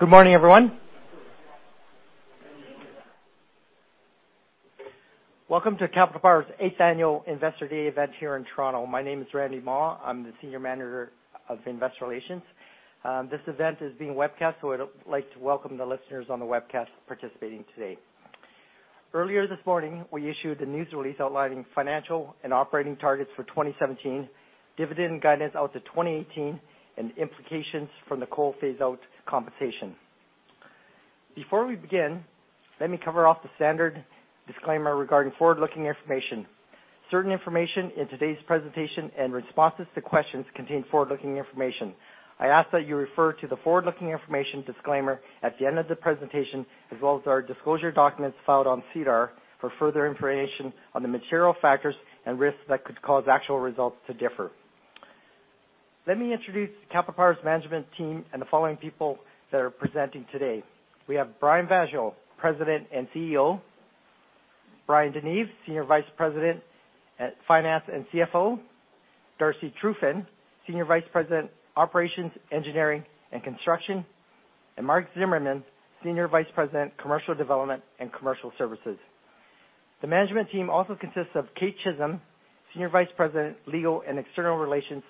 Well. Good morning, everyone. Welcome to Capital Power's eighth annual Investor Day event here in Toronto. My name is Randy Mah. I am the Senior Manager of Investor Relations. This event is being webcast, so I would like to welcome the listeners on the webcast participating today. Earlier this morning, we issued a news release outlining financial and operating targets for 2017, dividend guidance out to 2018, and implications from the coal phase-out compensation. Before we begin, let me cover off the standard disclaimer regarding forward-looking information. Certain information in today's presentation and responses to questions contain forward-looking information. I ask that you refer to the forward-looking information disclaimer at the end of the presentation, as well as our disclosure documents filed on SEDAR for further information on the material factors and risks that could cause actual results to differ. Let me introduce Capital Power's management team and the following people that are presenting today. We have Brian Vaasjo, President and CEO. Bryan DeNeve, Senior Vice President, Finance and CFO. Darcy Trufyn, Senior Vice President, Operations, Engineering, and Construction. Mark Zimmerman, Senior Vice President, Corporate Development and Commercial Services. The management team also consists of Kate Chisholm, Senior Vice President, Legal and External Relations,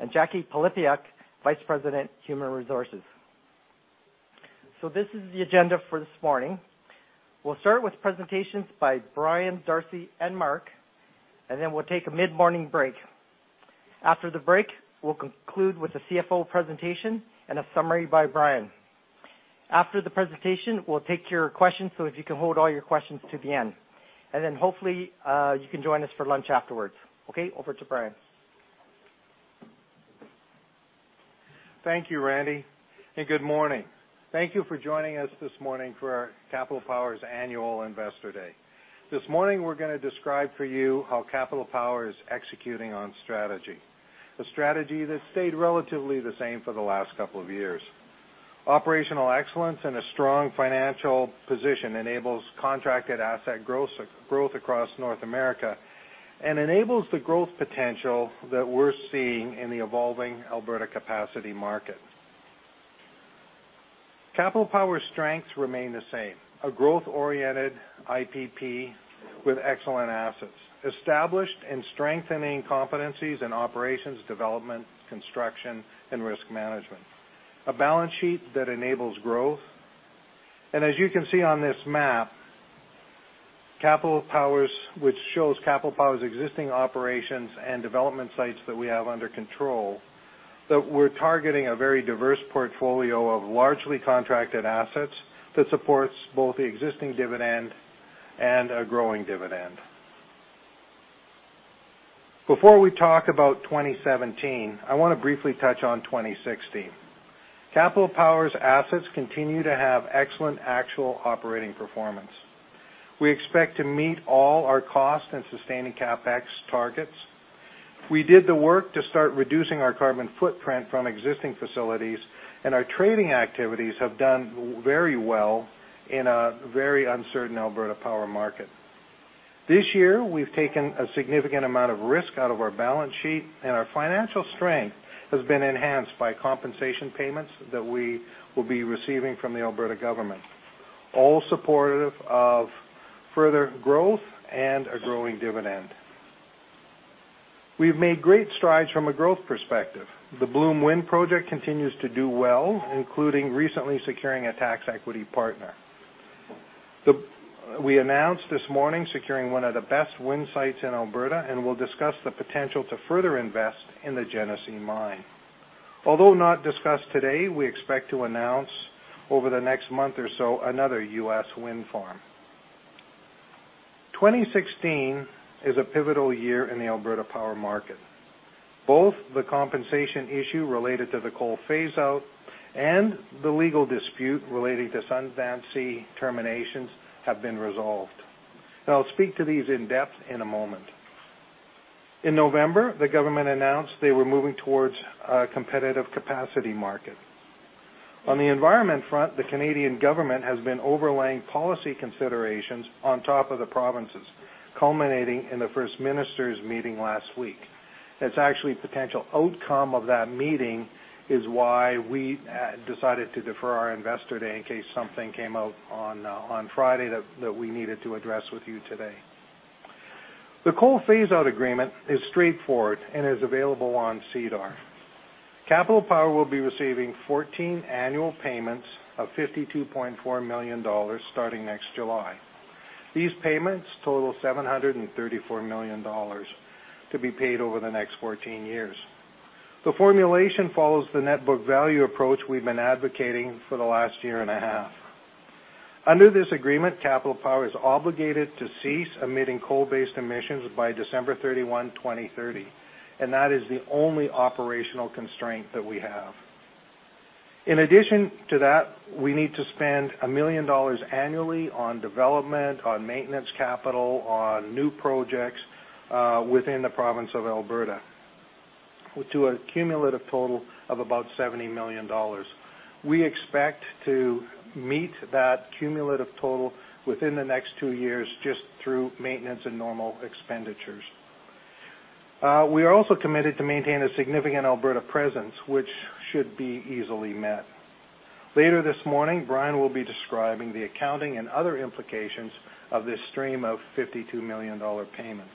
and Jacquie Pylypiuk, Vice President, Human Resources. This is the agenda for this morning. We will start with presentations by Brian, Darcy, and Mark, and then we will take a mid-morning break. After the break, we will conclude with the CFO presentation and a summary by Brian. After the presentation, we will take your questions, so if you can hold all your questions to the end. Hopefully, you can join us for lunch afterwards. Over to Brian. Thank you, Randy, and good morning. Thank you for joining us this morning for Capital Power's annual Investor Day. This morning, we are going to describe for you how Capital Power is executing on strategy. A strategy that has stayed relatively the same for the last couple of years. Operational excellence and a strong financial position enables contracted asset growth across North America and enables the growth potential that we are seeing in the evolving Alberta capacity market. Capital Power's strengths remain the same. A growth-oriented IPP with excellent assets. Established and strengthening competencies in operations, development, construction, and risk management. A balance sheet that enables growth. As you can see on this map, which shows Capital Power's existing operations and development sites that we have under control, that we are targeting a very diverse portfolio of largely contracted assets that supports both the existing dividend and a growing dividend. Before we talk about 2017, I want to briefly touch on 2016. Capital Power's assets continue to have excellent actual operating performance. We expect to meet all our cost and sustaining CapEx targets. We did the work to start reducing our carbon footprint from existing facilities, and our trading activities have done very well in a very uncertain Alberta power market. This year, we have taken a significant amount of risk out of our balance sheet, and our financial strength has been enhanced by compensation payments that we will be receiving from the Alberta government, all supportive of further growth and a growing dividend. We have made great strides from a growth perspective. The Bloom Wind Project continues to do well, including recently securing a tax equity partner. We announced this morning securing one of the best wind sites in Alberta, and we will discuss the potential to further invest in the Genesee Mine. Although not discussed today, we expect to announce over the next month or so another U.S. wind farm. 2016 is a pivotal year in the Alberta power market. Both the compensation issue related to the coal phase-out and the legal dispute relating to Sundance terminations have been resolved. I will speak to these in depth in a moment. In November, the government announced they were moving towards a competitive capacity market. On the environment front, the Canadian government has been overlaying policy considerations on top of the provinces, culminating in the First Minister's meeting last week. It is actually a potential outcome of that meeting is why we decided to defer our Investor Day in case something came out on Friday that we needed to address with you today. The coal phase-out agreement is straightforward and is available on SEDAR. Capital Power will be receiving 14 annual payments of 52.4 million dollars starting next July. These payments total 734 million dollars to be paid over the next 14 years. The formulation follows the net book value approach we have been advocating for the last year and a half. Under this agreement, Capital Power is obligated to cease emitting coal-based emissions by December 31, 2030, and that is the only operational constraint that we have. In addition to that, we need to spend 1 million dollars annually on development, on maintenance capital, on new projects within the province of Alberta to a cumulative total of about 70 million dollars. We expect to meet that cumulative total within the next two years just through maintenance and normal expenditures. We are also committed to maintain a significant Alberta presence, which should be easily met. Later this morning, Brian will be describing the accounting and other implications of this stream of 52 million dollar payments.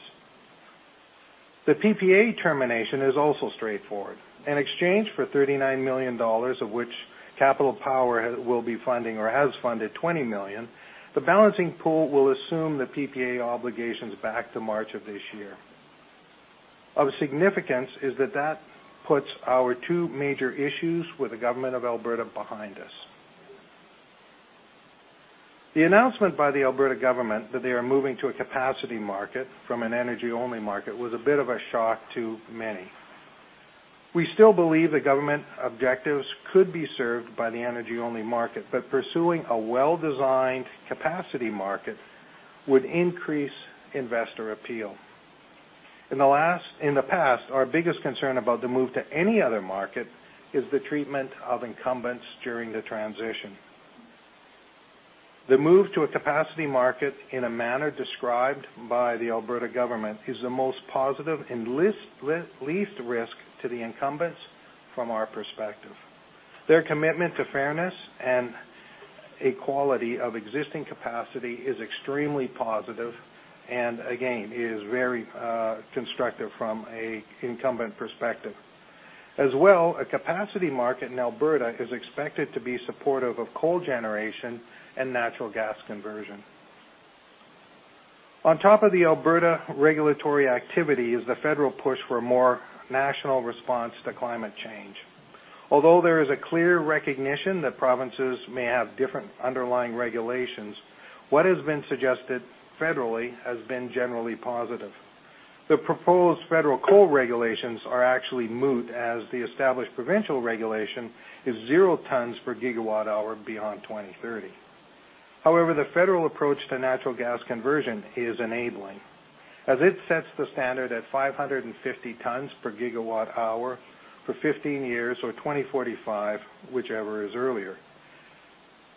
The PPA termination is also straightforward. In exchange for 39 million dollars, of which Capital Power will be funding or has funded 20 million, the Balancing Pool will assume the PPA obligations back to March of this year. Of significance is that puts our two major issues with the Government of Alberta behind us. The announcement by the Government of Alberta that they are moving to a capacity market from an energy-only market was a bit of a shock to many. We still believe the government objectives could be served by the energy-only market, but pursuing a well-designed capacity market would increase investor appeal. In the past, our biggest concern about the move to any other market is the treatment of incumbents during the transition. The move to a capacity market in a manner described by the Government of Alberta is the most positive and least risk to the incumbents from our perspective. Their commitment to fairness and equality of existing capacity is extremely positive and, again, is very constructive from an incumbent perspective. As well, a capacity market in Alberta is expected to be supportive of coal generation and natural gas conversion. On top of the Alberta regulatory activity is the federal push for a more national response to climate change. Although there is a clear recognition that provinces may have different underlying regulations, what has been suggested federally has been generally positive. The proposed federal coal regulations are actually moot as the established provincial regulation is zero tons per gigawatt hour beyond 2030. However, the federal approach to natural gas conversion is enabling, as it sets the standard at 550 tons per gigawatt hour for 15 years or 2045, whichever is earlier.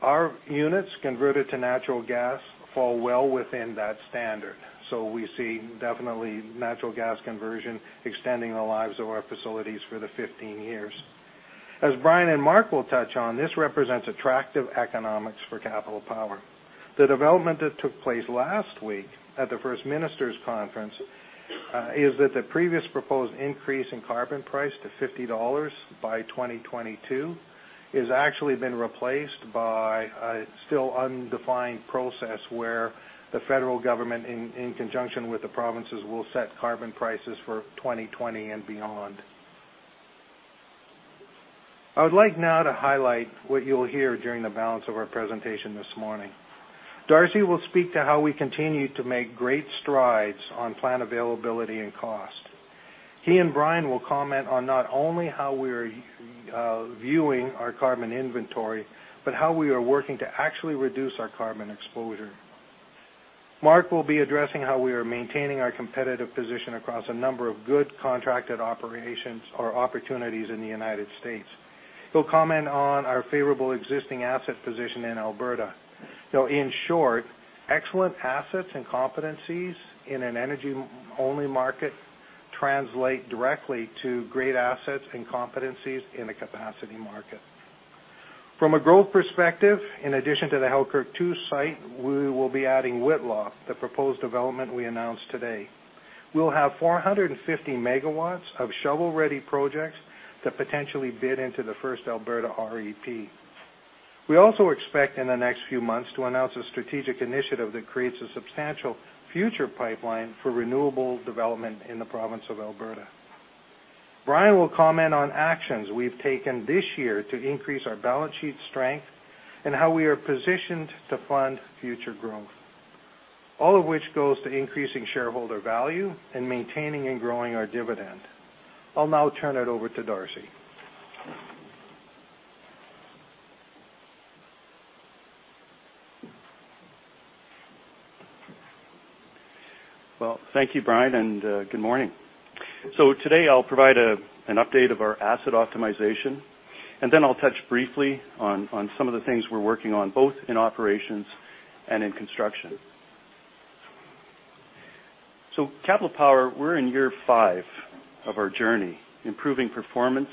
Our units converted to natural gas fall well within that standard. We see definitely natural gas conversion extending the lives of our facilities for the 15 years. As Brian and Mark will touch on, this represents attractive economics for Capital Power. The development that took place last week at the First Ministers Conference is that the previous proposed increase in carbon price to 50 dollars by 2022 has actually been replaced by a still undefined process where the federal government, in conjunction with the provinces, will set carbon prices for 2020 and beyond. I would like now to highlight what you will hear during the balance of our presentation this morning. Darcy will speak to how we continue to make great strides on plant availability and cost. He and Brian will comment on not only how we are viewing our carbon inventory, but how we are working to actually reduce our carbon exposure. Mark will be addressing how we are maintaining our competitive position across a number of good contracted operations or opportunities in the U.S. He will comment on our favorable existing asset position in Alberta. In short, excellent assets and competencies in an energy-only market translate directly to great assets and competencies in a capacity market. From a growth perspective, in addition to the Halkirk 2 site, we will be adding Whitla, the proposed development we announced today. We will have 450 megawatts of shovel-ready projects to potentially bid into the first Alberta REP. We also expect in the next few months to announce a strategic initiative that creates a substantial future pipeline for renewable development in the province of Alberta. Brian will comment on actions we have taken this year to increase our balance sheet strength and how we are positioned to fund future growth. All of which goes to increasing shareholder value and maintaining and growing our dividend. I will now turn it over to Darcy. Well, thank you, Brian, and good morning. Today I will provide an update of our asset optimization, and then I will touch briefly on some of the things we are working on, both in operations and in construction. Capital Power, we are in year five of our journey, improving performance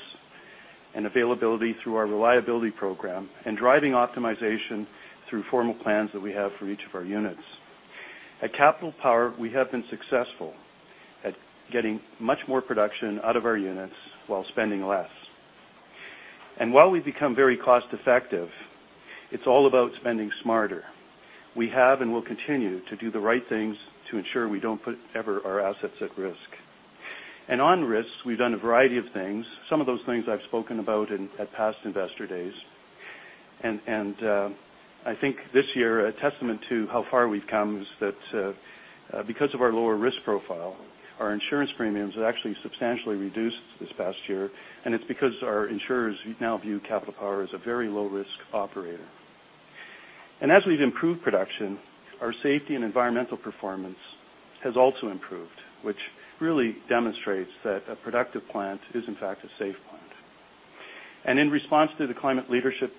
and availability through our reliability program and driving optimization through formal plans that we have for each of our units. At Capital Power, we have been successful at getting much more production out of our units while spending less. While we have become very cost-effective, it is all about spending smarter. We have and will continue to do the right things to ensure we do not put ever our assets at risk. On risks, we have done a variety of things. Some of those things I have spoken about at past Investor Days. I think this year, a testament to how far we've come is that because of our lower risk profile, our insurance premiums have actually substantially reduced this past year, and it's because our insurers now view Capital Power as a very low-risk operator. As we've improved production, our safety and environmental performance has also improved, which really demonstrates that a productive plant is, in fact, a safe plant. In response to the Climate Leadership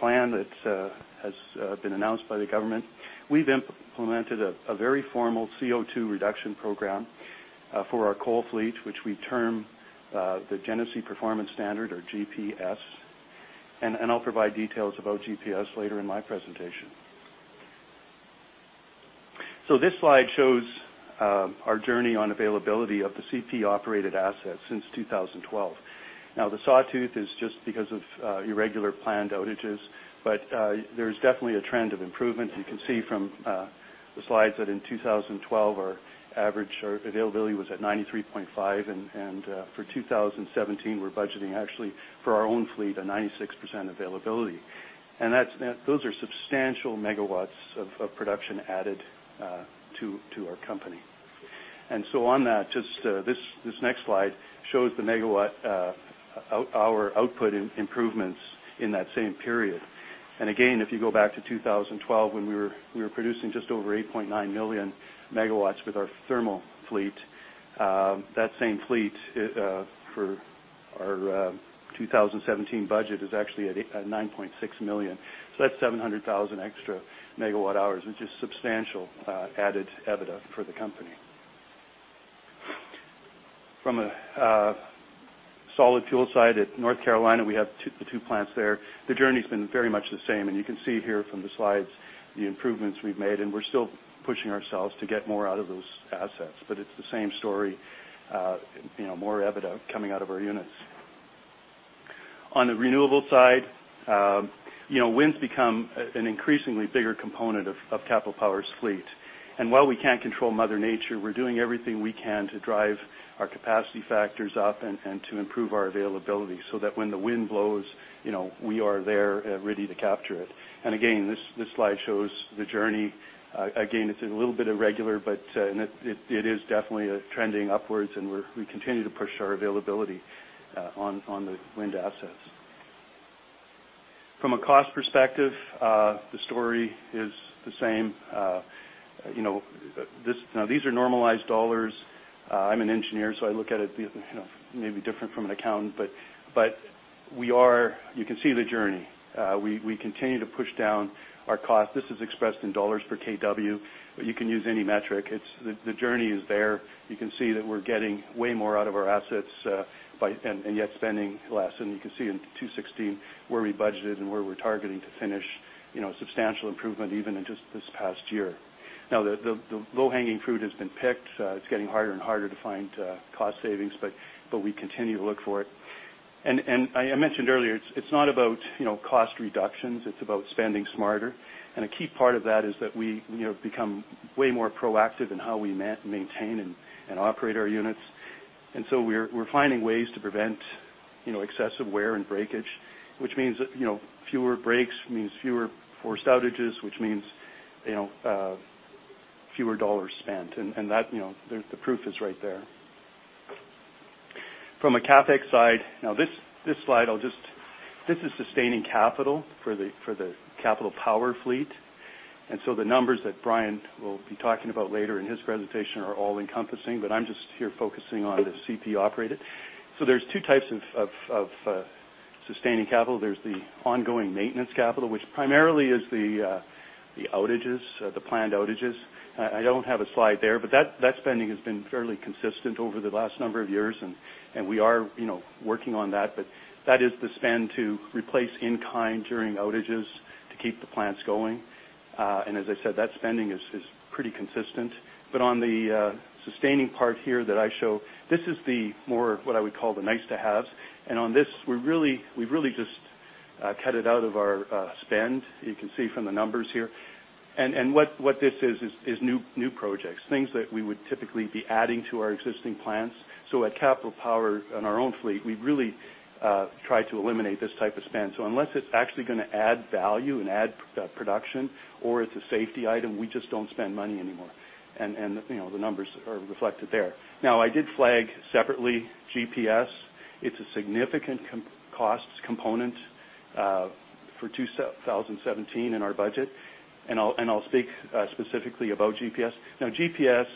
Plan that has been announced by the government, we've implemented a very formal CO2 reduction program for our coal fleet, which we term the Genesee Performance Standard, or GPS. I'll provide details about GPS later in my presentation. This slide shows our journey on availability of the CP-operated assets since 2012. The sawtooth is just because of irregular planned outages, but there's definitely a trend of improvement. You can see from the slides that in 2012, our average availability was at 93.5%, and for 2017, we're budgeting actually for our own fleet, a 96% availability. Those are substantial megawatts of production added to our company. On that, this next slide shows the megawatt hour output improvements in that same period. Again, if you go back to 2012, when we were producing just over 8.9 million megawatts with our thermal fleet, that same fleet for our 2017 budget is actually at 9.6 million. That's 700,000 extra megawatt hours, which is substantial added EBITDA for the company. From a solid fuel side at North Carolina, we have the two plants there. The journey's been very much the same, and you can see here from the slides the improvements we've made, and we're still pushing ourselves to get more out of those assets. It's the same story, more EBITDA coming out of our units. On the renewable side, wind's become an increasingly bigger component of Capital Power's fleet. While we can't control mother nature, we're doing everything we can to drive our capacity factors up and to improve our availability, so that when the wind blows, we are there ready to capture it. Again, this slide shows the journey. It's a little bit irregular, but it is definitely trending upwards, and we continue to push our availability on the wind assets. From a cost perspective, the story is the same. These are normalized dollars. I'm an engineer, so I look at it maybe different from an accountant. You can see the journey. We continue to push down our cost. This is expressed in dollars per kW, but you can use any metric. The journey is there. You can see that we're getting way more out of our assets, yet spending less. You can see in 2016 where we budgeted and where we're targeting to finish, substantial improvement even in just this past year. The low-hanging fruit has been picked. It's getting harder and harder to find cost savings, but we continue to look for it. I mentioned earlier, it's not about cost reductions, it's about spending smarter. A key part of that is that we have become way more proactive in how we maintain and operate our units. So we're finding ways to prevent excessive wear and breakage, which means fewer breaks, means fewer forced outages, which means fewer dollars spent. The proof is right there. From a CapEx side, this slide, this is sustaining capital for the Capital Power fleet. The numbers that Brian will be talking about later in his presentation are all encompassing, but I'm just here focusing on the CP-operated. There's 2 types of sustaining capital. There's the ongoing maintenance capital, which primarily is the outages, the planned outages. I don't have a slide there, but that spending has been fairly consistent over the last number of years, and we are working on that. That is the spend to replace in-kind during outages to keep the plants going. As I said, that spending is pretty consistent. On the sustaining part here that I show, this is the more what I would call the nice-to-haves. On this, we've really just cut it out of our spend, you can see from the numbers here. What this is new projects, things that we would typically be adding to our existing plans. At Capital Power, on our own fleet, we've really tried to eliminate this type of spend. Unless it's actually going to add value and add production or it's a safety item, we just don't spend money anymore. The numbers are reflected there. I did flag separately GPS. It's a significant cost component for 2017 in our budget, and I'll speak specifically about GPS. GPS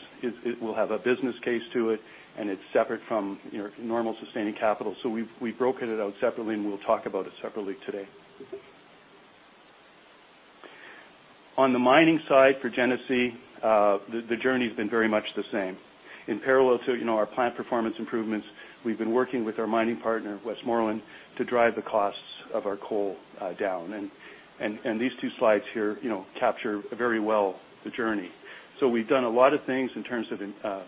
will have a business case to it, and it's separate from normal sustaining capital. We've broken it out separately, and we'll talk about it separately today. On the mining side for Genesee, the journey's been very much the same. In parallel to our plant performance improvements, we've been working with our mining partner, Westmoreland, to drive the costs of our coal down. These two slides here capture very well the journey. We've done a lot of things in terms of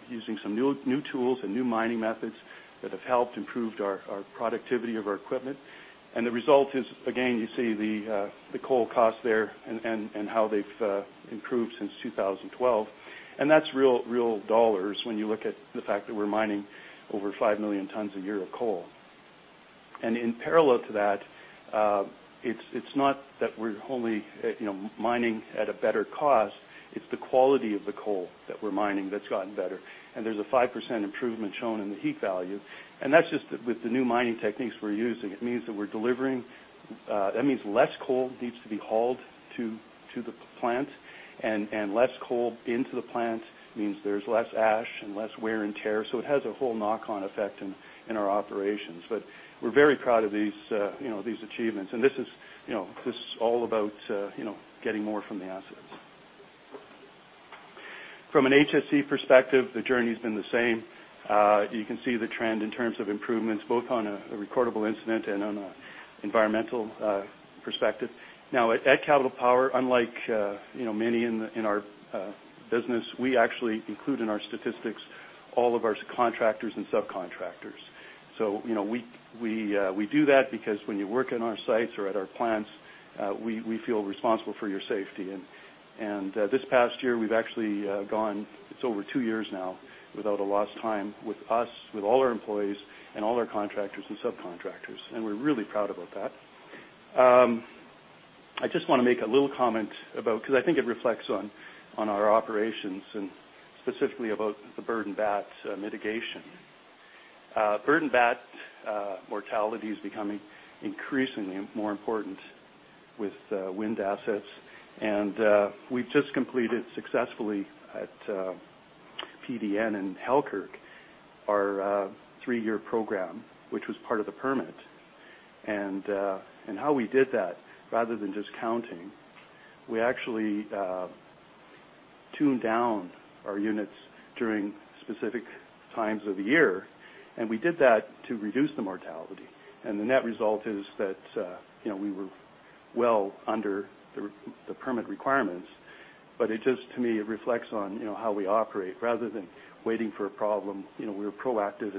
using some new tools and new mining methods that have helped improved our productivity of our equipment. The result is, again, you see the coal cost there and how they've improved since 2012. That's real CAD when you look at the fact that we're mining over 5 million tons a year of coal. In parallel to that, it's not that we're only mining at a better cost, it's the quality of the coal that we're mining that's gotten better. There's a 5% improvement shown in the heat value. That's just with the new mining techniques we're using. It means that we're delivering, that means less coal needs to be hauled to the plant. Less coal into the plant means there's less ash and less wear and tear. It has a whole knock-on effect in our operations. We're very proud of these achievements. This is all about getting more from the assets. From an HSE perspective, the journey's been the same. You can see the trend in terms of improvements, both on a recordable incident and on an environmental perspective. At Capital Power, unlike many in our business, we actually include in our statistics all of our contractors and subcontractors. We do that because when you work on our sites or at our plants, we feel responsible for your safety. This past year, we've actually gone, it's over two years now, without a lost time with us, with all our employees and all our contractors and subcontractors, and we're really proud about that. I just want to make a little comment about, because I think it reflects on our operations, and specifically about the bird and bat mitigation. Bird and bat mortality is becoming increasingly more important with wind assets. We've just completed successfully at PDN and Halkirk our three-year program, which was part of the permit. How we did that, rather than just counting, we actually tuned down our units during specific times of the year, and we did that to reduce the mortality. The net result is that we were well under the permit requirements. It just, to me, it reflects on how we operate. Rather than waiting for a problem, we were proactive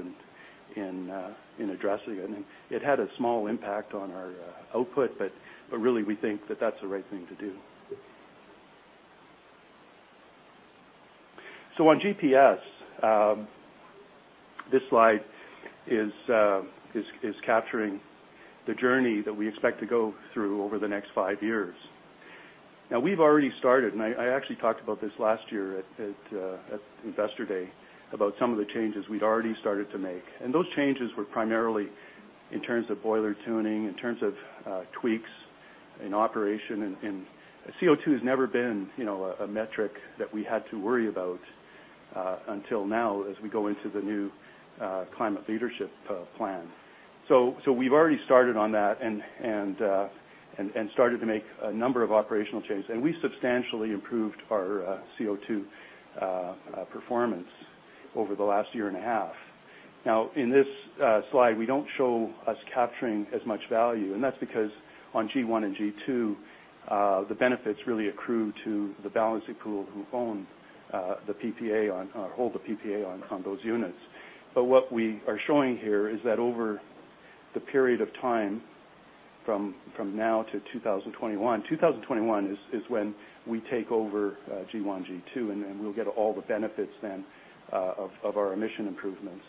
in addressing it. It had a small impact on our output, but really, we think that that's the right thing to do. On GPS, this slide is capturing the journey that we expect to go through over the next five years. Now, we've already started, and I actually talked about this last year at Investor Day about some of the changes we'd already started to make. Those changes were primarily in terms of boiler tuning, in terms of tweaks in operation, and CO2 has never been a metric that we had to worry about until now as we go into the new Climate Leadership Plan. We've already started on that and started to make a number of operational changes. We substantially improved our CO2 performance over the last year and a half. Now, in this slide, we don't show us capturing as much value, and that's because on G1 and G2, the benefits really accrue to the Balancing Pool who own the PPA on, or hold the PPA on those units. What we are showing here is that over the period of time from now to 2021 is when we take over G1 and G2, and we'll get all the benefits then of our emission improvements.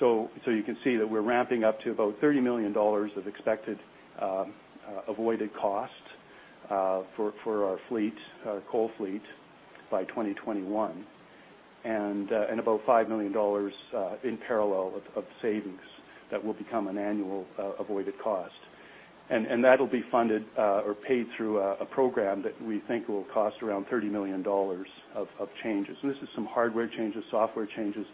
You can see that we're ramping up to about 30 million dollars of expected avoided cost for our coal fleet by 2021, and about 5 million dollars in parallel of savings that will become an annual avoided cost. That'll be funded or paid through a program that we think will cost around 30 million dollars of changes. This is some hardware changes, software changes,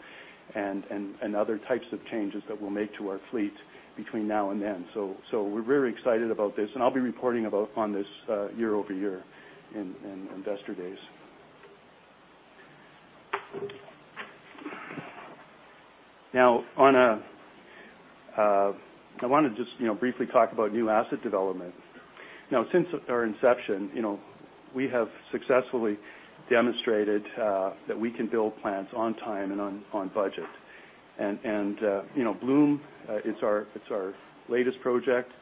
and other types of changes that we'll make to our fleet between now and then. We're very excited about this, and I'll be reporting on this year-over-year in Investor Days. Now I want to just briefly talk about new asset development. Now since our inception, we have successfully demonstrated that we can build plants on time and on budget. Bloom, it's our latest project.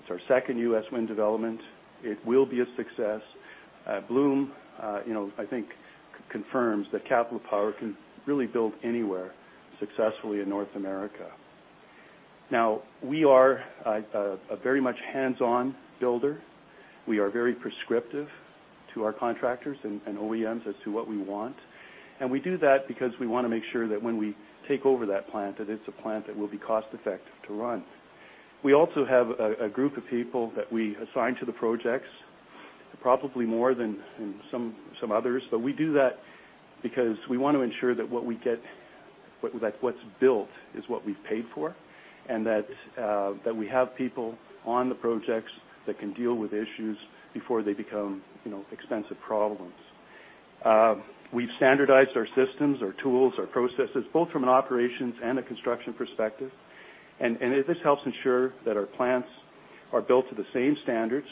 It's our second U.S. wind development. It will be a success. Bloom I think confirms that Capital Power can really build anywhere successfully in North America. Now we are a very much hands-on builder. We are very prescriptive to our contractors and OEMs as to what we want. We do that because we want to make sure that when we take over that plant, that it's a plant that will be cost-effective to run. We also have a group of people that we assign to the projects, probably more than some others. We do that because we want to ensure that what's built is what we've paid for, and that we have people on the projects that can deal with issues before they become expensive problems. We've standardized our systems, our tools, our processes, both from an operations and a construction perspective. This helps ensure that our plants are built to the same standards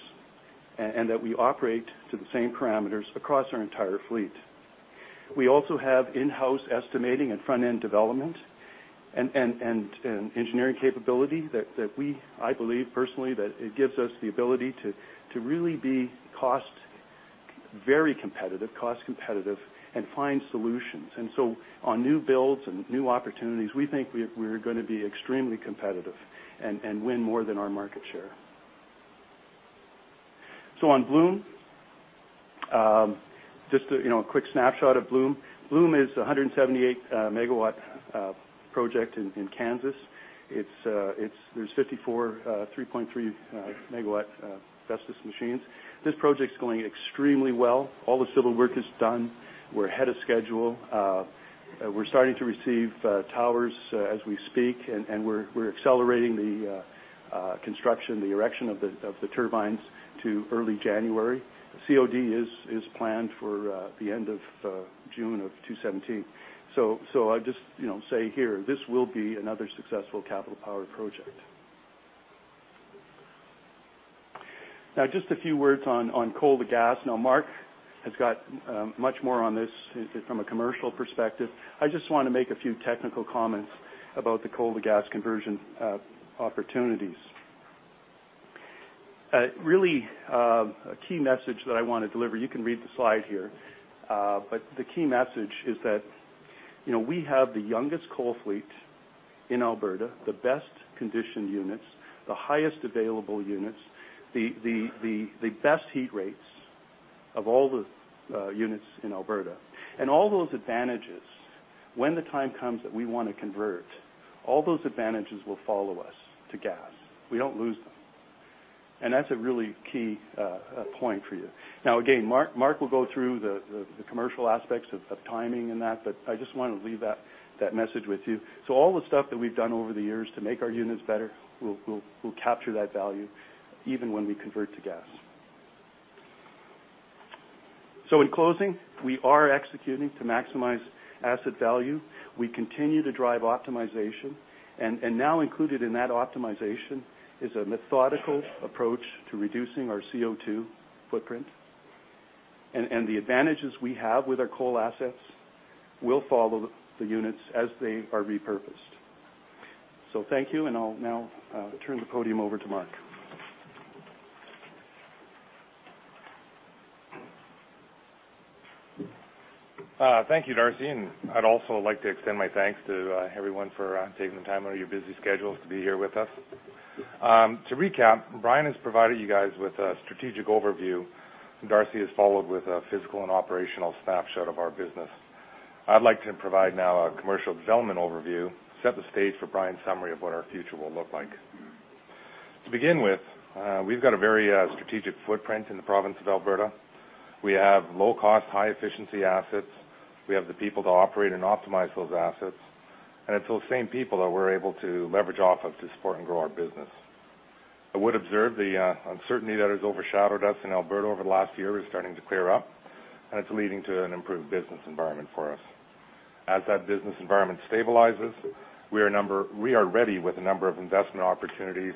and that we operate to the same parameters across our entire fleet. We also have in-house estimating and front-end development and engineering capability that I believe personally, that it gives us the ability to really be very cost competitive, and find solutions. On new builds and new opportunities, we think we're going to be extremely competitive and win more than our market share. On Bloom, just a quick snapshot of Bloom. Bloom is a 178 MW project in Kansas. There's 54 3.3 MW Vestas machines. This project's going extremely well. All the civil work is done. We're ahead of schedule. We're starting to receive towers as we speak, and we're accelerating the construction, the erection of the turbines to early January. COD is planned for the end of June of 2017. I'll just say here, this will be another successful Capital Power project. Just a few words on coal to gas. Mark has got much more on this from a commercial perspective. I just want to make a few technical comments about the coal to gas conversion opportunities. Really, a key message that I want to deliver, you can read the slide here, but the key message is that, we have the youngest coal fleet in Alberta, the best-conditioned units, the highest available units, the best heat rates of all the units in Alberta. All those advantages, when the time comes that we want to convert, all those advantages will follow us to gas. We don't lose them. That's a really key point for you. Again, Mark will go through the commercial aspects of timing and that, but I just want to leave that message with you. All the stuff that we've done over the years to make our units better, we'll capture that value even when we convert to gas. In closing, we are executing to maximize asset value. We continue to drive optimization, and now included in that optimization is a methodical approach to reducing our CO2 footprint. The advantages we have with our coal assets will follow the units as they are repurposed. Thank you, and I'll now turn the podium over to Mark. Thank you, Darcy, and I'd also like to extend my thanks to everyone for taking the time out of your busy schedules to be here with us. To recap, Brian has provided you guys with a strategic overview, and Darcy has followed with a physical and operational snapshot of our business. I'd like to provide now a commercial development overview, set the stage for Brian's summary of what our future will look like. To begin with, we've got a very strategic footprint in the province of Alberta. We have low-cost, high-efficiency assets. We have the people to operate and optimize those assets, and it's those same people that we're able to leverage off of to support and grow our business. I would observe the uncertainty that has overshadowed us in Alberta over the last year is starting to clear up, and it's leading to an improved business environment for us. As that business environment stabilizes, we are ready with a number of investment opportunities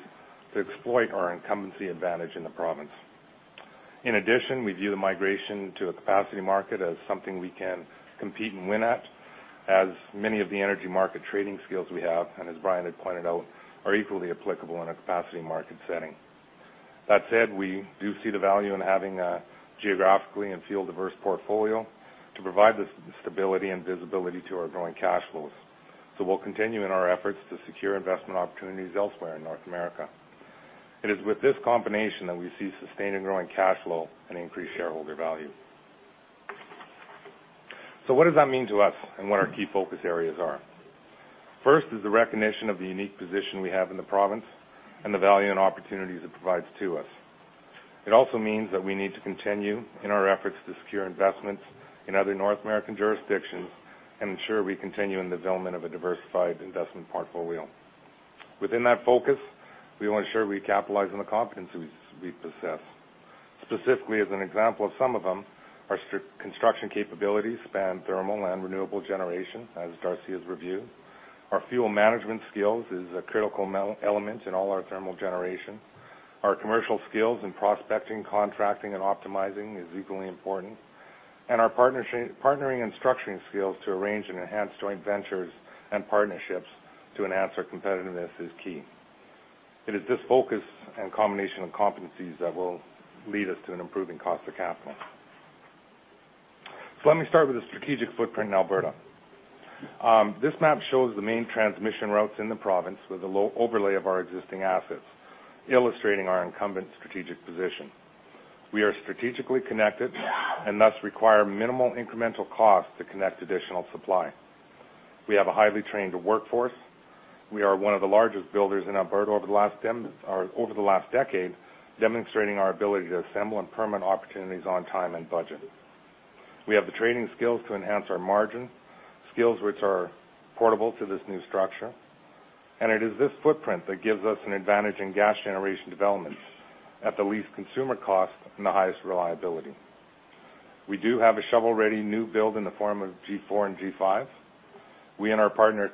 to exploit our incumbency advantage in the province. In addition, we view the migration to a capacity market as something we can compete and win at, as many of the energy market trading skills we have, and as Brian had pointed out, are equally applicable in a capacity market setting. That said, we do see the value in having a geographically and field-diverse portfolio to provide the stability and visibility to our growing cash flows. We'll continue in our efforts to secure investment opportunities elsewhere in North America. It is with this combination that we see sustained and growing cash flow and increased shareholder value. What does that mean to us and what our key focus areas are? First is the recognition of the unique position we have in the province and the value and opportunities it provides to us. It also means that we need to continue in our efforts to secure investments in other North American jurisdictions and ensure we continue in the development of a diversified investment portfolio. Within that focus, we want to ensure we capitalize on the competencies we possess. Specifically, as an example of some of them, our strict construction capabilities span thermal and renewable generation, as Darcy has reviewed. Our fuel management skills is a critical element in all our thermal generation. Our commercial skills in prospecting, contracting, and optimizing is equally important. Our partnering and structuring skills to arrange and enhance joint ventures and partnerships to enhance our competitiveness is key. It is this focus and combination of competencies that will lead us to an improving cost of capital. Let me start with the strategic footprint in Alberta. This map shows the main transmission routes in the province with a low overlay of our existing assets, illustrating our incumbent strategic position. We are strategically connected and thus require minimal incremental cost to connect additional supply. We have a highly trained workforce. We are one of the largest builders in Alberta over the last decade, demonstrating our ability to assemble and permit opportunities on time and budget. We have the trading skills to enhance our margin, skills which are portable to this new structure. It is this footprint that gives us an advantage in gas generation developments at the least consumer cost and the highest reliability. We do have a shovel-ready new build in the form of G4 and G5. We and our partner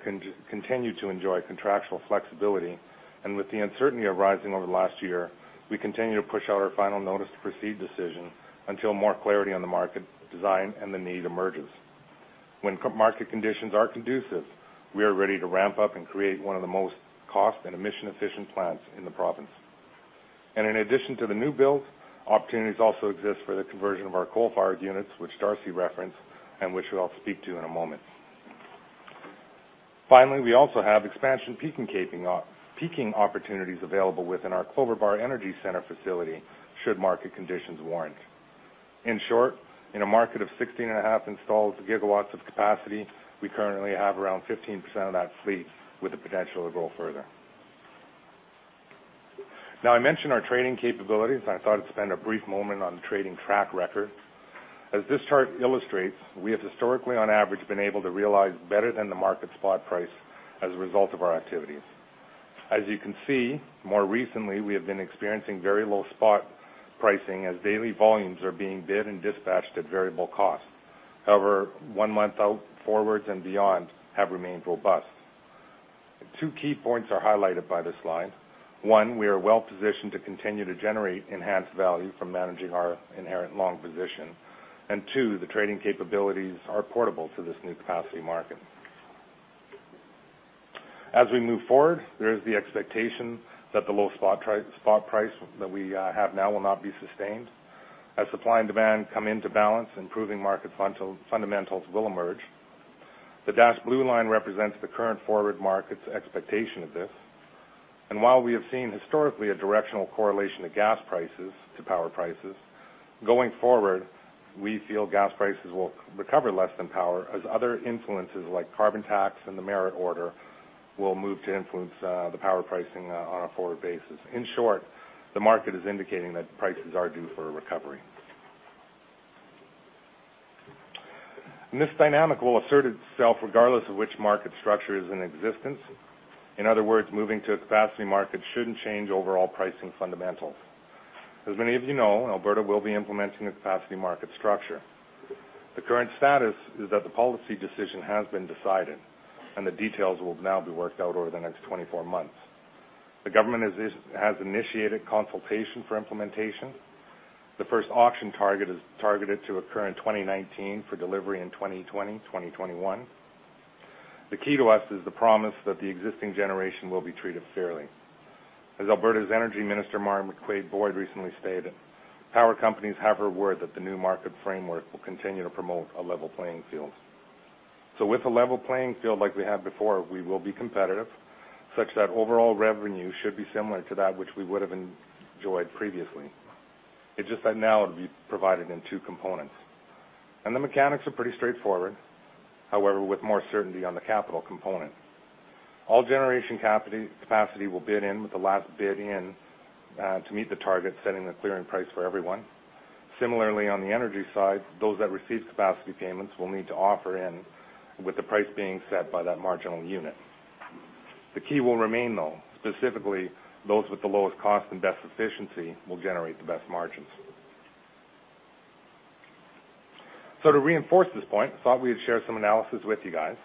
continue to enjoy contractual flexibility. With the uncertainty arising over the last year, we continue to push out our final notice to proceed decision until more clarity on the market design and the need emerges. When market conditions are conducive, we are ready to ramp up and create one of the most cost and emission-efficient plants in the province. In addition to the new builds, opportunities also exist for the conversion of our coal-fired units, which Darcy Trufyn referenced, and which I'll speak to in a moment. Finally, we also have expansion peaking opportunities available within our Clover Bar Energy Center facility should market conditions warrant. In short, in a market of 16.5 installed gigawatts of capacity, we currently have around 15% of that fleet with the potential to go further. Now, I mentioned our trading capabilities, and I thought I'd spend a brief moment on the trading track record. As this chart illustrates, we have historically on average, been able to realize better than the market spot price as a result of our activities. As you can see, more recently, we have been experiencing very low spot pricing as daily volumes are being bid and dispatched at variable costs. However, one month out forwards and beyond have remained robust. Two key points are highlighted by this slide. One, we are well-positioned to continue to generate enhanced value from managing our inherent long position. Two, the trading capabilities are portable to this new capacity market. As we move forward, there is the expectation that the low spot price that we have now will not be sustained. As supply and demand come into balance, improving market fundamentals will emerge. The dashed blue line represents the current forward market's expectation of this. While we have seen historically a directional correlation to gas prices to power prices, going forward, we feel gas prices will recover less than power, as other influences like carbon tax and the merit order will move to influence the power pricing on a forward basis. In short, the market is indicating that prices are due for a recovery. This dynamic will assert itself regardless of which market structure is in existence. In other words, moving to a capacity market shouldn't change overall pricing fundamentals. As many of you know, Alberta will be implementing a capacity market structure. The current status is that the policy decision has been decided, and the details will now be worked out over the next 24 months. The government has initiated consultation for implementation. The first auction targeted to occur in 2019 for delivery in 2020, 2021. The key to us is the promise that the existing generation will be treated fairly. As Alberta's Energy Minister, Marg McCuaig-Boyd, recently stated, power companies have her word that the new market framework will continue to promote a level playing field. With a level playing field like we had before, we will be competitive, such that overall revenue should be similar to that which we would have enjoyed previously. It's just that now it'll be provided in two components. The mechanics are pretty straightforward, however, with more certainty on the capital component. All generation capacity will bid in with the last bid in to meet the target, setting the clearing price for everyone. Similarly, on the energy side, those that receive capacity payments will need to offer in with the price being set by that marginal unit. The key will remain, though, specifically, those with the lowest cost and best efficiency will generate the best margins. To reinforce this point, I thought we'd share some analysis with you guys.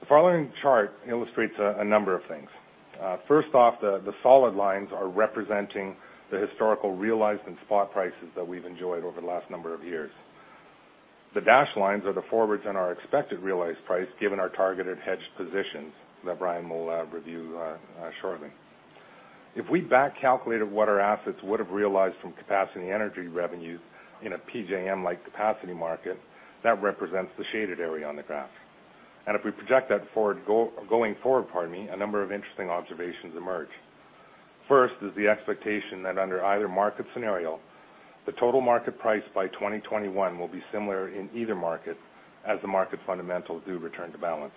The following chart illustrates a number of things. First off, the solid lines are representing the historical realized and spot prices that we've enjoyed over the last number of years. The dashed lines are the forwards on our expected realized price, given our targeted hedged positions that Bryan will review shortly. If we back calculated what our assets would have realized from capacity energy revenues in a PJM-like capacity market, that represents the shaded area on the graph. If we project that going forward, a number of interesting observations emerge. First is the expectation that under either market scenario, the total market price by 2021 will be similar in either market as the market fundamentals do return to balance.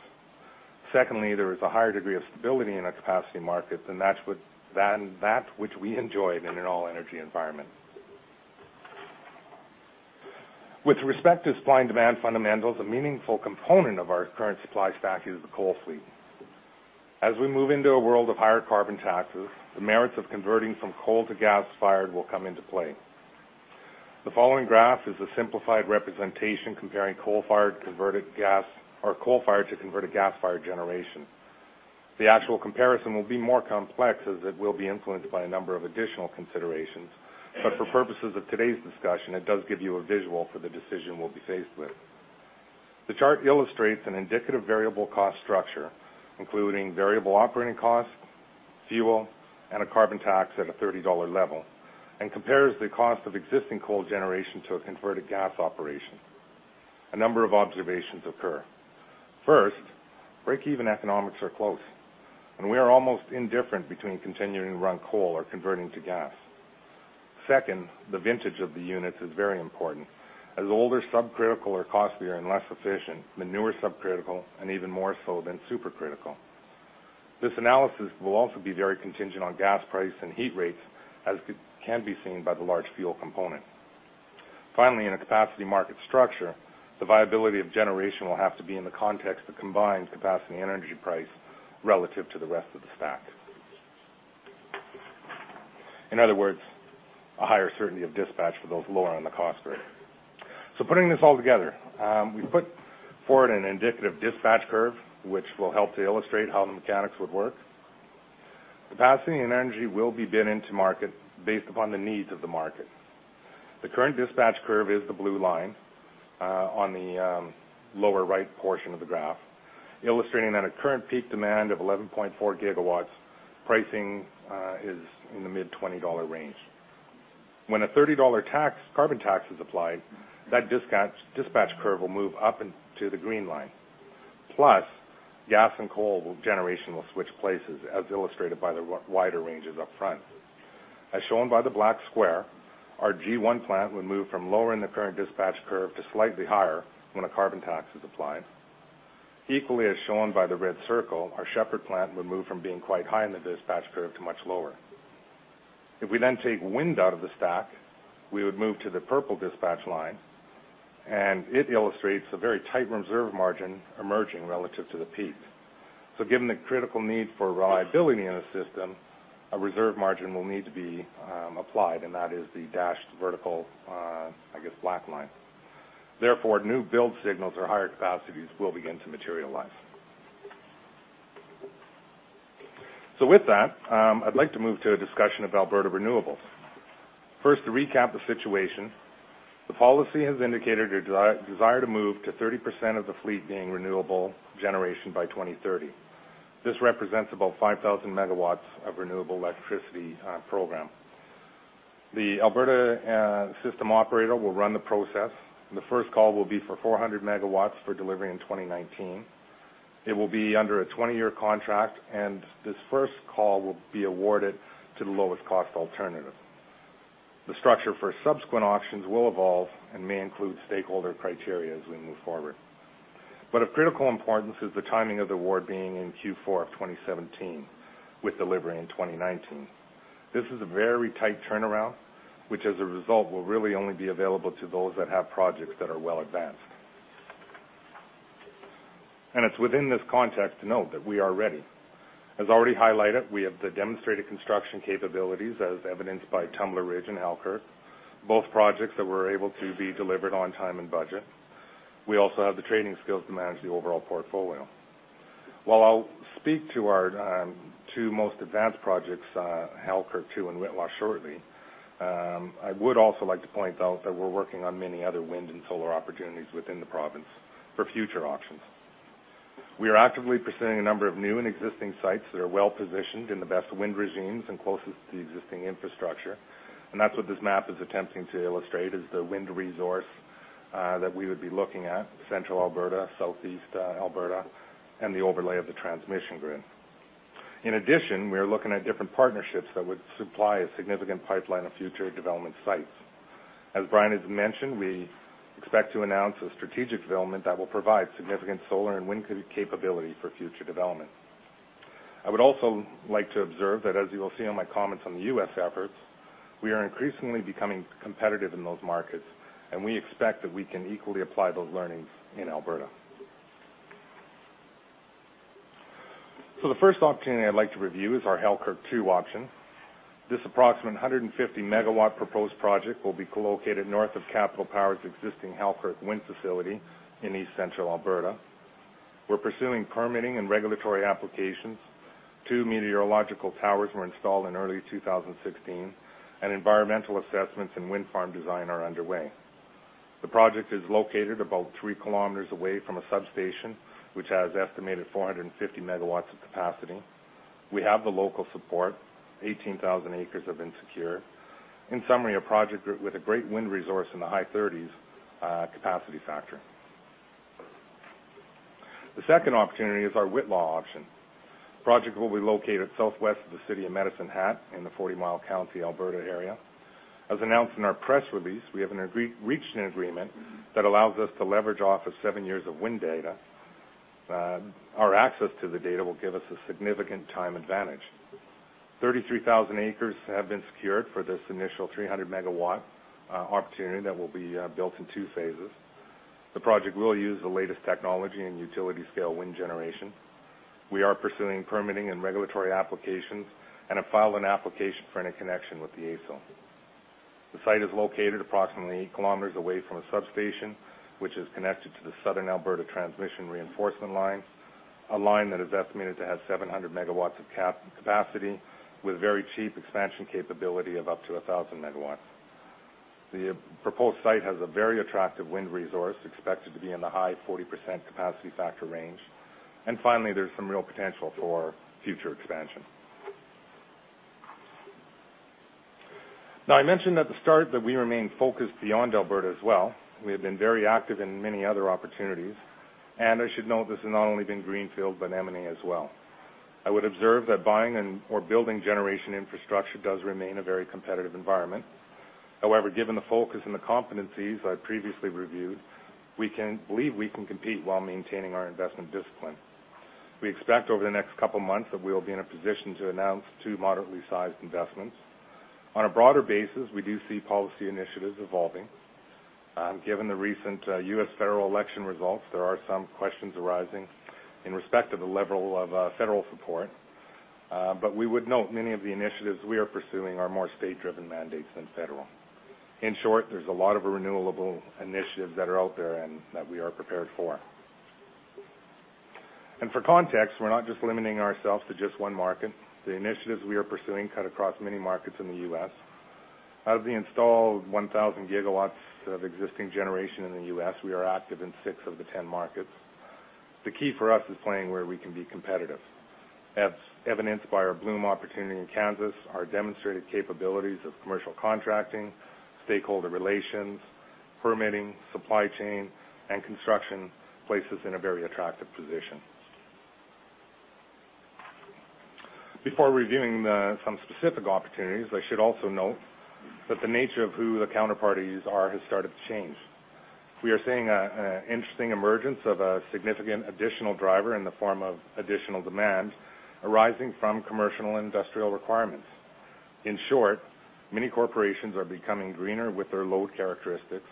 Secondly, there is a higher degree of stability in a capacity market, and that's which we enjoyed in an all-energy environment. With respect to supply and demand fundamentals, a meaningful component of our current supply stack is the coal fleet. As we move into a world of higher carbon taxes, the merits of converting from coal to gas-fired will come into play. The following graph is a simplified representation comparing coal-fired to converted gas-fired generation. The actual comparison will be more complex as it will be influenced by a number of additional considerations. For purposes of today's discussion, it does give you a visual for the decision we'll be faced with. The chart illustrates an indicative variable cost structure, including variable operating costs, fuel, and a carbon tax at a 30 dollar level, and compares the cost of existing coal generation to a converted gas operation. A number of observations occur. First, break-even economics are close, and we are almost indifferent between continuing to run coal or converting to gas. Second, the vintage of the units is very important, as older subcritical are costlier and less efficient than newer subcritical, and even more so than supercritical. This analysis will also be very contingent on gas price and heat rates, as can be seen by the large fuel component. Finally, in a capacity market structure, the viability of generation will have to be in the context of combined capacity energy price relative to the rest of the stack. In other words, a higher certainty of dispatch for those lower on the cost rate. Putting this all together, we put forward an indicative dispatch curve, which will help to illustrate how the mechanics would work. Capacity and energy will be bid into market based upon the needs of the market. The current dispatch curve is the blue line on the lower right portion of the graph, illustrating that a current peak demand of 11.4 gigawatts pricing is in the mid-CAD 20 range. When a CAD 30 carbon tax is applied, that dispatch curve will move up into the green line. Plus, gas and coal generation will switch places, as illustrated by the wider ranges up front. As shown by the black square, our G1 plant would move from lower in the current dispatch curve to slightly higher when a carbon tax is applied. As shown by the red circle, our Shepard plant would move from being quite high in the dispatch curve to much lower. If we then take wind out of the stack, we would move to the purple dispatch line. It illustrates a very tight reserve margin emerging relative to the peak. Given the critical need for reliability in the system, a reserve margin will need to be applied, and that is the dashed vertical, I guess, black line. New build signals or higher capacities will begin to materialize. With that, I'd like to move to a discussion of Alberta renewables. First, to recap the situation. The policy has indicated a desire to move to 30% of the fleet being renewable generation by 2030. This represents about 5,000 megawatts of Renewable Electricity Program. The Alberta System Operator will run the process. The first call will be for 400 megawatts for delivery in 2019. It will be under a 20-year contract. This first call will be awarded to the lowest cost alternative. The structure for subsequent auctions will evolve and may include stakeholder criteria as we move forward. Of critical importance is the timing of the award being in Q4 of 2017, with delivery in 2019. This is a very tight turnaround, which, as a result, will really only be available to those that have projects that are well advanced. It's within this context to note that we are ready. As already highlighted, we have the demonstrated construction capabilities as evidenced by Tumbler Ridge and Halkirk, both projects that were able to be delivered on time and budget. We also have the trading skills to manage the overall portfolio. While I'll speak to our two most advanced projects, Halkirk 2 and Whitla shortly, I would also like to point out that we're working on many other wind and solar opportunities within the province for future auctions. We are actively pursuing a number of new and existing sites that are well-positioned in the best wind regimes and closest to the existing infrastructure. That's what this map is attempting to illustrate, is the wind resource that we would be looking at, central Alberta, southeast Alberta, and the overlay of the transmission grid. In addition, we are looking at different partnerships that would supply a significant pipeline of future development sites. As Brian has mentioned, we expect to announce a strategic development that will provide significant solar and wind capability for future development. I would also like to observe that as you will see on my comments on the U.S. efforts, we are increasingly becoming competitive in those markets. We expect that we can equally apply those learnings in Alberta. The first opportunity I'd like to review is our Halkirk 2 auction. This approximate 150-megawatt proposed project will be co-located north of Capital Power's existing Halkirk wind facility in East Central Alberta. We're pursuing permitting and regulatory applications. Two meteorological towers were installed in early 2016. Environmental assessments and wind farm design are underway. The project is located about 3 kilometers away from a substation, which has estimated 450 megawatts of capacity. We have the local support. 18,000 acres have been secured. In summary, a project with a great wind resource in the high 30s capacity factor. The second opportunity is our Whitla auction. Project will be located southwest of the city of Medicine Hat in the Forty Mile County, Alberta area. As announced in our press release, we have reached an agreement that allows us to leverage off of seven years of wind data. Our access to the data will give us a significant time advantage. 33,000 acres have been secured for this initial 300 MW opportunity that will be built in two phases. The project will use the latest technology in utility scale wind generation. We are pursuing permitting and regulatory applications and have filed an application for any connection with the AESO. The site is located approximately 8 km away from a substation, which is connected to the Southern Alberta Transmission Reinforcement line, a line that is estimated to have 700 MW of capacity with very cheap expansion capability of up to 1,000 MW. The proposed site has a very attractive wind resource, expected to be in the high 40% capacity factor range. Finally, there's some real potential for future expansion. I mentioned at the start that we remain focused beyond Alberta as well. We have been very active in many other opportunities, and I should note this has not only been greenfield, but M&A as well. I would observe that buying and/or building generation infrastructure does remain a very competitive environment. However, given the focus and the competencies I previously reviewed, we believe we can compete while maintaining our investment discipline. We expect over the next couple of months that we will be in a position to announce two moderately sized investments. On a broader basis, we do see policy initiatives evolving. Given the recent U.S. federal election results, there are some questions arising in respect to the level of federal support. We would note many of the initiatives we are pursuing are more state-driven mandates than federal. In short, there's a lot of renewable initiatives that are out there and that we are prepared for. For context, we're not just limiting ourselves to just one market. The initiatives we are pursuing cut across many markets in the U.S. Out of the installed 1,000 GW of existing generation in the U.S., we are active in six of the 10 markets. The key for us is playing where we can be competitive. As evidenced by our Bloom opportunity in Kansas, our demonstrated capabilities of commercial contracting, stakeholder relations, permitting, supply chain, and construction place us in a very attractive position. Before reviewing some specific opportunities, I should also note that the nature of who the counterparties are has started to change. We are seeing an interesting emergence of a significant additional driver in the form of additional demand arising from commercial and industrial requirements. In short, many corporations are becoming greener with their load characteristics,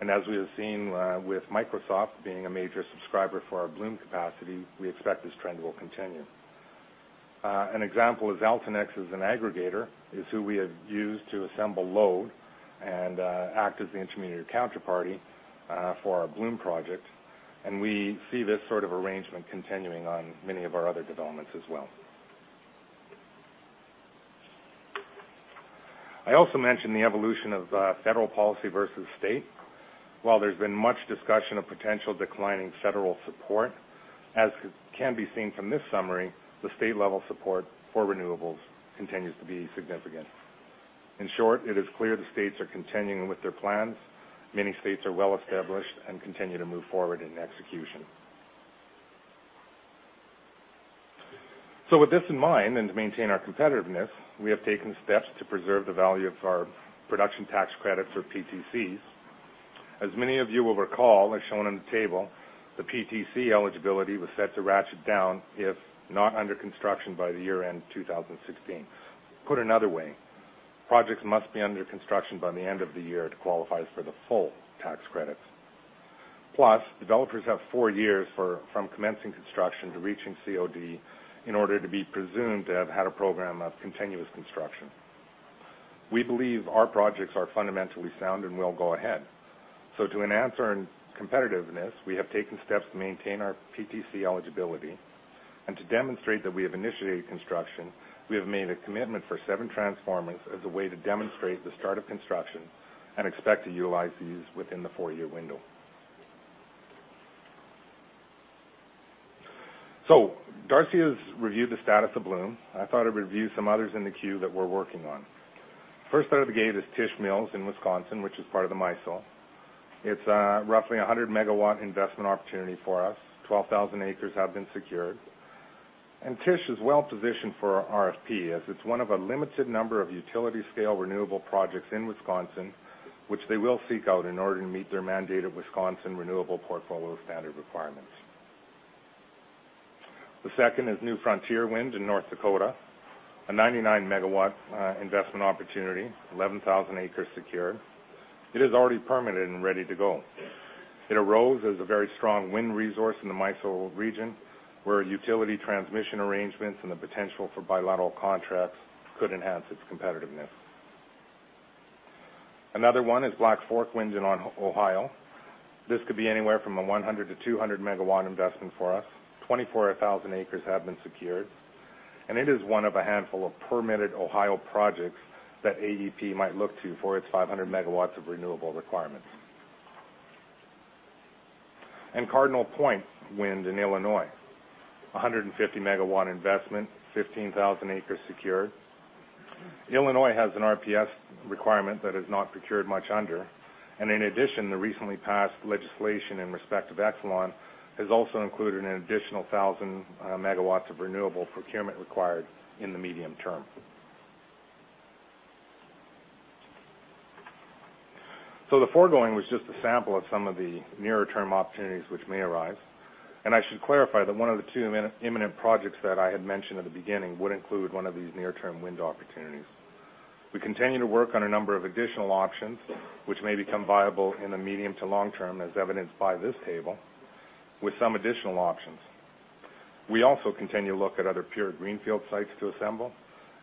and as we have seen with Microsoft being a major subscriber for our Bloom capacity, we expect this trend will continue. An example is Altenex as an aggregator, is who we have used to assemble load and act as the intermediary counterparty for our Bloom project, and we see this sort of arrangement continuing on many of our other developments as well. I also mentioned the evolution of federal policy versus state. While there's been much discussion of potential declining federal support, as can be seen from this summary, the state-level support for renewables continues to be significant. In short, it is clear the states are continuing with their plans. Many states are well-established and continue to move forward in execution. With this in mind, and to maintain our competitiveness, we have taken steps to preserve the value of our production tax credits, or PTCs. As many of you will recall, as shown on the table, the PTC eligibility was set to ratchet down if not under construction by the year-end 2016. Put another way, projects must be under construction by the end of the year to qualify for the full tax credits. Plus, developers have four years from commencing construction to reaching COD in order to be presumed to have had a program of continuous construction. We believe our projects are fundamentally sound and will go ahead. To enhance our competitiveness, we have taken steps to maintain our PTC eligibility. To demonstrate that we have initiated construction, we have made a commitment for seven transformers as a way to demonstrate the start of construction and expect to utilize these within the four-year window. Darcy has reviewed the status of Bloom. I thought I'd review some others in the queue that we're working on. First out of the gate is Tisch Mills in Wisconsin, which is part of the MISO. It's roughly 100-megawatt investment opportunity for us. 12,000 acres have been secured. Tish is well-positioned for our RFP, as it's one of a limited number of utility-scale renewable projects in Wisconsin, which they will seek out in order to meet their mandate of Wisconsin Renewable Portfolio Standard requirements. The second is New Frontier Wind in North Dakota, a 99-megawatt investment opportunity, 11,000 acres secured. It is already permitted and ready to go. It arose as a very strong wind resource in the MISO region, where utility transmission arrangements and the potential for bilateral contracts could enhance its competitiveness. Another one is Black Fork Wind in Ohio. This could be anywhere from a 100- to 200-megawatt investment for us. 24,000 acres have been secured. It is one of a handful of permitted Ohio projects that AEP might look to for its 500 megawatts of renewable requirements. Cardinal Point Wind in Illinois, 150-megawatt investment, 15,000 acres secured. Illinois has an RPS requirement that is not procured much under. In addition, the recently passed legislation in respect of Exelon has also included an additional 1,000 megawatts of renewable procurement required in the medium term. The foregoing was just a sample of some of the nearer-term opportunities which may arise. I should clarify that one of the two imminent projects that I had mentioned at the beginning would include one of these near-term wind opportunities. We continue to work on a number of additional options which may become viable in the medium to long term, as evidenced by this table, with some additional options. We also continue to look at other pure greenfield sites to assemble,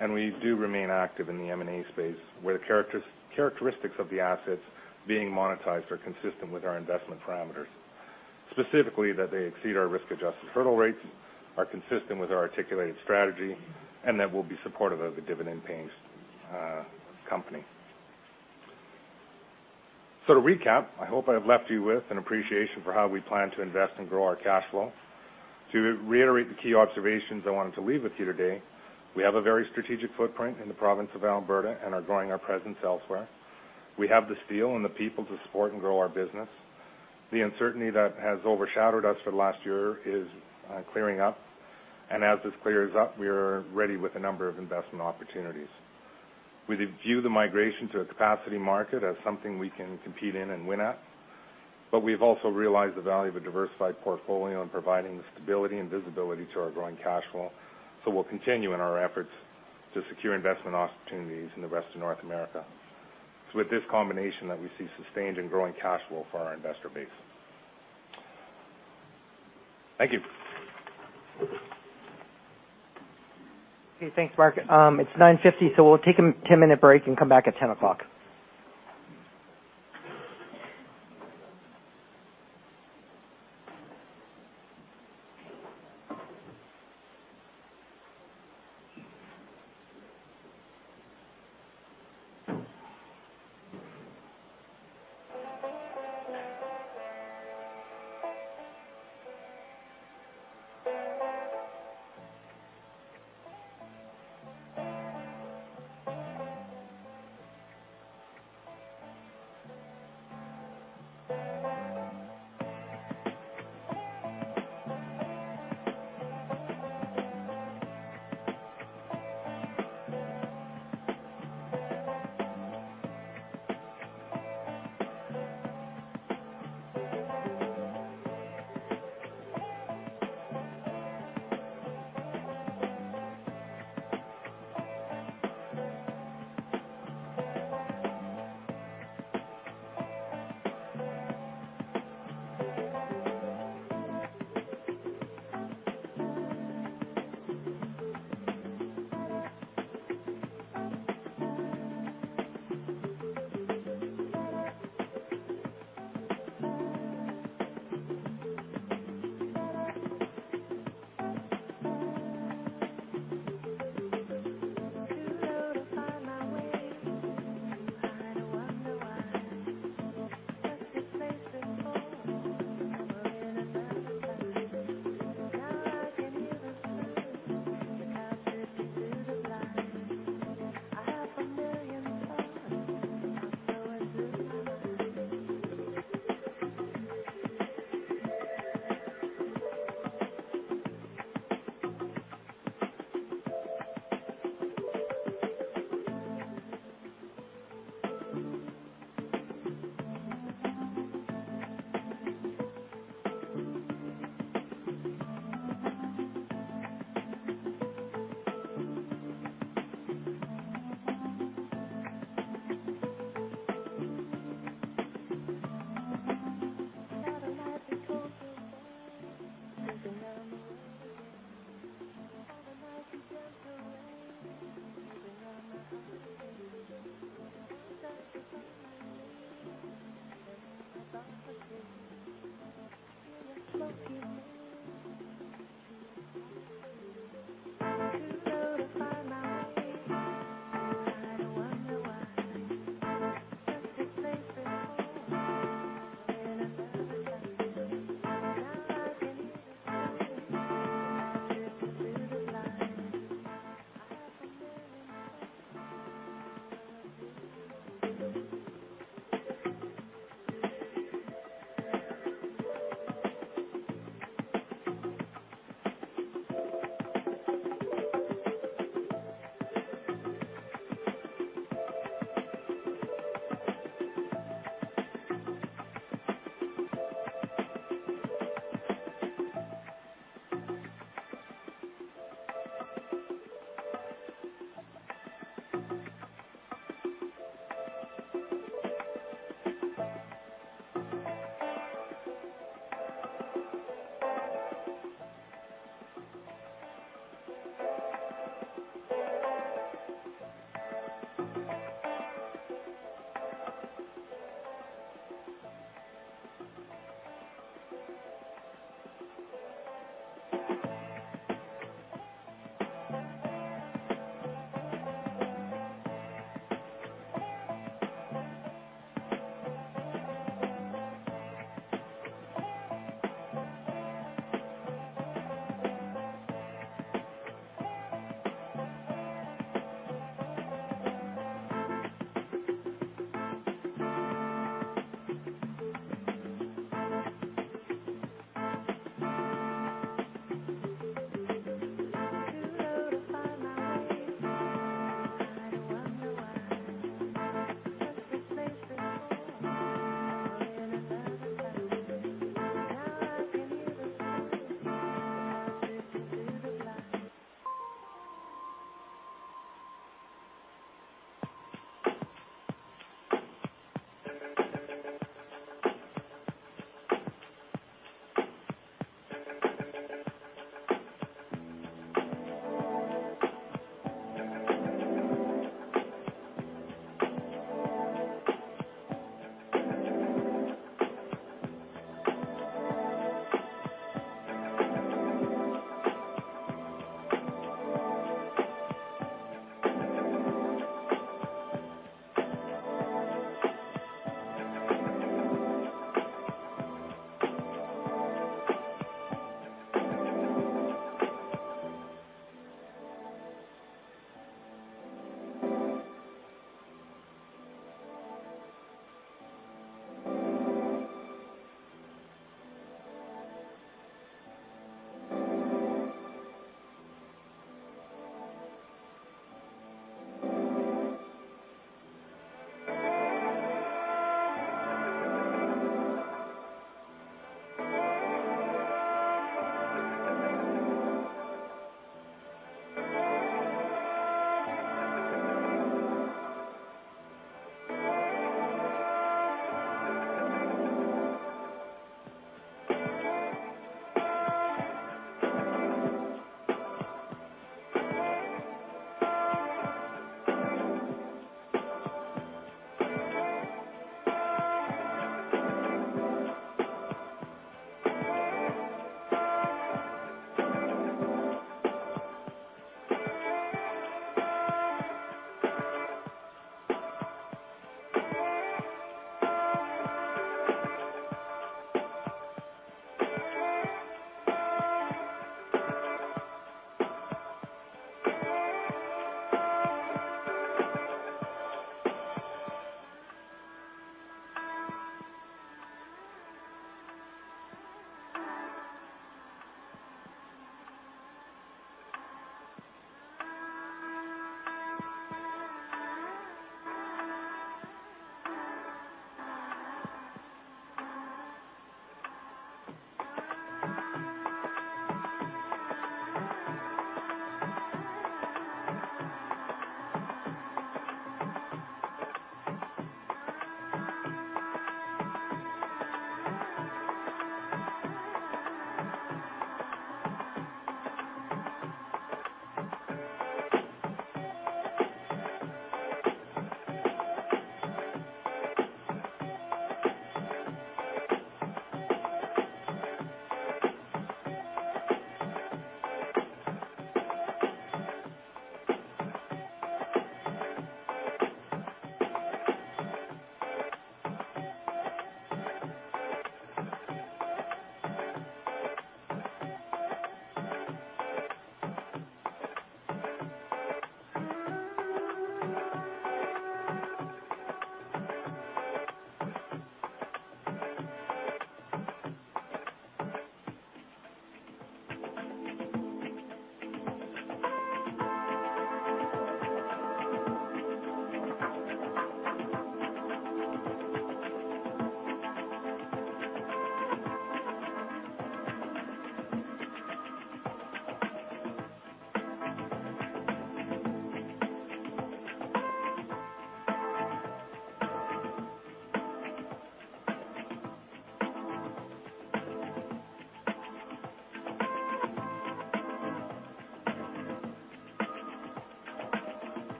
and we do remain active in the M&A space, where the characteristics of the assets being monetized are consistent with our investment parameters. Specifically, that they exceed our risk-adjusted hurdle rates, are consistent with our articulated strategy, and that we'll be supportive of a dividend-paying company. To recap, I hope I have left you with an appreciation for how we plan to invest and grow our cash flow. To reiterate the key observations I wanted to leave with you today, we have a very strategic footprint in the province of Alberta and are growing our presence elsewhere. We have the steel and the people to support and grow our business. The uncertainty that has overshadowed us for the last year is clearing up. As this clears up, we are ready with a number of investment opportunities. We view the migration to a capacity market as something we can compete in and win at, we've also realized the value of a diversified portfolio in providing the stability and visibility to our growing cash flow. We'll continue in our efforts to secure investment opportunities in the rest of North America. It's with this combination that we see sustained and growing cash flow for our investor base. Thank you. Okay. Thanks, Mark. It's 9:50 A.M., we'll take a 10-minute break and come back at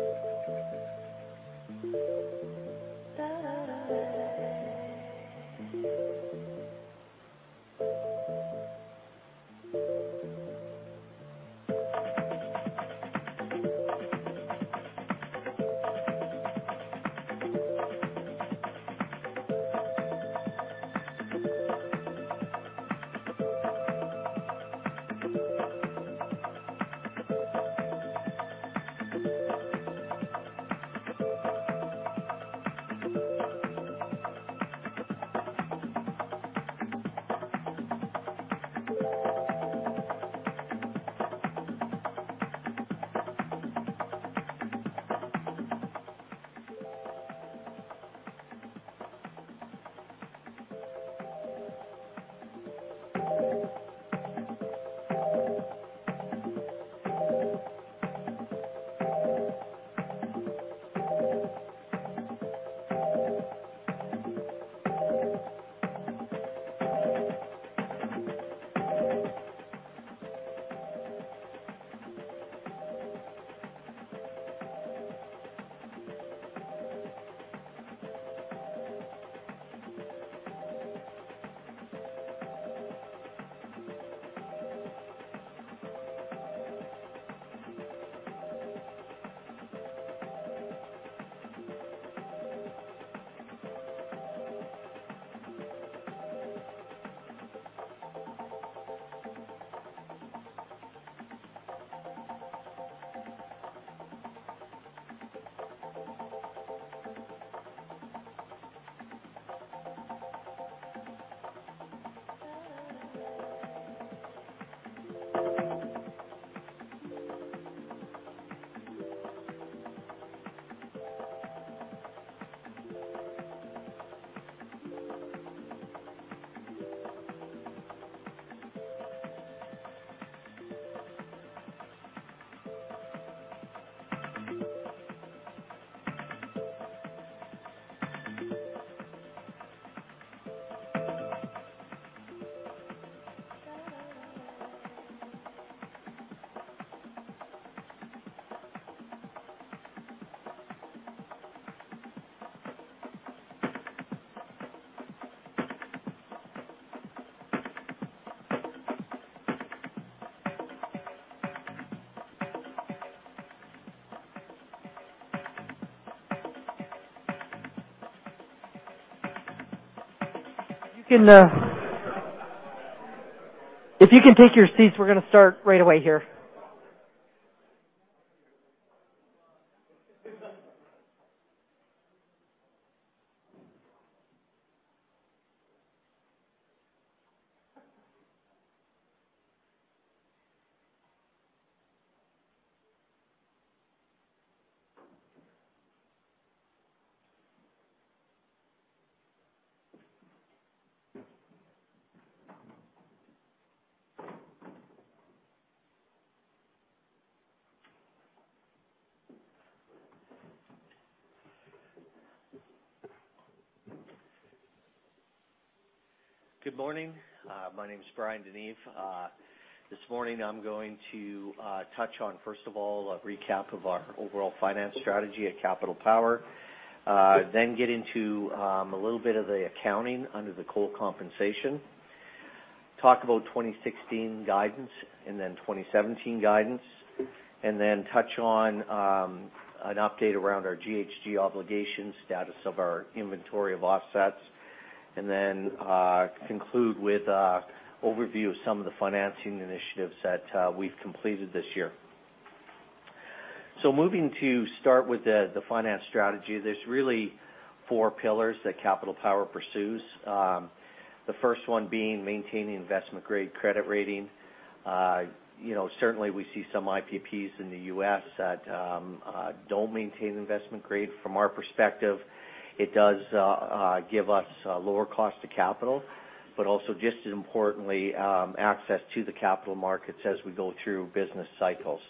10:00 A.M. If you can take your seats, we're going to start right away here. Good morning. My name is Bryan DeNeve. This morning I'm going to touch on, first of all, a recap of our overall finance strategy at Capital Power. Get into a little bit of the accounting under the coal compensation. Talk about 2016 guidance and 2017 guidance, touch on an update around our GHG obligations, status of our inventory of offsets, and conclude with an overview of some of the financing initiatives that we've completed this year. Moving to start with the finance strategy, there's really four pillars that Capital Power pursues. The first one being maintaining investment-grade credit rating. Certainly, we see some IPPs in the U.S. that don't maintain investment grade. From our perspective, it does give us lower cost to capital, also just as importantly, access to the capital markets as we go through business cycles.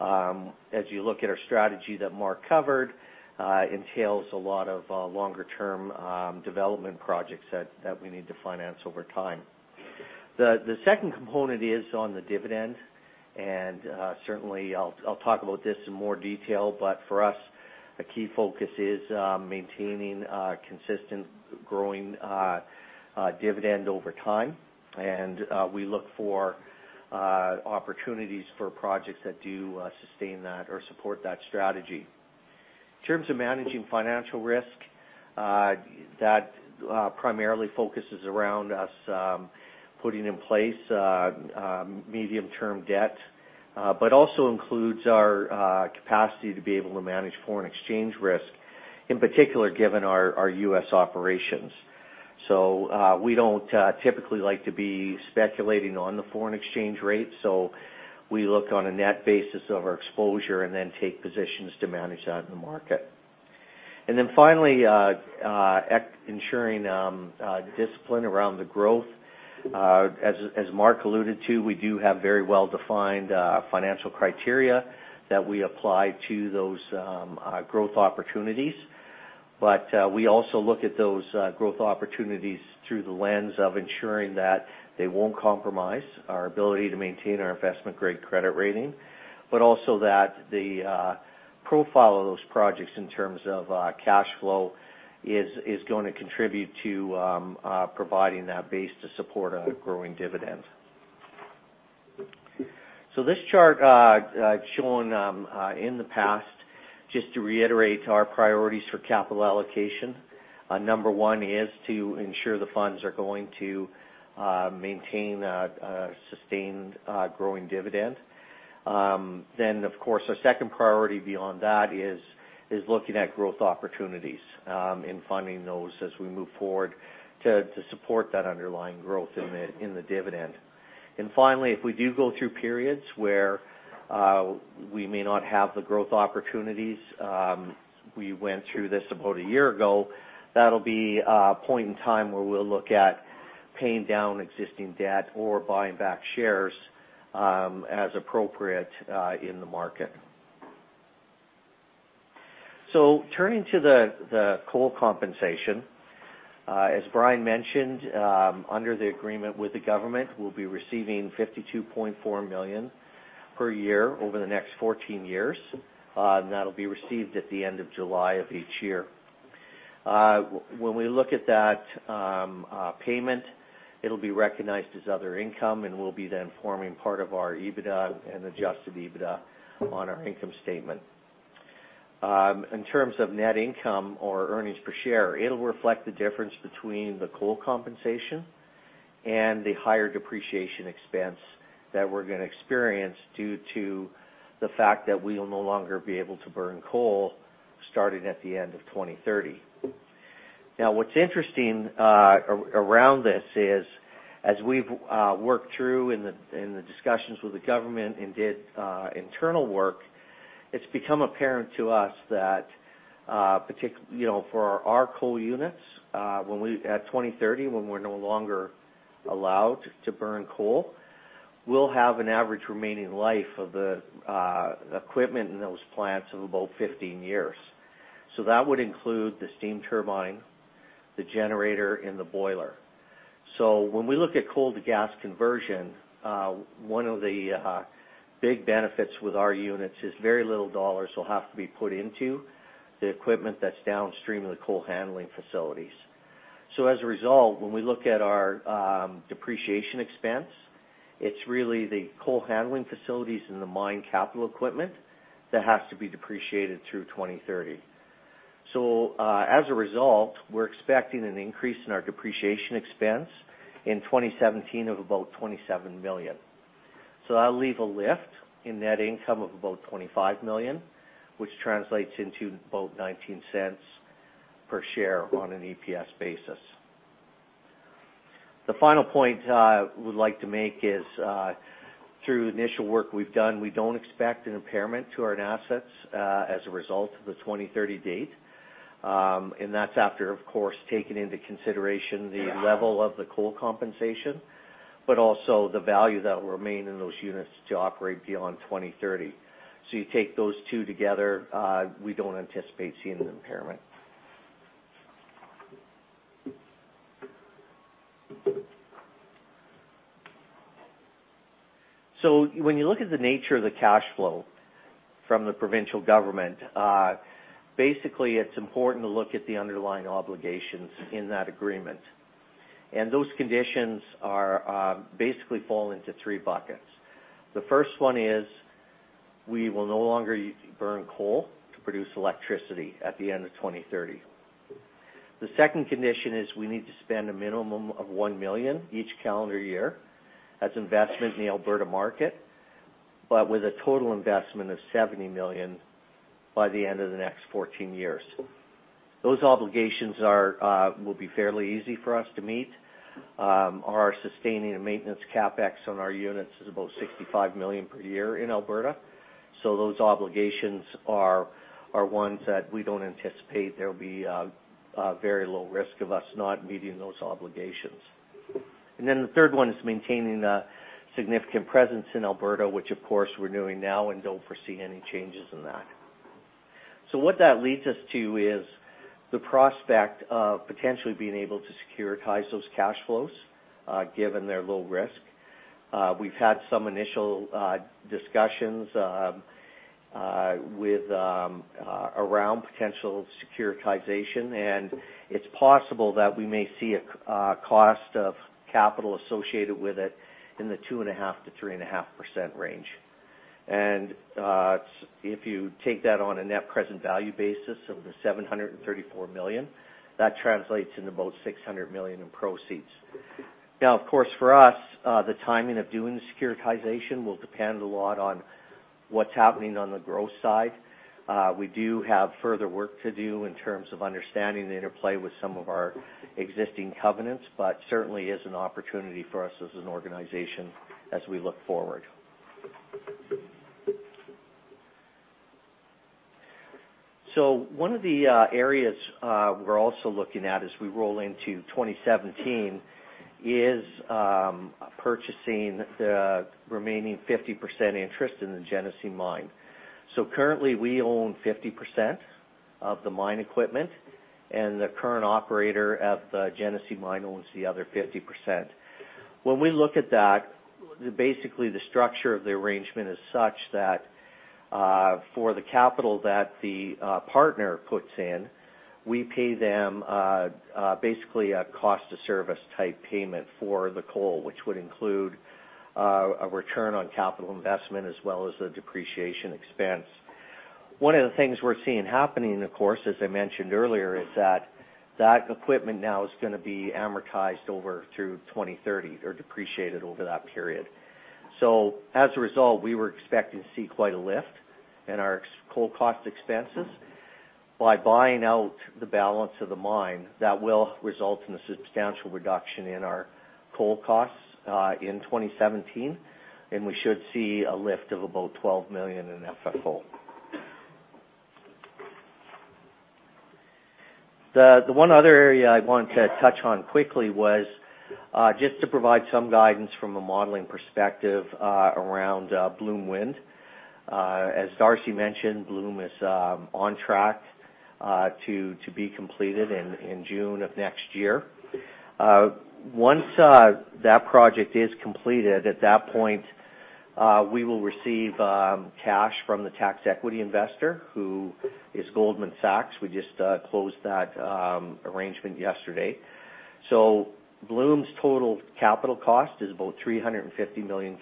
As you look at our strategy that Mark covered, entails a lot of longer-term development projects that we need to finance over time. The second component is on the dividend, and certainly I'll talk about this in more detail, but for us, a key focus is maintaining a consistent growing dividend over time, and we look for opportunities for projects that do sustain that or support that strategy. In terms of managing financial risk, that primarily focuses around us putting in place medium-term debt, but also includes our capacity to be able to manage foreign exchange risk, in particular, given our U.S. operations. We don't typically like to be speculating on the foreign exchange rate, so we look on a net basis of our exposure and then take positions to manage that in the market. Finally, ensuring discipline around the growth. As Mark alluded to, we do have very well-defined financial criteria that we apply to those growth opportunities. We also look at those growth opportunities through the lens of ensuring that they won't compromise our ability to maintain our investment-grade credit rating, but also that the profile of those projects in terms of cash flow is going to contribute to providing that base to support a growing dividend. This chart I've shown in the past, just to reiterate our priorities for capital allocation. Number one is to ensure the funds are going to maintain a sustained growing dividend. Of course, our second priority beyond that is looking at growth opportunities and funding those as we move forward to support that underlying growth in the dividend. Finally, if we do go through periods where we may not have the growth opportunities. We went through this about a year ago. That'll be a point in time where we'll look at paying down existing debt or buying back shares as appropriate in the market. Turning to the coal compensation. As Brian mentioned, under the agreement with the government, we'll be receiving 52.4 million per year over the next 14 years. That'll be received at the end of July of each year. When we look at that payment, it'll be recognized as other income and will be then forming part of our EBITDA and adjusted EBITDA on our income statement. In terms of net income or earnings per share, it'll reflect the difference between the coal compensation and the higher depreciation expense that we're going to experience due to the fact that we will no longer be able to burn coal starting at the end of 2030. What's interesting around this is, as we've worked through in the discussions with the government and did internal work, it's become apparent to us that for our coal units, at 2030, when we're no longer allowed to burn coal, we'll have an average remaining life of the equipment in those plants of about 15 years. That would include the steam turbine, the generator, and the boiler. When we look at coal to gas conversion, one of the big benefits with our units is very little dollars will have to be put into the equipment that's downstream of the coal handling facilities. As a result, when we look at our depreciation expense, it's really the coal handling facilities and the mine capital equipment that has to be depreciated through 2030. As a result, we are expecting an increase in our depreciation expense in 2017 of about 27 million. That will leave a lift in net income of about 25 million, which translates into about 0.19 per share on an EPS basis. The final point I would like to make is through initial work we have done, we do not expect an impairment to our assets as a result of the 2030 date. That is after, of course, taking into consideration the level of the coal compensation, but also the value that will remain in those units to operate beyond 2030. You take those two together, we do not anticipate seeing an impairment. When you look at the nature of the cash flow from the provincial government, basically it is important to look at the underlying obligations in that agreement. Those conditions basically fall into three buckets. The first one is we will no longer burn coal to produce electricity at the end of 2030. The second condition is we need to spend a minimum of 1 million each calendar year as investment in the Alberta market, but with a total investment of 70 million by the end of the next 14 years. Those obligations will be fairly easy for us to meet. Our sustaining and maintenance CapEx on our units is about 65 million per year in Alberta. Those obligations are ones that we do not anticipate there will be a very low risk of us not meeting those obligations. The third one is maintaining a significant presence in Alberta, which of course we are doing now and do not foresee any changes in that. What that leads us to is the prospect of potentially being able to securitize those cash flows given their low risk. We have had some initial discussions around potential securitization, and it is possible that we may see a cost of capital associated with it in the 2.5%-3.5% range. If you take that on a net present value basis of the 734 million, that translates into about 600 million in proceeds. Of course, for us, the timing of doing the securitization will depend a lot on what is happening on the growth side. We do have further work to do in terms of understanding the interplay with some of our existing covenants, but certainly is an opportunity for us as an organization as we look forward. One of the areas we are also looking at as we roll into 2017 is purchasing the remaining 50% interest in the Genesee Mine. Currently, we own 50% of the mine equipment, and the current operator of the Genesee Mine owns the other 50%. When we look at that, basically the structure of the arrangement is such that for the capital that the partner puts in, we pay them basically a cost to service type payment for the coal, which would include a return on capital investment as well as the depreciation expense. One of the things we are seeing happening, of course, as I mentioned earlier, is that that equipment now is going to be amortized over through 2030 or depreciated over that period. As a result, we were expecting to see quite a lift in our coal cost expenses. By buying out the balance of the mine, that will result in a substantial reduction in our coal costs in 2017, and we should see a lift of about 12 million in FFO. The one other area I wanted to touch on quickly was just to provide some guidance from a modeling perspective around Bloom Wind. As Darcy mentioned, Bloom is on track to be completed in June of next year. Once that project is completed, at that point, we will receive cash from the tax equity investor, who is Goldman Sachs. We just closed that arrangement yesterday. Bloom's total capital cost is about 350 million.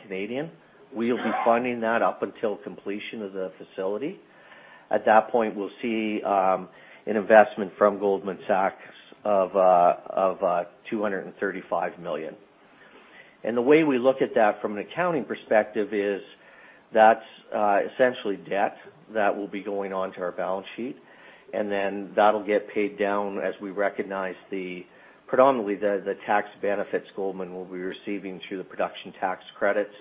We'll be funding that up until completion of the facility. At that point, we'll see an investment from Goldman Sachs of 235 million. The way we look at that from an accounting perspective is that's essentially debt that will be going onto our balance sheet, and then that'll get paid down as we recognize predominantly the tax benefits Goldman will be receiving through the production tax credits,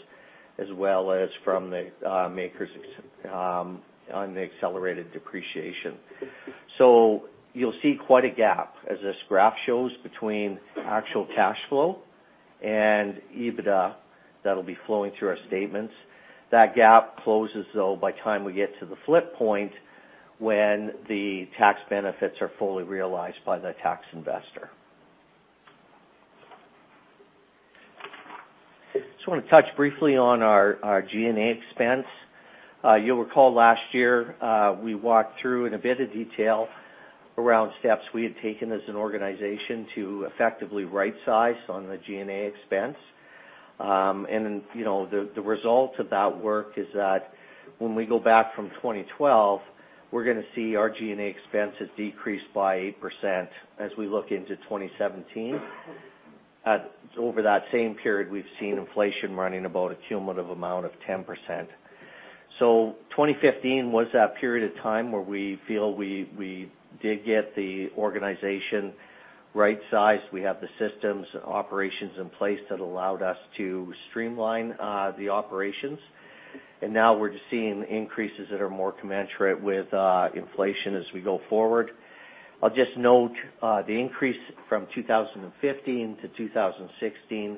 as well as from the MACRS on the accelerated depreciation. You'll see quite a gap as this graph shows between actual cash flow and EBITDA that'll be flowing through our statements. That gap closes, though, by time we get to the flip point when the tax benefits are fully realized by the tax investor. Just want to touch briefly on our G&A expense. You'll recall last year, we walked through in a bit of detail around steps we had taken as an organization to effectively right-size on the G&A expense. The result of that work is that when we go back from 2012, we're going to see our G&A expense has decreased by 8% as we look into 2017. Over that same period, we've seen inflation running about a cumulative amount of 10%. 2015 was that period of time where we feel we did get the organization right-sized. We have the systems and operations in place that allowed us to streamline the operations. Now we're just seeing increases that are more commensurate with inflation as we go forward. I'll just note the increase from 2015 to 2016,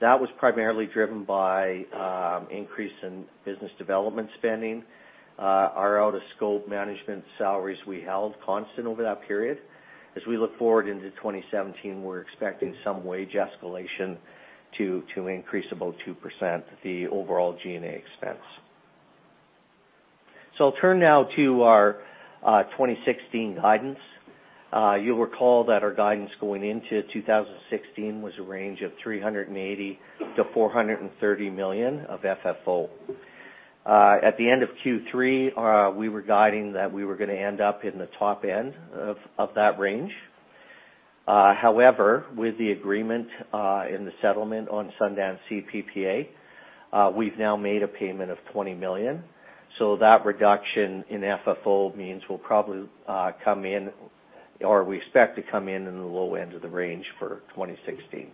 that was primarily driven by increase in business development spending. Our out-of-scope management salaries we held constant over that period. As we look forward into 2017, we're expecting some wage escalation to increase about 2% the overall G&A expense. I'll turn now to our 2016 guidance. You'll recall that our guidance going into 2016 was a range of 380 million to 430 million of FFO. At the end of Q3, we were guiding that we were going to end up in the top end of that range. However, with the agreement in the settlement on Sundance C PPA, we've now made a payment of 20 million. That reduction in FFO means we expect to come in in the low end of the range for 2016.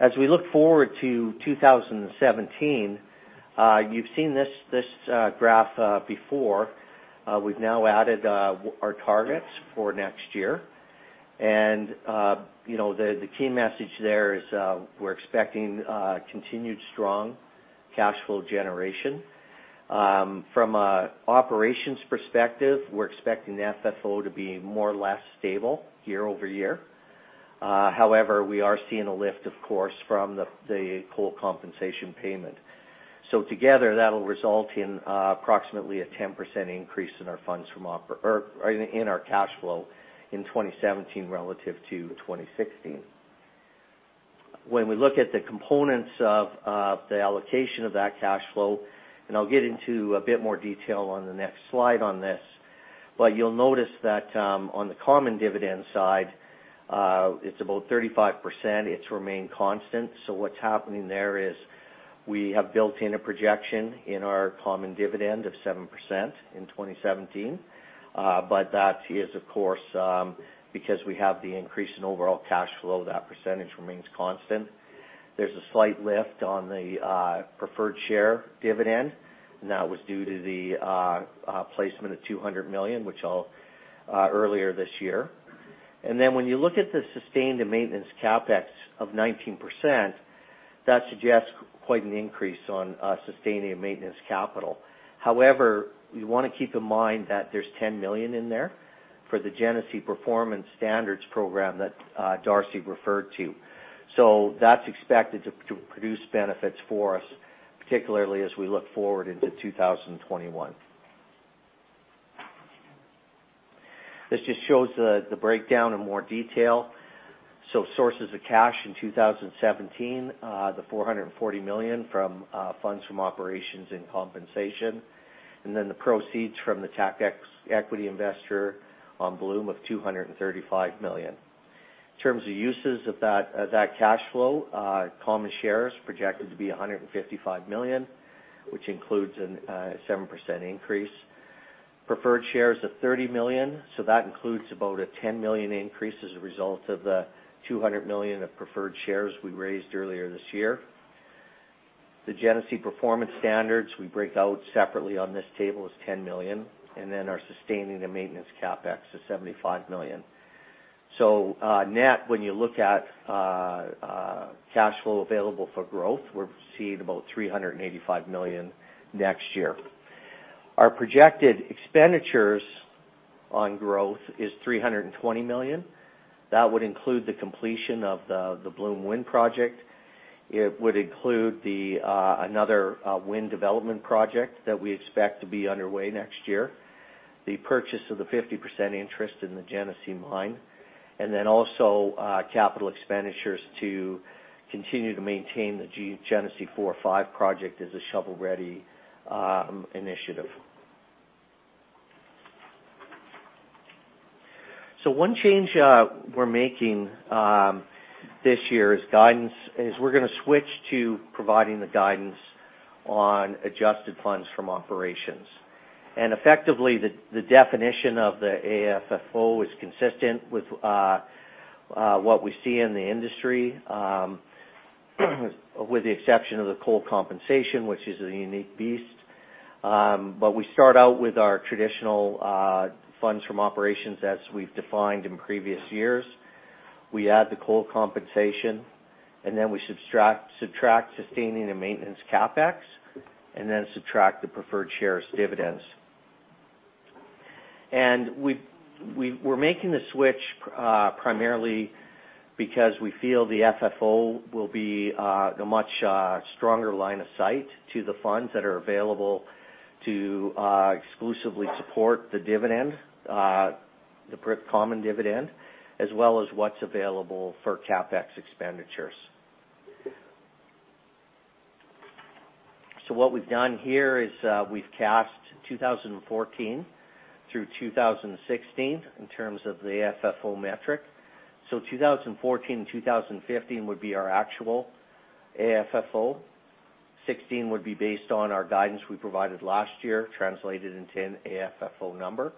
As we look forward to 2017, you've seen this graph before. We've now added our targets for next year. The key message there is we're expecting continued strong cash flow generation. From an operations perspective, we're expecting the FFO to be more or less stable year-over-year. However, we are seeing a lift, of course, from the coal compensation payment. Together, that will result in approximately a 10% increase in our cash flow in 2017 relative to 2016. When we look at the components of the allocation of that cash flow, I will get into a bit more detail on the next slide on this, you will notice that on the common dividend side, it is about 35%. It has remained constant. What is happening there is we have built in a projection in our common dividend of 7% in 2017. That is, of course, because we have the increase in overall cash flow, that percentage remains constant. There is a slight lift on the preferred share dividend, and that was due to the placement of 200 million earlier this year. Then when you look at the sustained and maintenance CapEx of 19%, that suggests quite an increase on sustaining and maintenance capital. However, you want to keep in mind that there is 10 million in there for the Genesee Performance Standard program that Darcy referred to. That is expected to produce benefits for us, particularly as we look forward into 2021. This just shows the breakdown in more detail. Sources of cash in 2017, the 440 million from funds from operations and compensation, and then the proceeds from the tax equity investor on Bloom of 235 million. In terms of uses of that cash flow, common shares projected to be 155 million, which includes a 7% increase. Preferred shares of 30 million. That includes about a 10 million increase as a result of the 200 million of preferred shares we raised earlier this year. The Genesee Performance Standard we break out separately on this table is 10 million, and then our sustaining and maintenance CapEx is 75 million. Net, when you look at cash flow available for growth, we are seeing about 385 million next year. Our projected expenditures on growth is 320 million. That would include the completion of the Bloom wind project. It would include another wind development project that we expect to be underway next year, the purchase of the 50% interest in the Genesee Mine, and then also capital expenditures to continue to maintain the Genesee 4 and 5 project as a shovel-ready initiative. One change we are making this year is we are going to switch to providing the guidance on adjusted funds from operations. Effectively, the definition of the AFFO is consistent with what we see in the industry, with the exception of the coal compensation, which is a unique beast. We start out with our traditional funds from operations as we have defined in previous years. We add the coal compensation, we subtract sustaining and maintenance CapEx, and subtract the preferred shares dividends. We are making the switch primarily because we feel the AFFO will be a much stronger line of sight to the funds that are available to exclusively support the dividend, the common dividend, as well as what is available for CapEx expenditures. What we have done here is we have cast 2014 through 2016 in terms of the AFFO metric. 2014 and 2015 would be our actual AFFO. 2016 would be based on our guidance we provided last year, translated into an AFFO number.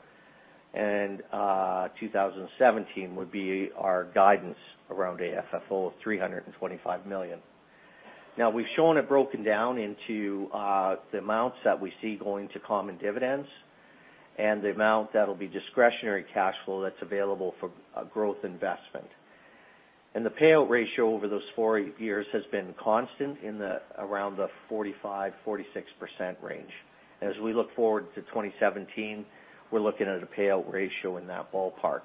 2017 would be our guidance around AFFO of 325 million. Now, we have shown it broken down into the amounts that we see going to common dividends and the amount that will be discretionary cash flow that is available for growth investment. The payout ratio over those four years has been constant in around the 45%-46% range. As we look forward to 2017, we're looking at a payout ratio in that ballpark.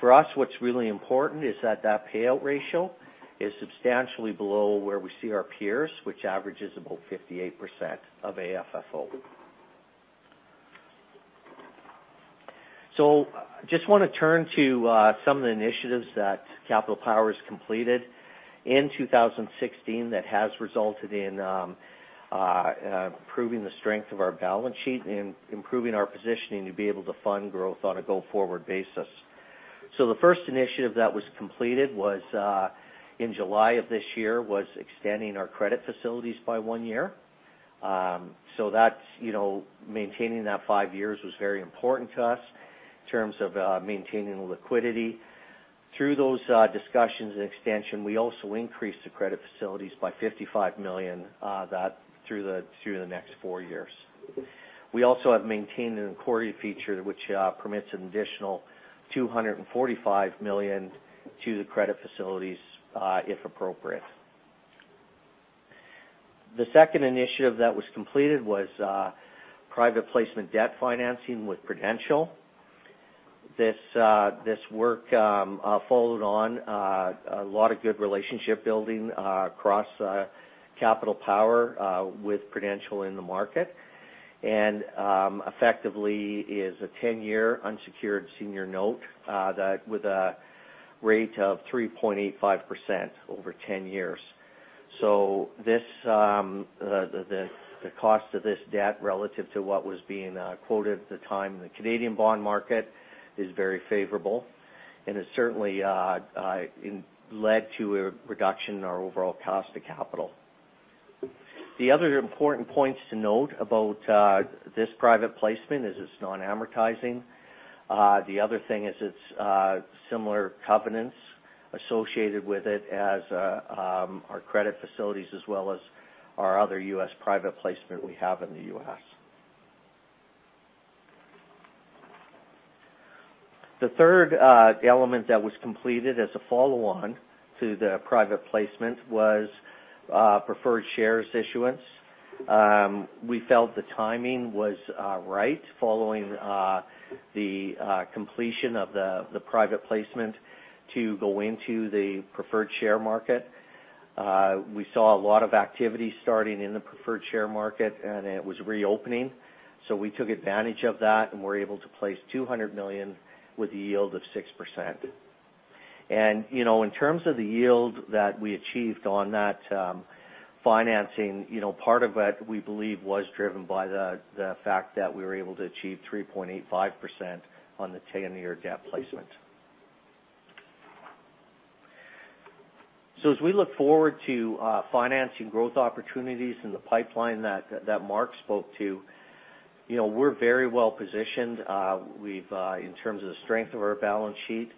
For us, what's really important is that that payout ratio is substantially below where we see our peers, which averages about 58% of AFFO. Just want to turn to some of the initiatives that Capital Power has completed in 2016 that has resulted in improving the strength of our balance sheet and improving our positioning to be able to fund growth on a go-forward basis. The first initiative that was completed in July of this year was extending our credit facilities by one year. Maintaining that five years was very important to us in terms of maintaining liquidity. Through those discussions and extension, we also increased the credit facilities by 55 million through the next four years. We also have maintained an inchoate feature, which permits an additional 245 million to the credit facilities if appropriate. The second initiative that was completed was private placement debt financing with Prudential. This work followed on a lot of good relationship building across Capital Power with Prudential in the market. Effectively is a 10-year unsecured senior note with a rate of 3.85% over 10 years. The cost of this debt relative to what was being quoted at the time in the Canadian bond market is very favorable, and it certainly led to a reduction in our overall cost of capital. The other important points to note about this private placement is it's non-amortizing. The other thing is its similar covenants associated with it as our credit facilities, as well as our other U.S. private placement we have in the U.S. The third element that was completed as a follow-on to the private placement was preferred shares issuance. We felt the timing was right following the completion of the private placement to go into the preferred share market. We saw a lot of activity starting in the preferred share market, and it was reopening. We took advantage of that, and we were able to place 200 million with a yield of 6%. In terms of the yield that we achieved on that financing. Part of it, we believe, was driven by the fact that we were able to achieve 3.85% on the 10-year debt placement. As we look forward to financing growth opportunities in the pipeline that Mark spoke to, we're very well-positioned in terms of the strength of our balance sheet.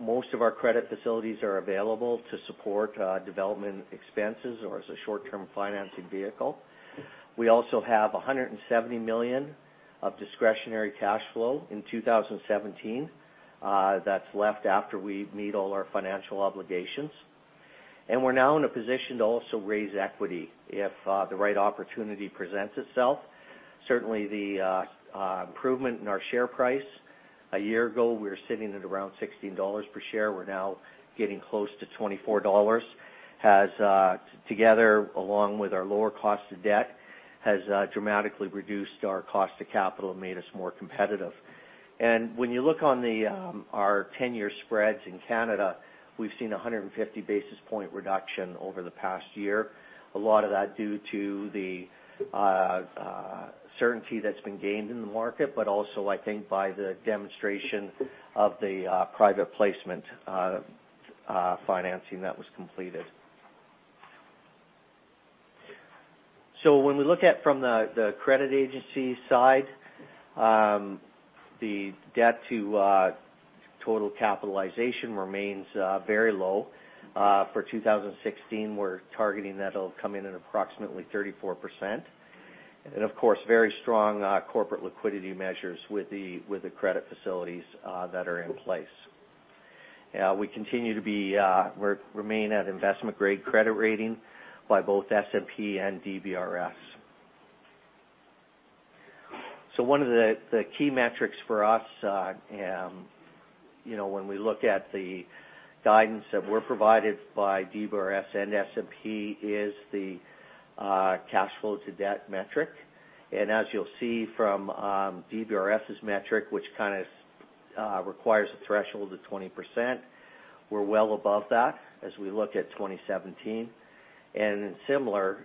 Most of our credit facilities are available to support development expenses or as a short-term financing vehicle. We also have 170 million of discretionary cash flow in 2017, that's left after we meet all our financial obligations. We're now in a position to also raise equity if the right opportunity presents itself. Certainly, the improvement in our share price. A year ago, we were sitting at around 16 dollars per share. We're now getting close to 24 dollars. Together, along with our lower cost of debt, has dramatically reduced our cost of capital and made us more competitive. When you look on our 10-year spreads in Canada, we've seen a 150 basis point reduction over the past year. A lot of that is due to the certainty that's been gained in the market, but also, I think, by the demonstration of the private placement financing that was completed. When we look at it from the credit agency side, the debt to total capitalization remains very low. For 2016, we're targeting that'll come in at approximately 34%. And of course, very strong corporate liquidity measures with the credit facilities that are in place. We continue to remain at investment-grade credit rating by both S&P and DBRS. One of the key metrics for us, when we look at the guidance that we're provided by DBRS and S&P, is the cash flow to debt metric. And as you'll see from DBRS's metric, which kind of requires a threshold of 20%, we're well above that as we look at 2017. Similar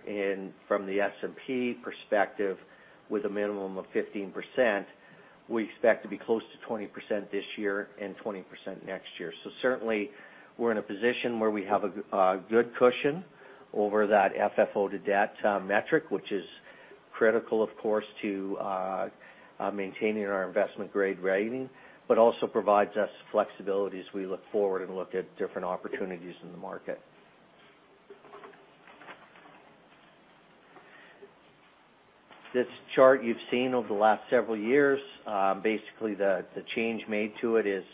from the S&P perspective, with a minimum of 15%, we expect to be close to 20% this year and 20% next year. Certainly, we're in a position where we have a good cushion over that FFO to debt metric, which is critical, of course, to maintaining our investment-grade rating, but also provides us flexibility as we look forward and look at different opportunities in the market. This chart you've seen over the last several years. Basically, the change made to it is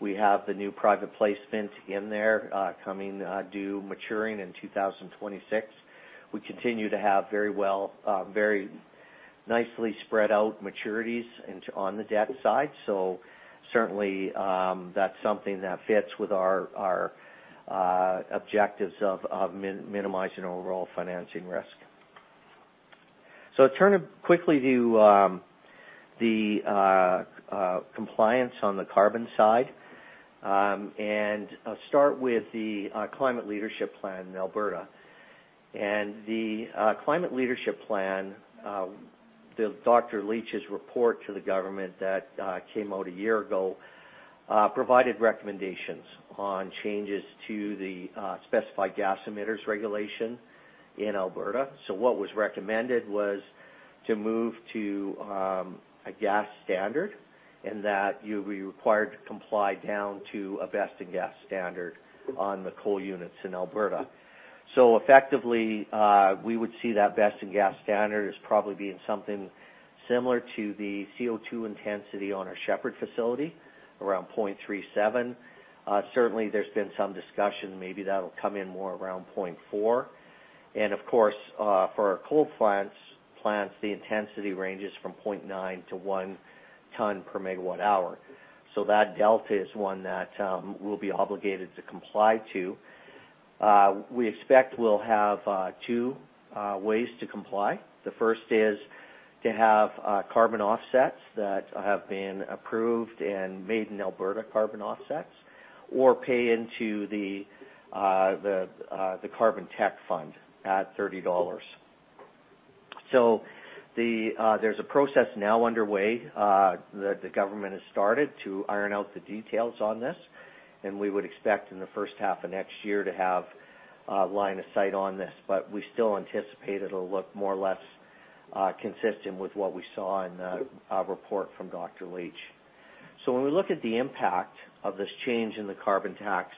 we have the new private placement in there coming due, maturing in 2026. We continue to have very nicely spread out maturities on the debt side. Certainly, that's something that fits with our objectives of minimizing overall financing risk. Turning quickly to the compliance on the carbon side, and I'll start with the Climate Leadership Plan in Alberta. The Climate Leadership Plan, Dr. Leach's report to the government that came out a year ago, provided recommendations on changes to the Specified Gas Emitters Regulation in Alberta. What was recommended was to move to a gas standard, and that you'll be required to comply down to a best in gas standard on the coal units in Alberta. Effectively, we would see that best in gas standard as probably being something similar to the CO2 intensity on our Shepard facility, around 0.37. Certainly, there's been some discussion, maybe that'll come in more around 0.4. And of course, for our coal plants, the intensity ranges from 0.9-1 ton per megawatt hour. That delta is one that we'll be obligated to comply to. We expect we'll have two ways to comply. The first is to have carbon offsets that have been approved, and made in Alberta carbon offsets. Or pay into the Climate Change and Emissions Management Fund at 30 dollars. There's a process now underway that the government has started to iron out the details on this, and we would expect in the first half of next year to have a line of sight on this. But we still anticipate it'll look more or less consistent with what we saw in the report from Dr. Leach. When we look at the impact of this change in the carbon tax,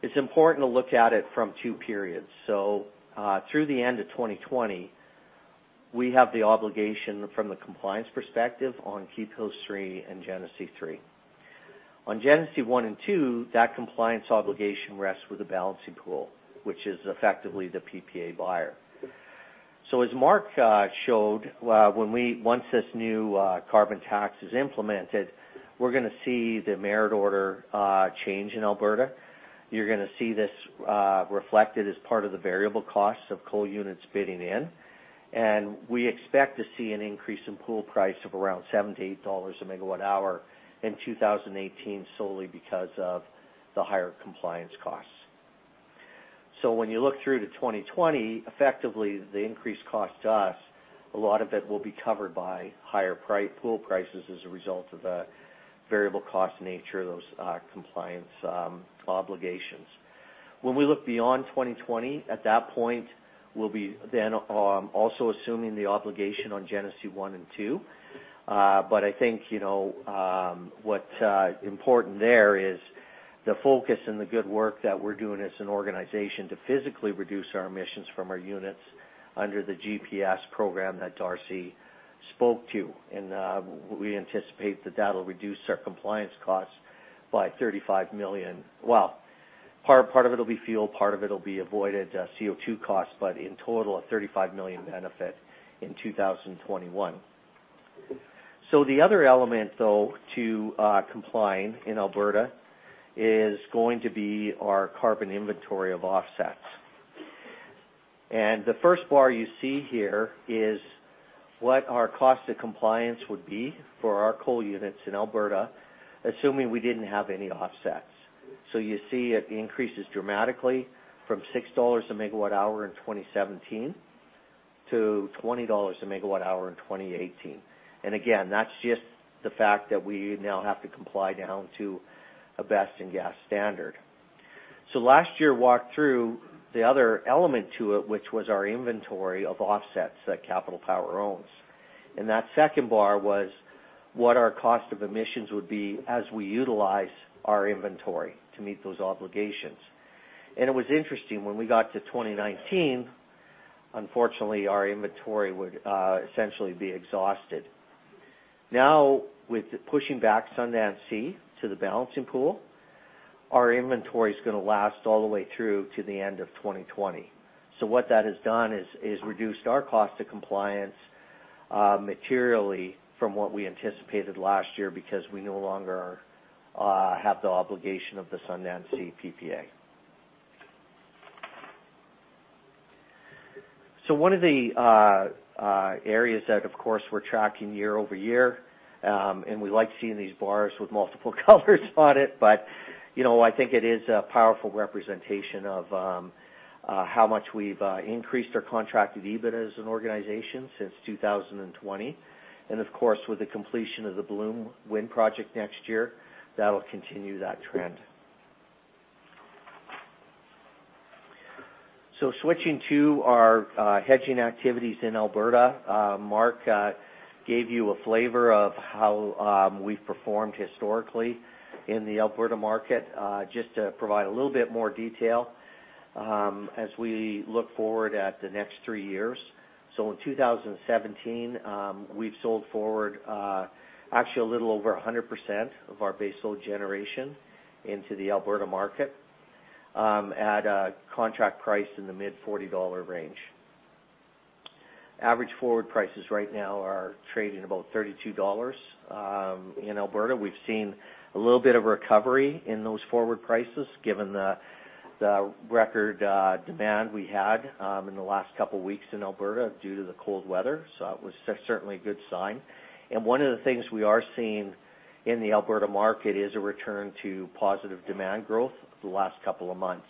it's important to look at it from two periods. Through the end of 2020, we have the obligation from the compliance perspective on Keephills 3 and Genesee 3. On Genesee 1 and 2, that compliance obligation rests with the Balancing Pool, which is effectively the PPA buyer. As Mark showed, once this new carbon tax is implemented, we're going to see the merit order change in Alberta. You're going to see this reflected as part of the variable costs of coal units bidding in. We expect to see an increase in pool price of around 78 dollars a megawatt hour in 2018, solely because of the higher compliance costs. When you look through to 2020, effectively, the increased cost to us, a lot of it will be covered by higher pool prices as a result of the variable cost nature of those compliance obligations. When we look beyond 2020, at that point, we'll be then also assuming the obligation on Genesee one and two. I think what's important there is the focus and the good work that we're doing as an organization to physically reduce our emissions from our units under the GPS program that Darcy spoke to. We anticipate that will reduce our compliance costs by 35 million. Well, part of it will be fuel, part of it will be avoided CO2 costs, but in total, a 35 million benefit in 2021. The other element, though, to complying in Alberta is going to be our carbon inventory of offsets. The first bar you see here is what our cost of compliance would be for our coal units in Alberta, assuming we didn't have any offsets. You see it increases dramatically from 6 dollars a megawatt hour in 2017 to 20 dollars a megawatt hour in 2018. Again, that's just the fact that we now have to comply down to a best-in-gas standard. Last year walked through the other element to it, which was our inventory of offsets that Capital Power owns. That second bar was what our cost of emissions would be as we utilize our inventory to meet those obligations. It was interesting, when we got to 2019, unfortunately, our inventory would essentially be exhausted. Now with pushing back Sundance C to the Balancing Pool, our inventory is going to last all the way through to the end of 2020. What that has done is reduced our cost to compliance materially from what we anticipated last year, because we no longer have the obligation of the Sundance C PPA. One of the areas that, of course, we're tracking year-over-year, and we like seeing these bars with multiple colors on it, but I think it is a powerful representation of how much we've increased our contracted EBIT as an organization since 2020. Of course, with the completion of the Bloom Wind project next year, that'll continue that trend. Switching to our hedging activities in Alberta. Mark gave you a flavor of how we've performed historically in the Alberta market. Just to provide a little bit more detail as we look forward at the next three years. In 2017, we've sold forward actually a little over 100% of our baseload generation into the Alberta market at a contract price in the mid-CAD 40 range. Average forward prices right now are trading about 32 dollars in Alberta. We have seen a little bit of recovery in those forward prices given the record demand we had in the last couple of weeks in Alberta due to the cold weather. It was certainly a good sign. One of the things we are seeing in the Alberta market is a return to positive demand growth over the last couple of months.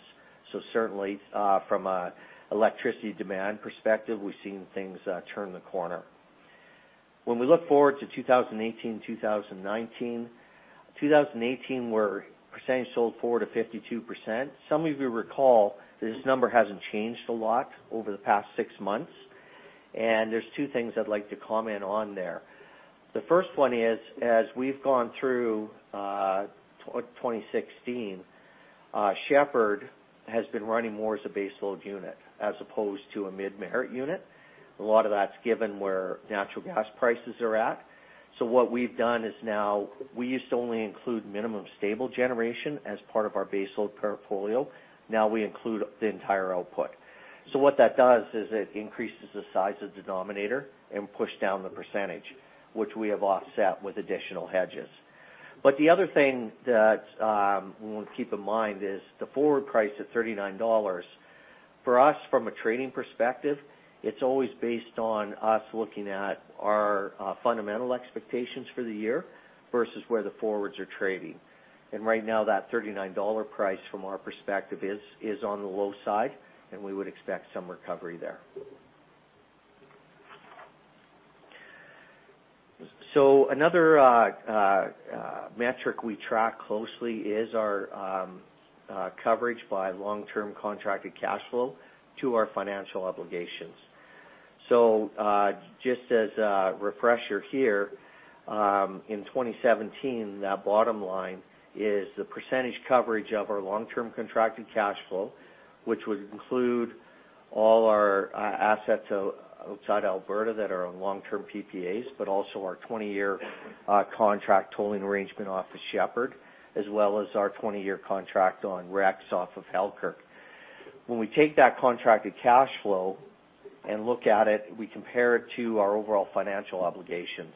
Certainly from an electricity demand perspective, we have seen things turn the corner. When we look forward to 2018, 2019, 2018, we are percentage sold forward of 52%. Some of you recall this number hasn't changed a lot over the past six months. There is two things I would like to comment on there. The first one is, as we have gone through 2016, Shepard has been running more as a baseload unit as opposed to a mid-merit unit. A lot of that's given where natural gas prices are at. What we have done is now we used to only include minimum stable generation as part of our baseload portfolio. Now we include the entire output. What that does is it increases the size of denominator and push down the percentage, which we have offset with additional hedges. The other thing that we want to keep in mind is the forward price of 39 dollars. For us, from a trading perspective, it's always based on us looking at our fundamental expectations for the year versus where the forwards are trading. Right now, that 39 dollar price, from our perspective, is on the low side, and we would expect some recovery there. Another metric we track closely is our coverage by long-term contracted cash flow to our financial obligations. Just as a refresher here, in 2017, that bottom line is the percentage coverage of our long-term contracted cash flow, which would include all our assets outside Alberta that are on long-term PPAs, but also our 20-year contract tolling arrangement off of Shepard, as well as our 20-year contract on RECs off of Halkirk. When we take that contracted cash flow and look at it, we compare it to our overall financial obligations.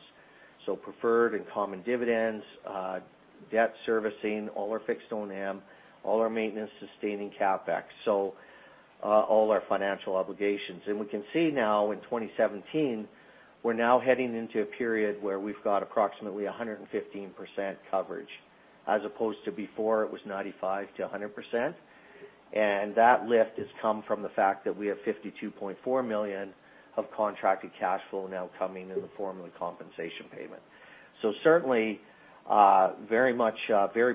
Preferred and common dividends, debt servicing, all our fixed O&M, all our maintenance-sustaining CapEx. All our financial obligations. We can see now in 2017, we are now heading into a period where we have got approximately 115% coverage, as opposed to before it was 95%-100%. That lift has come from the fact that we have 52.4 million of contracted cash flow now coming in the form of a compensation payment. Certainly, very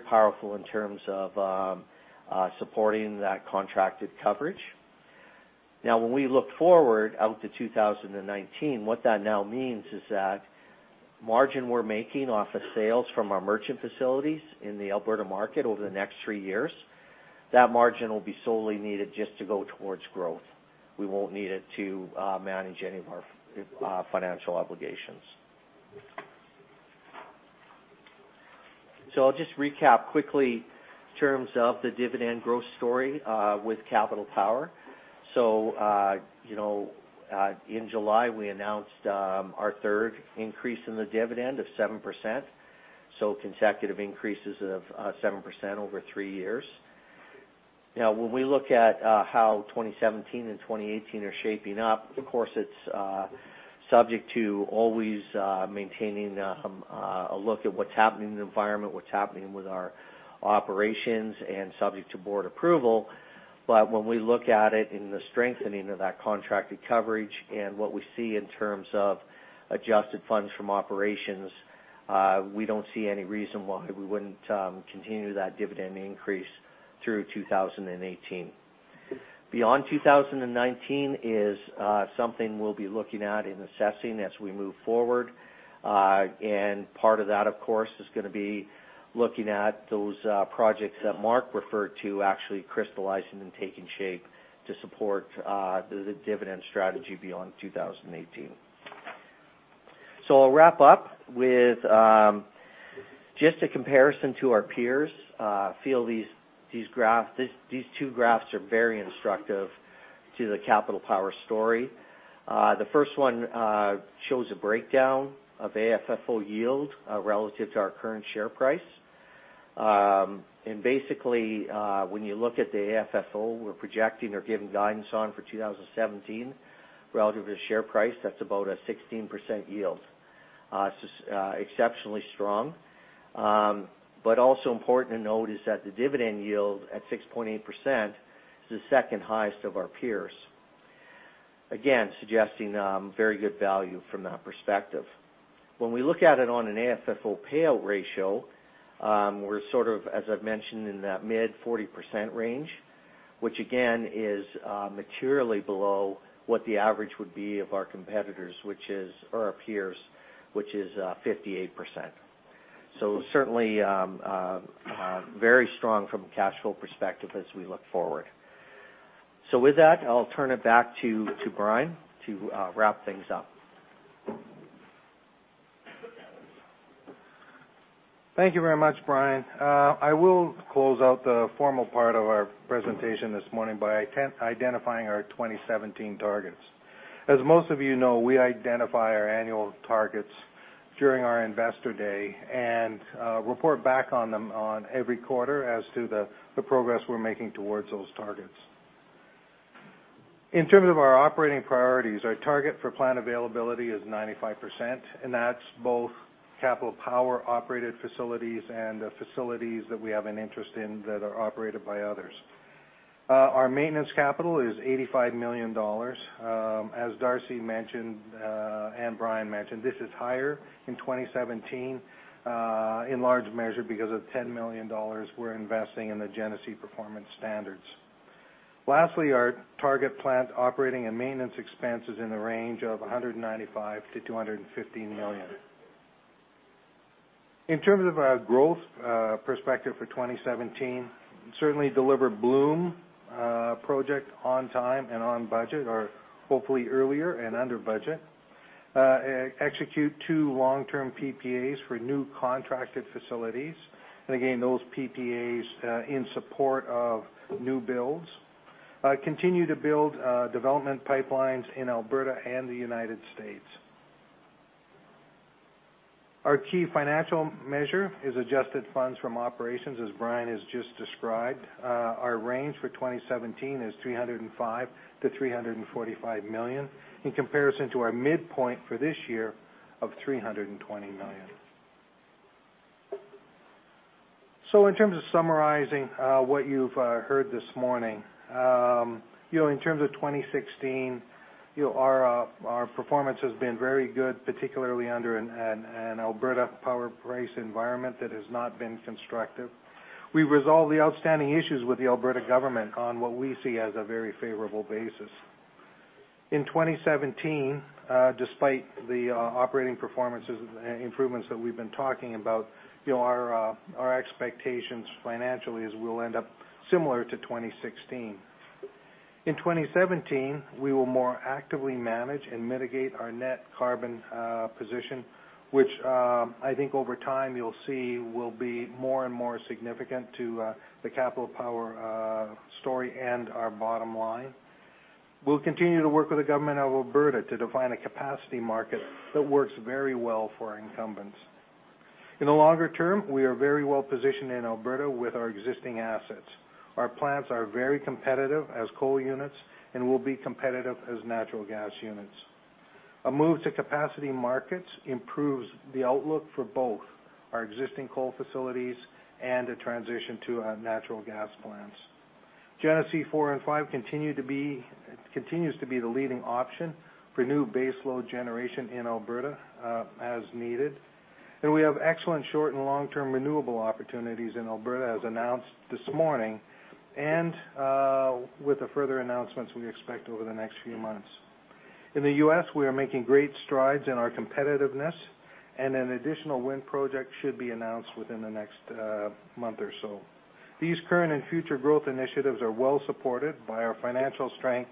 powerful in terms of supporting that contracted coverage. Now, when we look forward out to 2019, what that now means is that margin we are making off of sales from our merchant facilities in the Alberta market over the next three years, that margin will be solely needed just to go towards growth. We won't need it to manage any of our financial obligations. I will just recap quickly in terms of the dividend growth story with Capital Power. In July, we announced our third increase in the dividend of 7%. Consecutive increases of 7% over three years. Now, when we look at how 2017 and 2018 are shaping up, of course, it's subject to always maintaining a look at what's happening in the environment, what's happening with our operations, and subject to board approval. When we look at it in the strengthening of that contracted coverage and what we see in terms of adjusted funds from operations, we don't see any reason why we wouldn't continue that dividend increase through 2018. Beyond 2019 is something we'll be looking at and assessing as we move forward. Part of that, of course, is going to be looking at those projects that Mark referred to actually crystallizing and taking shape to support the dividend strategy beyond 2018. I'll wrap up with just a comparison to our peers. I feel these two graphs are very instructive to the Capital Power story. The first one shows a breakdown of AFFO yield relative to our current share price. Basically, when you look at the AFFO we're projecting or giving guidance on for 2017 relative to the share price, that's about a 16% yield. It's exceptionally strong. Also important to note is that the dividend yield at 6.8% is the second highest of our peers. Again, suggesting very good value from that perspective. When we look at it on an AFFO payout ratio, we're sort of, as I've mentioned, in that mid 40% range, which again, is materially below what the average would be of our competitors or our peers, which is 58%. Certainly, very strong from a cash flow perspective as we look forward. With that, I'll turn it back to Brian to wrap things up. Thank you very much, Brian. I will close out the formal part of our presentation this morning by identifying our 2017 targets. As most of you know, we identify our annual targets during our Investor Day and report back on them on every quarter as to the progress we're making towards those targets. In terms of our operating priorities, our target for plant availability is 95%, and that's both Capital Power-operated facilities and facilities that we have an interest in that are operated by others. Our maintenance capital is 85 million dollars. As Darcy mentioned, and Brian mentioned, this is higher in 2017 in large measure because of the $10 million we're investing in the Genesee Performance Standards. Lastly, our target plant operating and maintenance expense is in the range of 195 million-215 million. In terms of our growth perspective for 2017, certainly deliver Bloom project on time and on budget, or hopefully earlier and under budget. Execute 2 long-term PPAs for new contracted facilities. Again, those PPAs in support of new builds. Continue to build development pipelines in Alberta and the U.S. Our key financial measure is adjusted funds from operations, as Brian has just described. Our range for 2017 is 305 million-345 million in comparison to our midpoint for this year of 320 million. In terms of summarizing what you've heard this morning. In terms of 2016, our performance has been very good, particularly under an Alberta power price environment that has not been constructive. We resolved the outstanding issues with the Alberta government on what we see as a very favorable basis. In 2017, despite the operating performance improvements that we've been talking about, our expectations financially is we'll end up similar to 2016. In 2017, we will more actively manage and mitigate our net carbon position, which I think over time you'll see will be more and more significant to the Capital Power story and our bottom line. We'll continue to work with the Government of Alberta to define a capacity market that works very well for our incumbents. In the longer term, we are very well-positioned in Alberta with our existing assets. Our plants are very competitive as coal units and will be competitive as natural gas units. A move to capacity markets improves the outlook for both our existing coal facilities and a transition to natural gas plants. Genesee 4 and 5 continues to be the leading option for new base load generation in Alberta as needed. We have excellent short and long-term renewable opportunities in Alberta, as announced this morning, and with the further announcements we expect over the next few months. In the U.S., we are making great strides in our competitiveness, and an additional wind project should be announced within the next month or so. These current and future growth initiatives are well-supported by our financial strength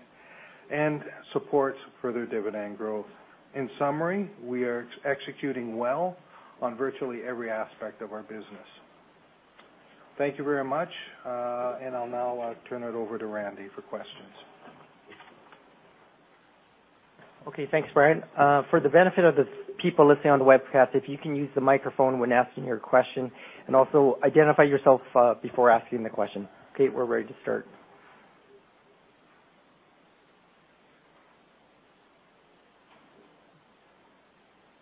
and support further dividend growth. In summary, we are executing well on virtually every aspect of our business. Thank you very much, and I'll now turn it over to Randy for questions. Okay. Thanks, Brian. For the benefit of the people listening on the webcast, if you can use the microphone when asking your question, and also identify yourself before asking the question. Okay, we're ready to start.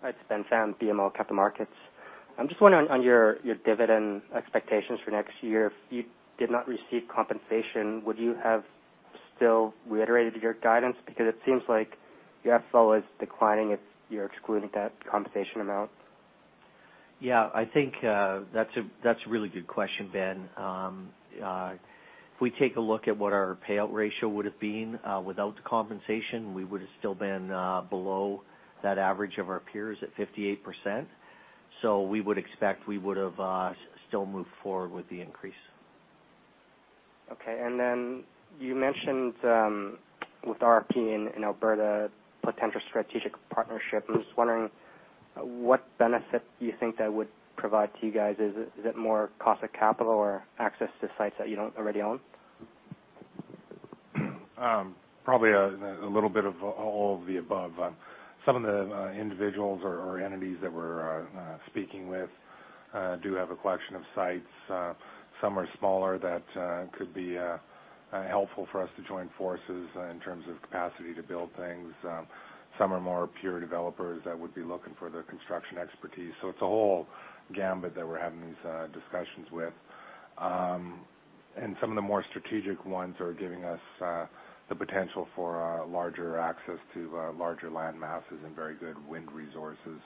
It's Ben Pham, BMO Capital Markets. I'm just wondering on your dividend expectations for next year, if you did not receive compensation, would you have still reiterated your guidance? It seems like your FFO is declining if you're excluding that compensation amount. Yeah, I think that's a really good question, Ben. If we take a look at what our payout ratio would've been without the compensation, we would've still been below that average of our peers at 58%. We would expect we would've still moved forward with the increase. Okay. Then you mentioned with REP in Alberta, potential strategic partnership. I'm just wondering what benefit do you think that would provide to you guys? Is it more cost of capital or access to sites that you don't already own? Probably a little bit of all of the above. Some of the individuals or entities that we're speaking with do have a collection of sites. Some are smaller that could be helpful for us to join forces in terms of capacity to build things. Some are more pure developers that would be looking for the construction expertise. It's a whole gamut that we're having these discussions with. Some of the more strategic ones are giving us the potential for larger access to larger land masses and very good wind resources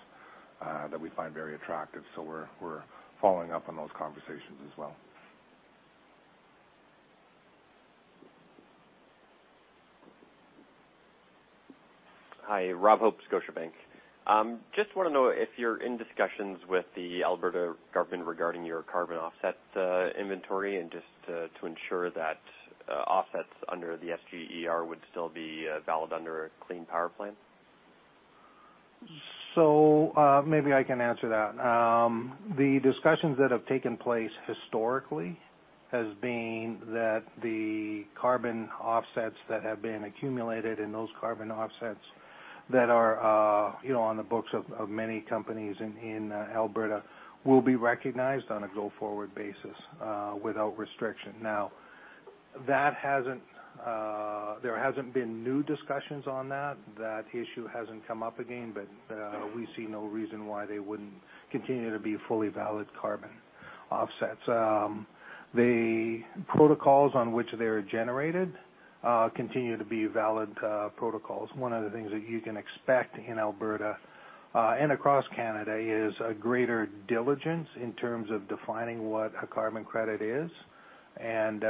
that we find very attractive. We're following up on those conversations as well. Hi. Rob Hope, Scotiabank. Just want to know if you're in discussions with the Alberta government regarding your carbon offset inventory and just to ensure that offsets under the SGER would still be valid under a clean power plan. Maybe I can answer that. The discussions that have taken place historically has been that the carbon offsets that have been accumulated and those carbon offsets that are on the books of many companies in Alberta will be recognized on a go-forward basis without restriction. There hasn't been new discussions on that. That issue hasn't come up again, but we see no reason why they wouldn't continue to be fully valid carbon offsets. The protocols on which they're generated continue to be valid protocols. One of the things that you can expect in Alberta, and across Canada, is a greater diligence in terms of defining what a carbon credit is, and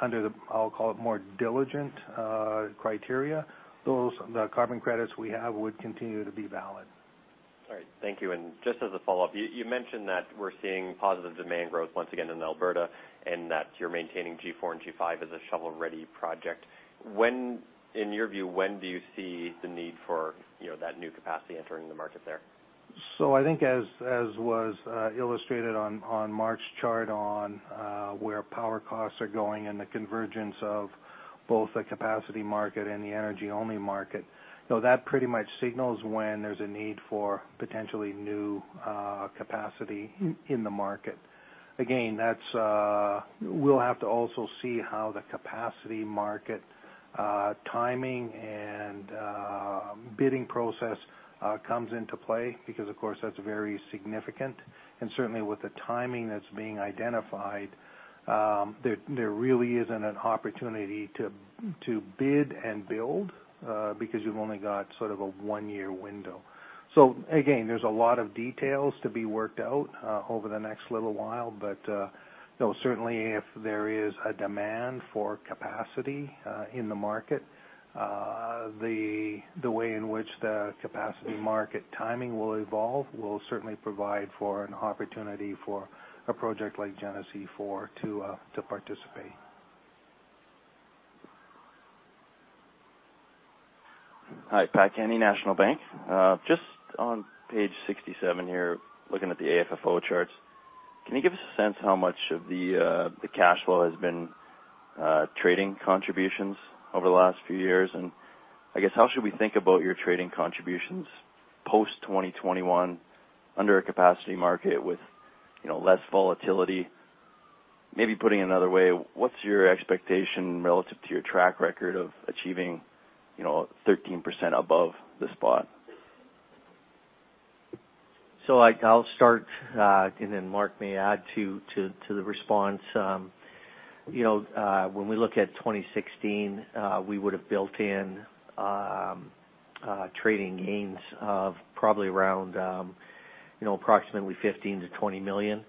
under the, I'll call it, more diligent criteria, the carbon credits we have would continue to be valid. All right. Thank you. Just as a follow-up, you mentioned that we're seeing positive demand growth once again in Alberta, and that you're maintaining G4 and G5 as a shovel-ready project. In your view, when do you see the need for that new capacity entering the market there? I think as was illustrated on Mark's chart on where power costs are going and the convergence of both the capacity market and the energy-only market. That pretty much signals when there's a need for potentially new capacity in the market. Again, we'll have to also see how the capacity market timing and bidding process comes into play because, of course, that's very significant, and certainly with the timing that's being identified, there really isn't an opportunity to bid and build, because you've only got sort of a one-year window. Again, there's a lot of details to be worked out over the next little while. Certainly, if there is a demand for capacity in the market, the way in which the capacity market timing will evolve will certainly provide for an opportunity for a project like Genesee 4 to participate. Hi, Pat Kenny, National Bank. Just on page 67 here, looking at the AFFO charts, can you give us a sense how much of the cash flow has been trading contributions over the last few years? I guess, how should we think about your trading contributions post 2021 under a capacity market with less volatility? Maybe putting it another way, what's your expectation relative to your track record of achieving 13% above the spot? I'll start, Mark may add to the response. When we look at 2016, we would've built in trading gains of probably around approximately 15 million-20 million.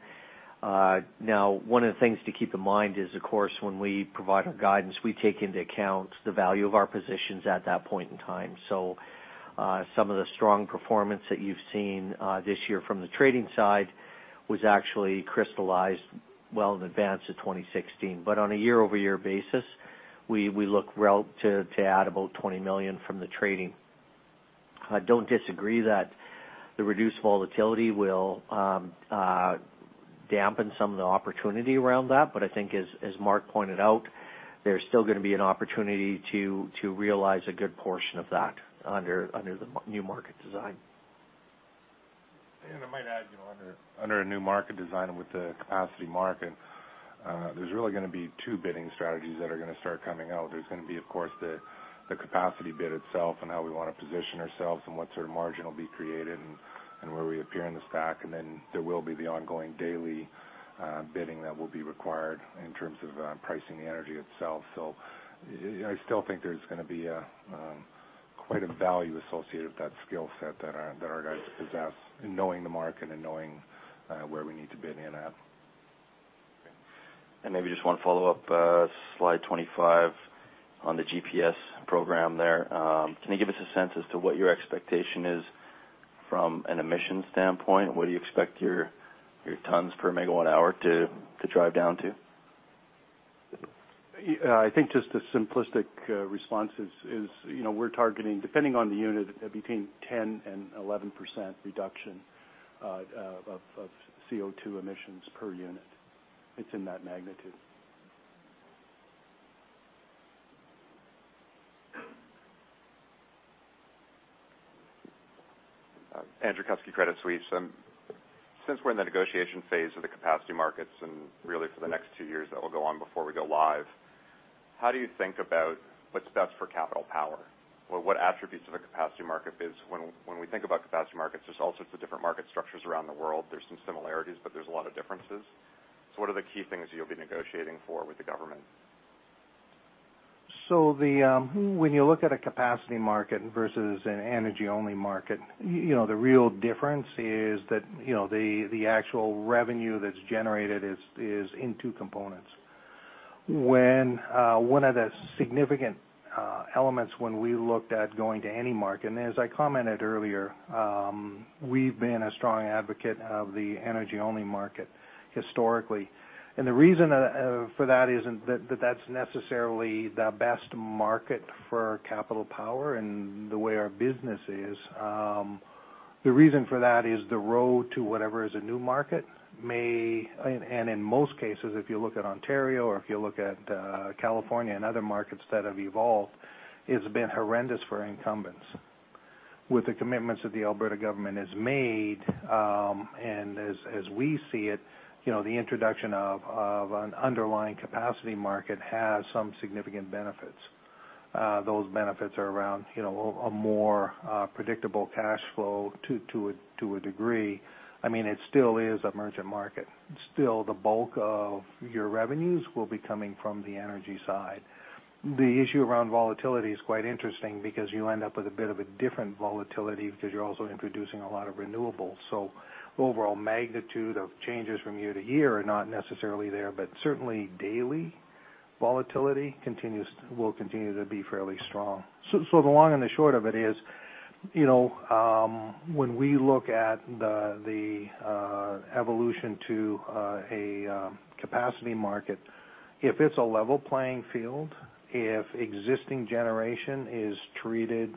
One of the things to keep in mind is, of course, when we provide our guidance, we take into account the value of our positions at that point in time. Some of the strong performance that you've seen this year from the trading side was actually crystallized well in advance of 2016. On a year-over-year basis, we look to add about 20 million from the trading. I don't disagree that the reduced volatility will dampen some of the opportunity around that. I think as Mark pointed out, there's still going to be an opportunity to realize a good portion of that under the new market design. I might add, under a new market design and with the capacity market, there's really going to be two bidding strategies that are going to start coming out. There's going to be, of course, the capacity bid itself and how we want to position ourselves and what sort of margin will be created and where we appear in the stack. There will be the ongoing daily bidding that will be required in terms of pricing the energy itself. I still think there's going to be quite a value associated with that skill set that our guys possess in knowing the market and knowing where we need to bid in at. Maybe just one follow-up, slide 25 on the GPS program there. Can you give us a sense as to what your expectation is from an emissions standpoint? What do you expect your tons per megawatt hour to drive down to? I think just the simplistic response is we're targeting, depending on the unit, between 10% and 11% reduction of CO2 emissions per unit. It's in that magnitude. Andrew Kuske, Credit Suisse. Since we're in the negotiation phase of the capacity markets, and really for the next 2 years that will go on before we go live, how do you think about what's best for Capital Power? What attributes of a capacity market is, when we think about capacity markets, there's all sorts of different market structures around the world. There's some similarities, there's a lot of differences. What are the key things you'll be negotiating for with the government? When you look at a capacity market versus an energy-only market, the real difference is that the actual revenue that's generated is in 2 components. One of the significant elements when we looked at going to any market, as I commented earlier, we've been a strong advocate of the energy-only market historically. The reason for that isn't that that's necessarily the best market for Capital Power and the way our business is. The reason for that is the road to whatever is a new market may, and in most cases, if you look at Ontario or if you look at California and other markets that have evolved, it's been horrendous for incumbents. With the commitments that the Alberta government has made, and as we see it, the introduction of an underlying capacity market has some significant benefits. Those benefits are around a more predictable cash flow to a degree. It still is a merchant market. Still, the bulk of your revenues will be coming from the energy side. The issue around volatility is quite interesting because you end up with a bit of a different volatility because you're also introducing a lot of renewables. Overall magnitude of changes from year to year are not necessarily there, but certainly daily volatility will continue to be fairly strong. The long and the short of it is when we look at the evolution to a capacity market, if it's a level playing field, if existing generation is treated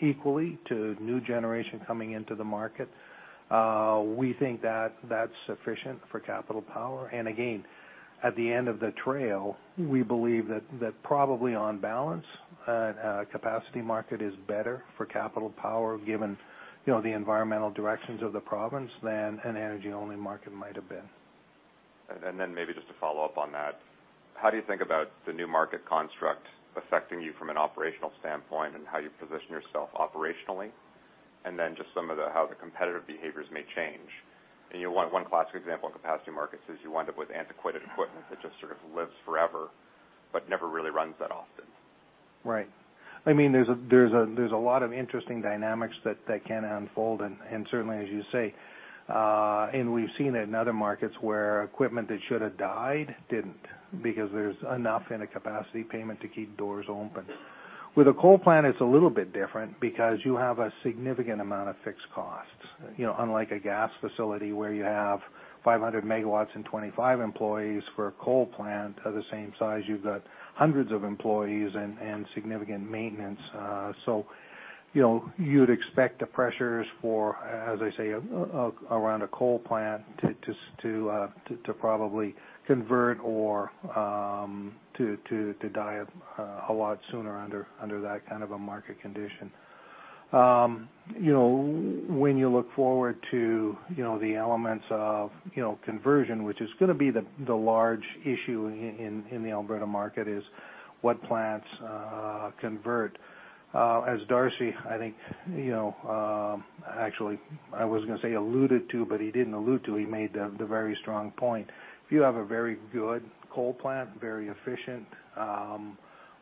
equally to new generation coming into the market, we think that that's sufficient for Capital Power. Again, at the end of the trail, we believe that probably on balance, a capacity market is better for Capital Power given the environmental directions of the province than an energy-only market might have been. Maybe just to follow up on that, how do you think about the new market construct affecting you from an operational standpoint and how you position yourself operationally? Then just some of how the competitive behaviors may change. One classic example of capacity markets is you wind up with antiquated equipment that just sort of lives forever but never really runs that often. Right. There's a lot of interesting dynamics that can unfold, certainly as you say, we've seen it in other markets where equipment that should have died, didn't, because there's enough in a capacity payment to keep doors open. With a coal plant, it's a little bit different because you have a significant amount of fixed costs. Unlike a gas facility where you have 500 MW and 25 employees, for a coal plant of the same size, you've got hundreds of employees and significant maintenance. You'd expect the pressures for, as I say, around a coal plant to probably convert or to die a lot sooner under that kind of a market condition. When you look forward to the elements of conversion, which is going to be the large issue in the Alberta market, is what plants convert. As Darcy, I think, actually I was going to say alluded to, but he didn't allude to, he made the very strong point. If you have a very good coal plant, very efficient,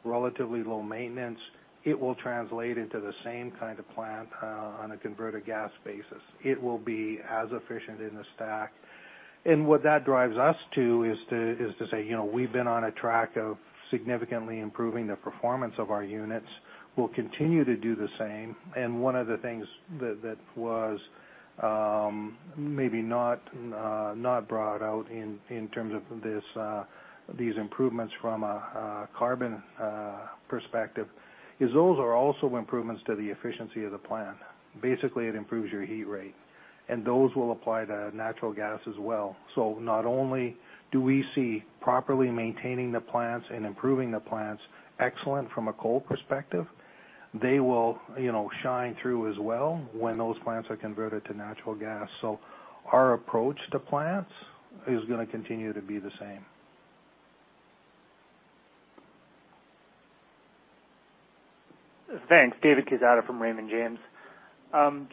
relatively low maintenance, it will translate into the same kind of plant on a converted gas basis. It will be as efficient in the stack. What that drives us to is to say, we've been on a track of significantly improving the performance of our units. We'll continue to do the same. One of the things that was maybe not brought out in terms of these improvements from a carbon perspective is those are also improvements to the efficiency of the plant. Basically, it improves your heat rate, those will apply to natural gas as well. Not only do we see properly maintaining the plants and improving the plants excellent from a coal perspective, they will shine through as well when those plants are converted to natural gas. Our approach to plants is going to continue to be the same. Thanks. David Quezada from Raymond James.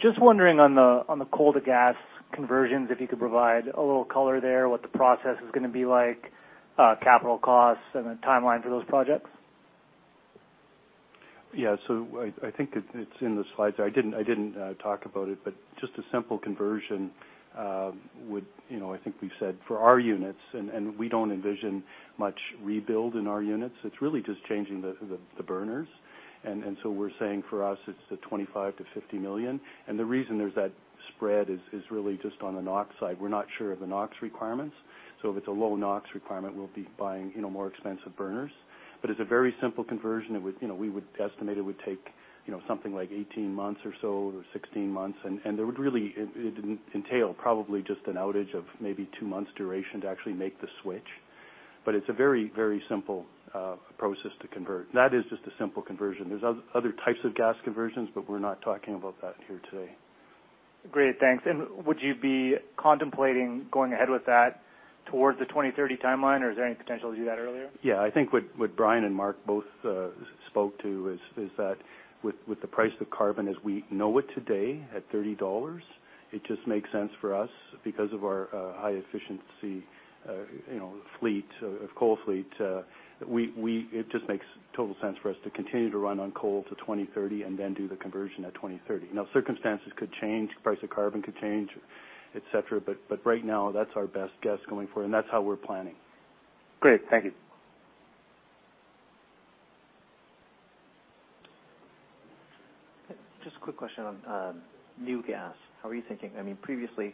Just wondering on the coal to gas conversions, if you could provide a little color there, what the process is going to be like, capital costs, and the timeline for those projects. Yeah. I think it's in the slides there. I didn't talk about it, but just a simple conversion would, I think we've said for our units, and we don't envision much rebuild in our units. It's really just changing the burners. We're saying for us it's the 25 million-50 million. The reason there's that spread is really just on the NOx side. We're not sure of the NOx requirements. If it's a low NOx requirement, we'll be buying more expensive burners. It's a very simple conversion. We would estimate it would take something like 18 months or so, or 16 months, and it would really entail probably just an outage of maybe two months duration to actually make the switch. It's a very simple process to convert. That is just a simple conversion. There's other types of gas conversions, we're not talking about that here today. Great. Thanks. Would you be contemplating going ahead with that towards the 2030 timeline or is there any potential to do that earlier? I think what Brian and Mark both spoke to is that with the price of carbon as we know it today at 30 dollars, it just makes sense for us because of our high efficiency coal fleet. It just makes total sense for us to continue to run on coal to 2030 and then do the conversion at 2030. Circumstances could change, price of carbon could change, et cetera, but right now that's our best guess going forward and that's how we're planning. Great. Thank you. Just a quick question on new gas. How are you thinking? Previously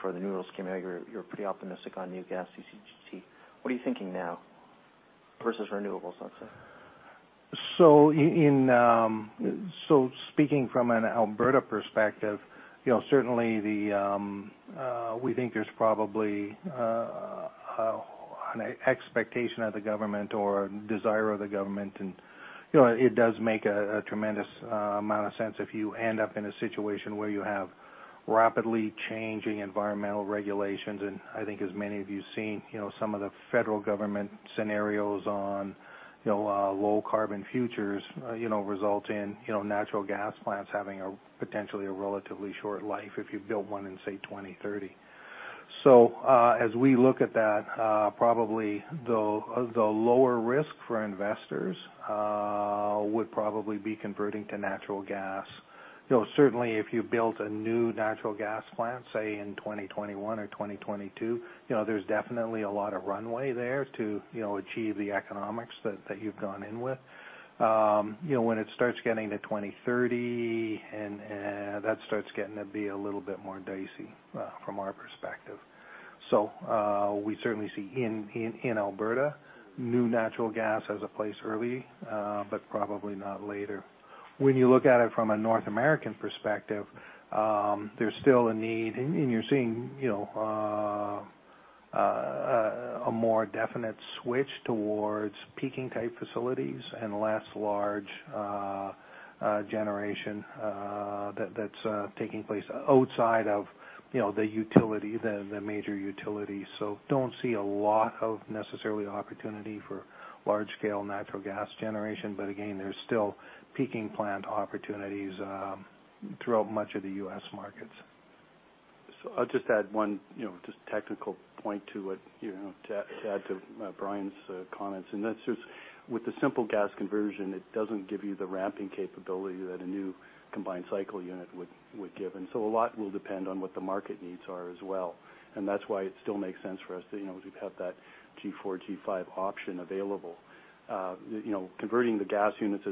for the new rules coming out, you were pretty optimistic on new gas CCGT. What are you thinking now versus renewables, let's say? Speaking from an Alberta perspective, certainly we think there's probably an expectation of the government or a desire of the government, and it does make a tremendous amount of sense if you end up in a situation where you have rapidly changing environmental regulations. I think as many of you've seen, some of the federal government scenarios on low carbon futures result in natural gas plants having potentially a relatively short life if you build one in, say, 2030. As we look at that, probably the lower risk for investors would probably be converting to natural gas. Certainly if you built a new natural gas plant, say in 2021 or 2022, there's definitely a lot of runway there to achieve the economics that you've gone in with. When it starts getting to 2030, that starts getting to be a little bit more dicey from our perspective. We certainly see in Alberta, new natural gas has a place early, but probably not later. When you look at it from a North American perspective, there's still a need, and you're seeing a more definite switch towards peaking type facilities and less large generation that's taking place outside of the major utilities. Don't see a lot of necessarily opportunity for large scale natural gas generation. Again, there's still peaking plant opportunities throughout much of the U.S. markets. I'll just add one just technical point to add to Brian's comments, and that's just with the simple gas conversion, it doesn't give you the ramping capability that a new combined cycle unit would give. A lot will depend on what the market needs are as well, and that's why it still makes sense for us to have that G4, G5 option available. Converting the gas units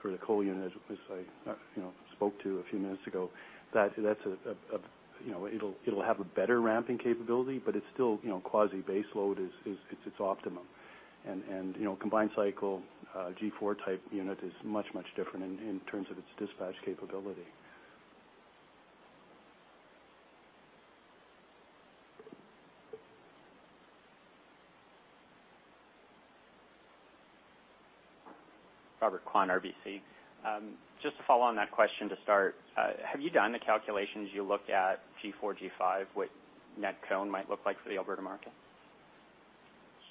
for the coal unit, as I spoke to a few minutes ago, it'll have a better ramping capability, but it's still quasi baseload is its optimum. Combined cycle G4 type unit is much, much different in terms of its dispatch capability. Robert Kwan, RBC. Just to follow on that question to start, have you done the calculations? You look at G4, G5, what net CONE might look like for the Alberta market?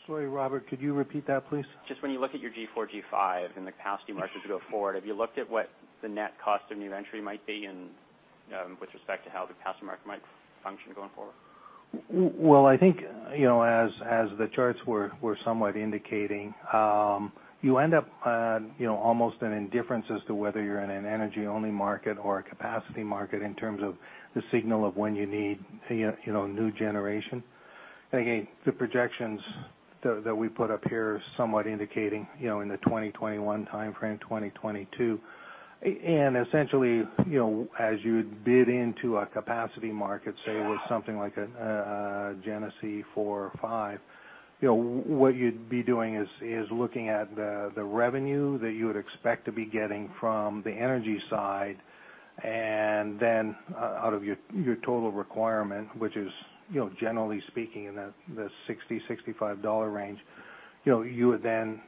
Sorry, Robert, could you repeat that, please? When you look at your G4, G5 and the capacity markets go forward, have you looked at what the net cost of new entry might be in with respect to how the capacity market might function going forward? I think, as the charts were somewhat indicating, you end up almost an indifference as to whether you're in an energy-only market or a capacity market in terms of the signal of when you need new generation. Again, the projections that we put up here are somewhat indicating in the 2021 timeframe, 2022. Essentially, as you'd bid into a capacity market, say with something like a Genesee 4 or 5, what you'd be doing is looking at the revenue that you would expect to be getting from the energy side, and then out of your total requirement, which is generally speaking, in the 60 dollar, 65 dollar range, you would then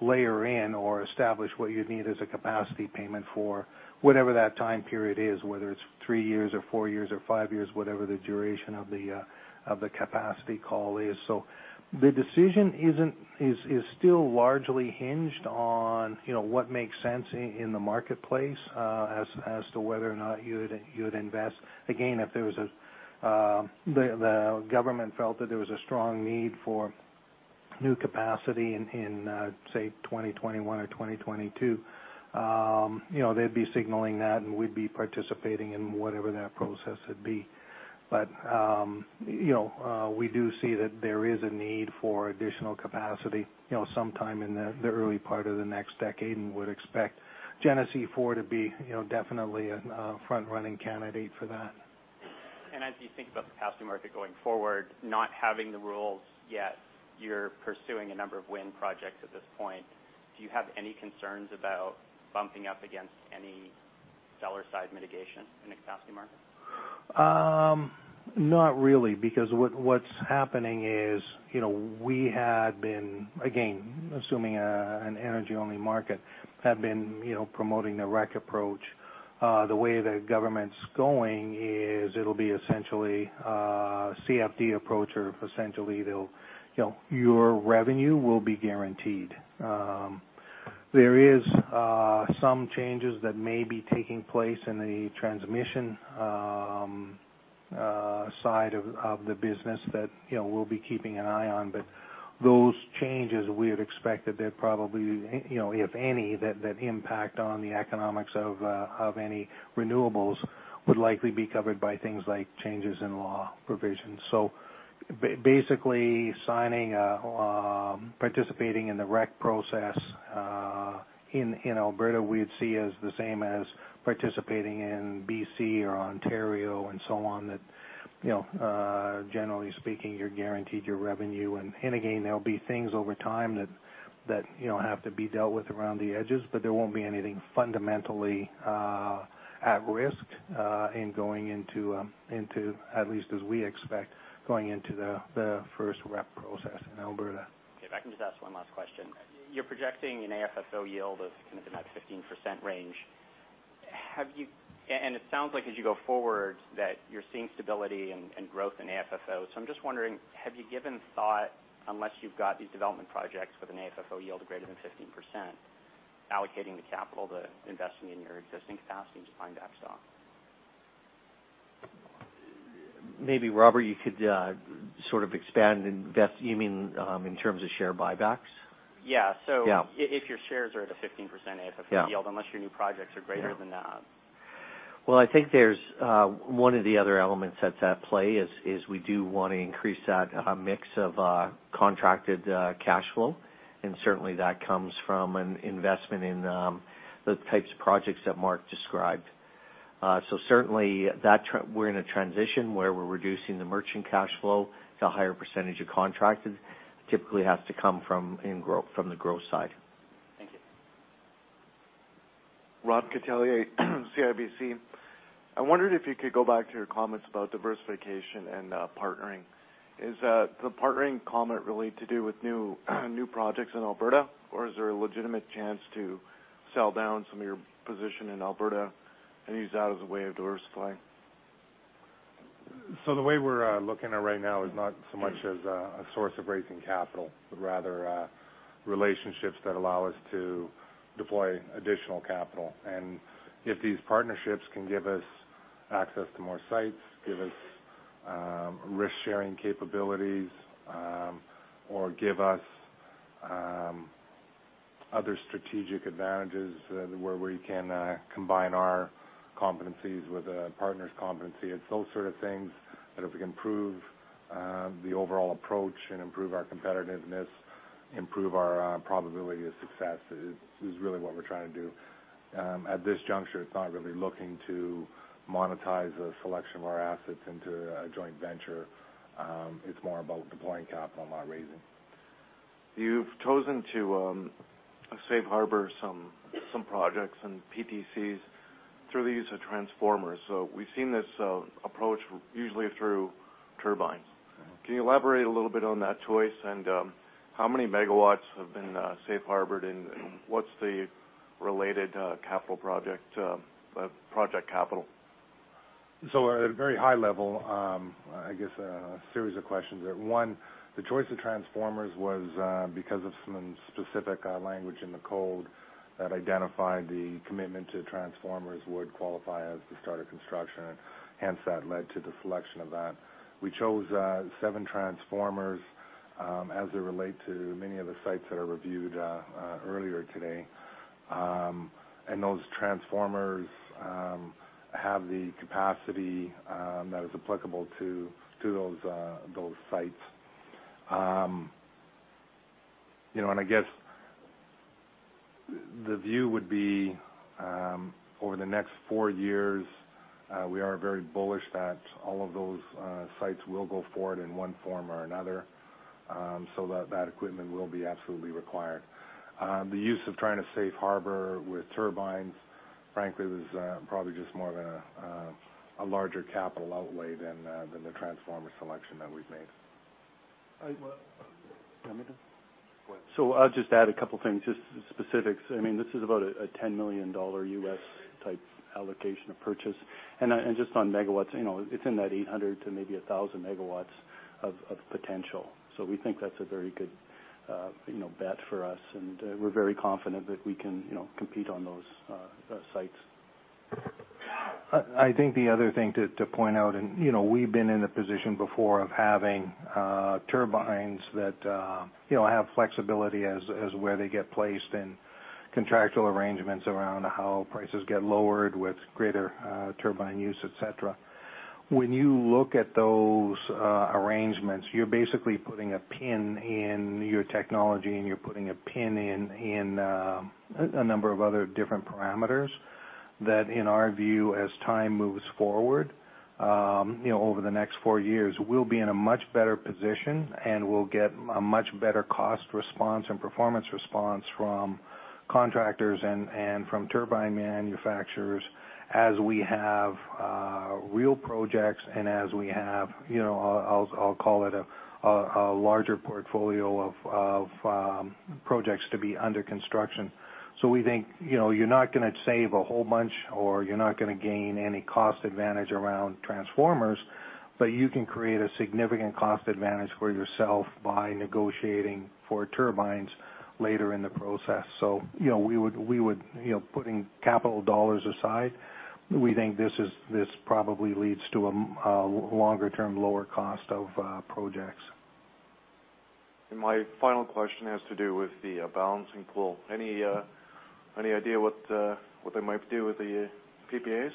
layer in or establish what you'd need as a capacity payment for whatever that time period is, whether it's three years or four years, or five years, whatever the duration of the capacity call is. The decision is still largely hinged on what makes sense in the marketplace, as to whether or not you would invest. Again, if the government felt that there was a strong need for new capacity in, say, 2021 or 2022, they'd be signaling that, and we'd be participating in whatever that process would be. We do see that there is a need for additional capacity sometime in the early part of the next decade and would expect Genesee 4 to be definitely a front-running candidate for that. As you think about the capacity market going forward, not having the rules yet, you're pursuing a number of wind projects at this point. Do you have any concerns about bumping up against any dollar size mitigation in the capacity market? Not really, because what's happening is we had been, again, assuming an energy-only market, had been promoting the REC approach. The way the government's going is it'll be essentially a CFD approach, or essentially, your revenue will be guaranteed. There is some changes that may be taking place in the transmission side of the business that we'll be keeping an eye on. Those changes, we would expect that they'd probably, if any, that impact on the economics of any renewables would likely be covered by things like changes in law provisions. Basically, participating in the REC process in Alberta, we'd see as the same as participating in B.C. or Ontario and so on. That, generally speaking, you're guaranteed your revenue. Again, there'll be things over time that have to be dealt with around the edges, but there won't be anything fundamentally at risk in going into, at least as we expect, going into the first REC process in Alberta. Okay. If I can just ask one last question. You're projecting an AFFO yield of kind of in that 15% range. It sounds like as you go forward, that you're seeing stability and growth in AFFO. I'm just wondering, have you given thought, unless you've got these development projects with an AFFO yield greater than 15%, allocating the capital to investing in your existing capacity to find that stock? Maybe, Robert, you could sort of expand. You mean in terms of share buybacks? Yeah. Yeah. If your shares are at a 15% AFFO- Yeah yield, unless your new projects are greater than that. Well, I think there's one of the other elements that's at play is we do want to increase that mix of contracted cash flow, and certainly that comes from an investment in the types of projects that Mark described. Certainly, we're in a transition where we're reducing the merchant cash flow to a higher percentage of contracted. Typically has to come from the growth side. Thank you. Rob Catellier, CIBC. I wondered if you could go back to your comments about diversification and partnering. Is the partnering comment really to do with new projects in Alberta, or is there a legitimate chance to sell down some of your position in Alberta and use that as a way of diversifying? The way we're looking at it right now is not so much as a source of raising capital, but rather relationships that allow us to deploy additional capital. If these partnerships can give us access to more sites, give us risk-sharing capabilities, or give us other strategic advantages where we can combine our competencies with a partner's competency. It's those sort of things that if we can improve the overall approach and improve our competitiveness, improve our probability of success, is really what we're trying to do. At this juncture, it's not really looking to monetize a selection of our assets into a joint venture. It's more about deploying capital, not raising. You've chosen to safe harbor some projects and PTCs through the use of transformers. We've seen this approach usually through turbines. Can you elaborate a little bit on that choice, and how many megawatts have been safe harbored, and what's the related project capital? At a very high level, I guess a series of questions there. One, the choice of transformers was because of some specific language in the code that identified the commitment to transformers would qualify as the start of construction, and hence, that led to the selection of that. We chose seven transformers as they relate to many of the sites that are reviewed earlier today. Those transformers have the capacity that is applicable to those sites. I guess the view would be, over the next four years, we are very bullish that all of those sites will go forward in one form or another, so that equipment will be absolutely required. The use of trying to safe harbor with turbines, frankly, was probably just more of a larger capital outlay than the transformer selection that we've made. You want me to? Go ahead. I'll just add a couple things, just some specifics. This is about a $10 million US-type allocation of purchase. Just on megawatts, it's in that 800 to maybe 1,000 megawatts of potential. We think that's a very good bet for us, and we're very confident that we can compete on those sites. I think the other thing to point out, we've been in a position before of having turbines that have flexibility as where they get placed and contractual arrangements around how prices get lowered with greater turbine use, et cetera. When you look at those arrangements, you're basically putting a pin in your technology, and you're putting a pin in a number of other different parameters that, in our view, as time moves forward, over the next four years, we'll be in a much better position, and we'll get a much better cost response and performance response from contractors and from turbine manufacturers as we have real projects and as we have, I'll call it, a larger portfolio of projects to be under construction. We think you're not going to save a whole bunch, you're not going to gain any cost advantage around transformers, you can create a significant cost advantage for yourself by negotiating for turbines later in the process. Putting capital dollars aside, we think this probably leads to a longer-term, lower cost of projects. My final question has to do with the Balancing Pool. Any idea what they might do with the PPAs?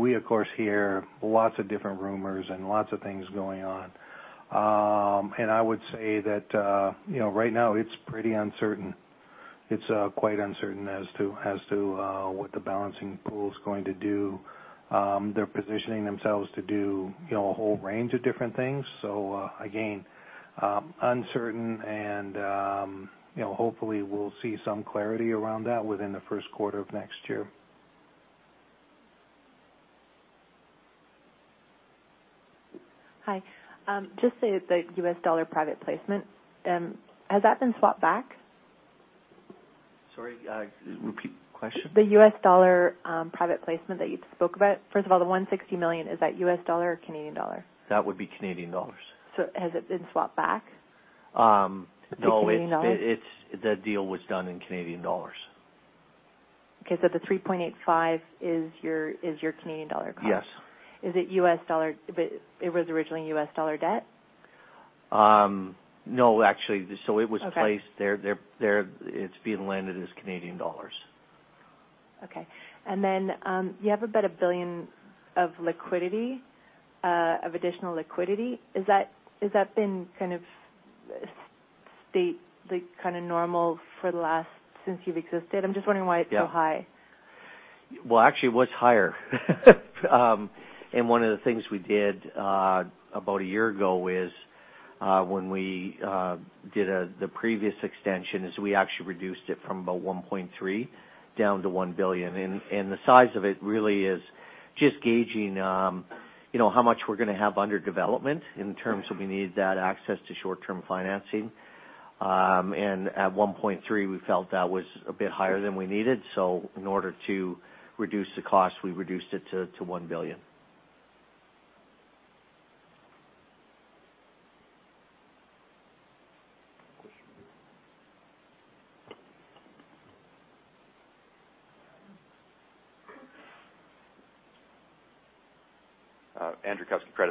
We, of course, hear lots of different rumors and lots of things going on. I would say that right now it's pretty uncertain. It's quite uncertain as to what the Balancing Pool is going to do. They're positioning themselves to do a whole range of different things. Again, uncertain and hopefully we'll see some clarity around that within the first quarter of next year. Hi. Just the US dollar private placement. Has that been swapped back? Sorry. Repeat the question. The US dollar private placement that you spoke about. First of all, the 160 million, is that US dollar or Canadian dollar? That would be Canadian dollars. Has it been swapped back to Canadian dollars? No, the deal was done in Canadian dollars. Okay. The 3.85 is your Canadian dollar cost. Yes. It was originally U.S. dollar debt? No, actually. Okay. It was placed there. It's being lent as Canadian dollars. Okay. You have about 1 billion of additional liquidity. Has that been kind of normal since you've existed? I'm just wondering why it's so high. Well, actually, it was higher. One of the things we did about a year ago is, when we did the previous extension, is we actually reduced it from about 1.3 billion down to 1 billion. The size of it really is just gauging how much we're going to have under development in terms of we need that access to short-term financing. At 1.3 billion, we felt that was a bit higher than we needed. In order to reduce the cost, we reduced it to 1 billion.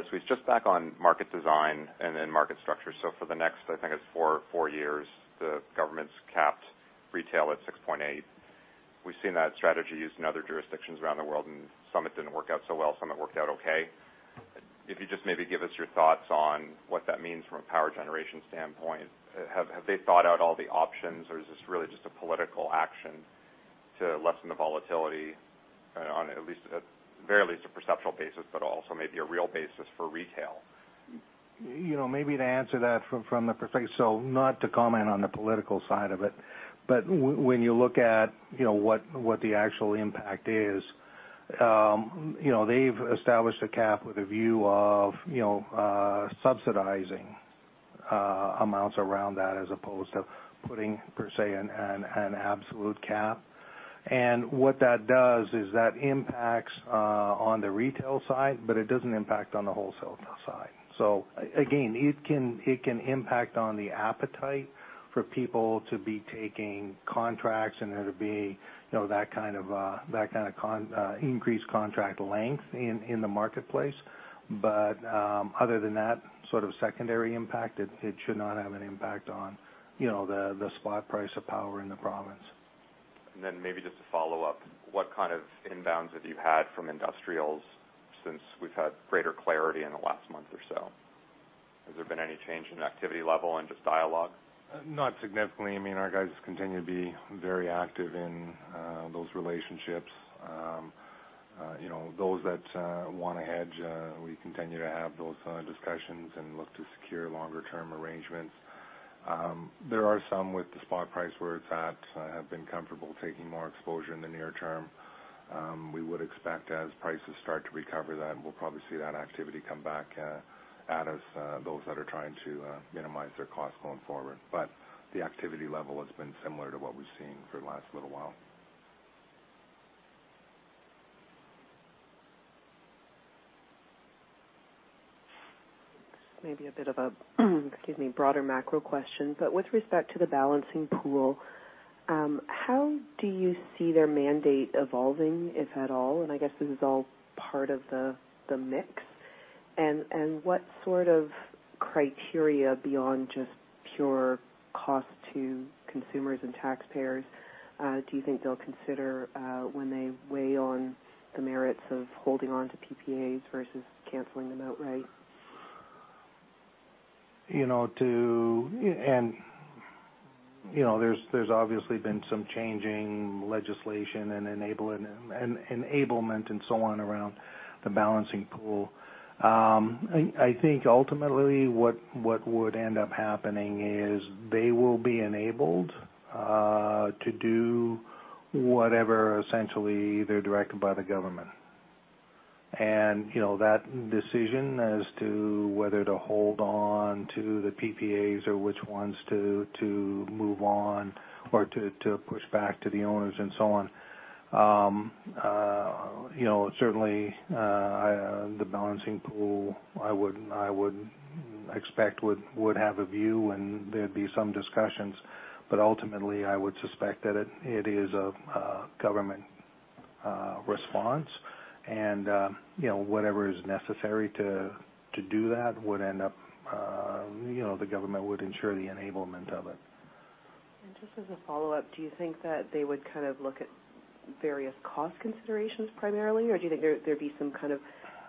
Question here. Andrew Kuske, Credit Suisse. Just back on market design and then market structure. For the next, I think it's four years, the government's capped retail at 6.8. We've seen that strategy used in other jurisdictions around the world, and some it didn't work out so well, some it worked out okay. If you just maybe give us your thoughts on what that means from a power generation standpoint. Have they thought out all the options, or is this really just a political action to lessen the volatility on at least a perceptual basis, but also maybe a real basis for retail? Maybe to answer that from the perspective. Not to comment on the political side of it, but when you look at what the actual impact is, they've established a cap with a view of subsidizing amounts around that as opposed to putting per se, an absolute cap. What that does is that impacts on the retail side, but it doesn't impact on the wholesale side. Again, it can impact on the appetite for people to be taking contracts and there to be that kind of increased contract length in the marketplace. Other than that sort of secondary impact, it should not have an impact on the spot price of power in the province. Maybe just to follow up, what kind of inbounds have you had from industrials since we've had greater clarity in the last month or so? Has there been any change in activity level and just dialogue? Not significantly. I mean, our guys continue to be very active in those relationships. Those that want to hedge we continue to have those discussions and look to secure longer-term arrangements. There are some with the spot price where it's at have been comfortable taking more exposure in the near term. We would expect as prices start to recover, that we'll probably see that activity come back at us, those that are trying to minimize their cost going forward. The activity level has been similar to what we've seen for the last little while. Maybe a bit of a broader macro question with respect to the Balancing Pool, how do you see their mandate evolving, if at all? I guess this is all part of the mix. What sort of criteria beyond just pure cost to consumers and taxpayers do you think they'll consider when they weigh on the merits of holding onto PPAs versus canceling them outright? There's obviously been some changing legislation and enablement and so on around the Balancing Pool. I think ultimately what would end up happening is they will be enabled to do whatever essentially they're directed by the government. That decision as to whether to hold on to the PPAs or which ones to move on or to push back to the owners and so on. Certainly the Balancing Pool I would expect would have a view and there'd be some discussions, ultimately I would suspect that it is a government response and whatever is necessary to do that, the government would ensure the enablement of it. Just as a follow-up, do you think that they would kind of look at various cost considerations primarily, or do you think there'd be some kind of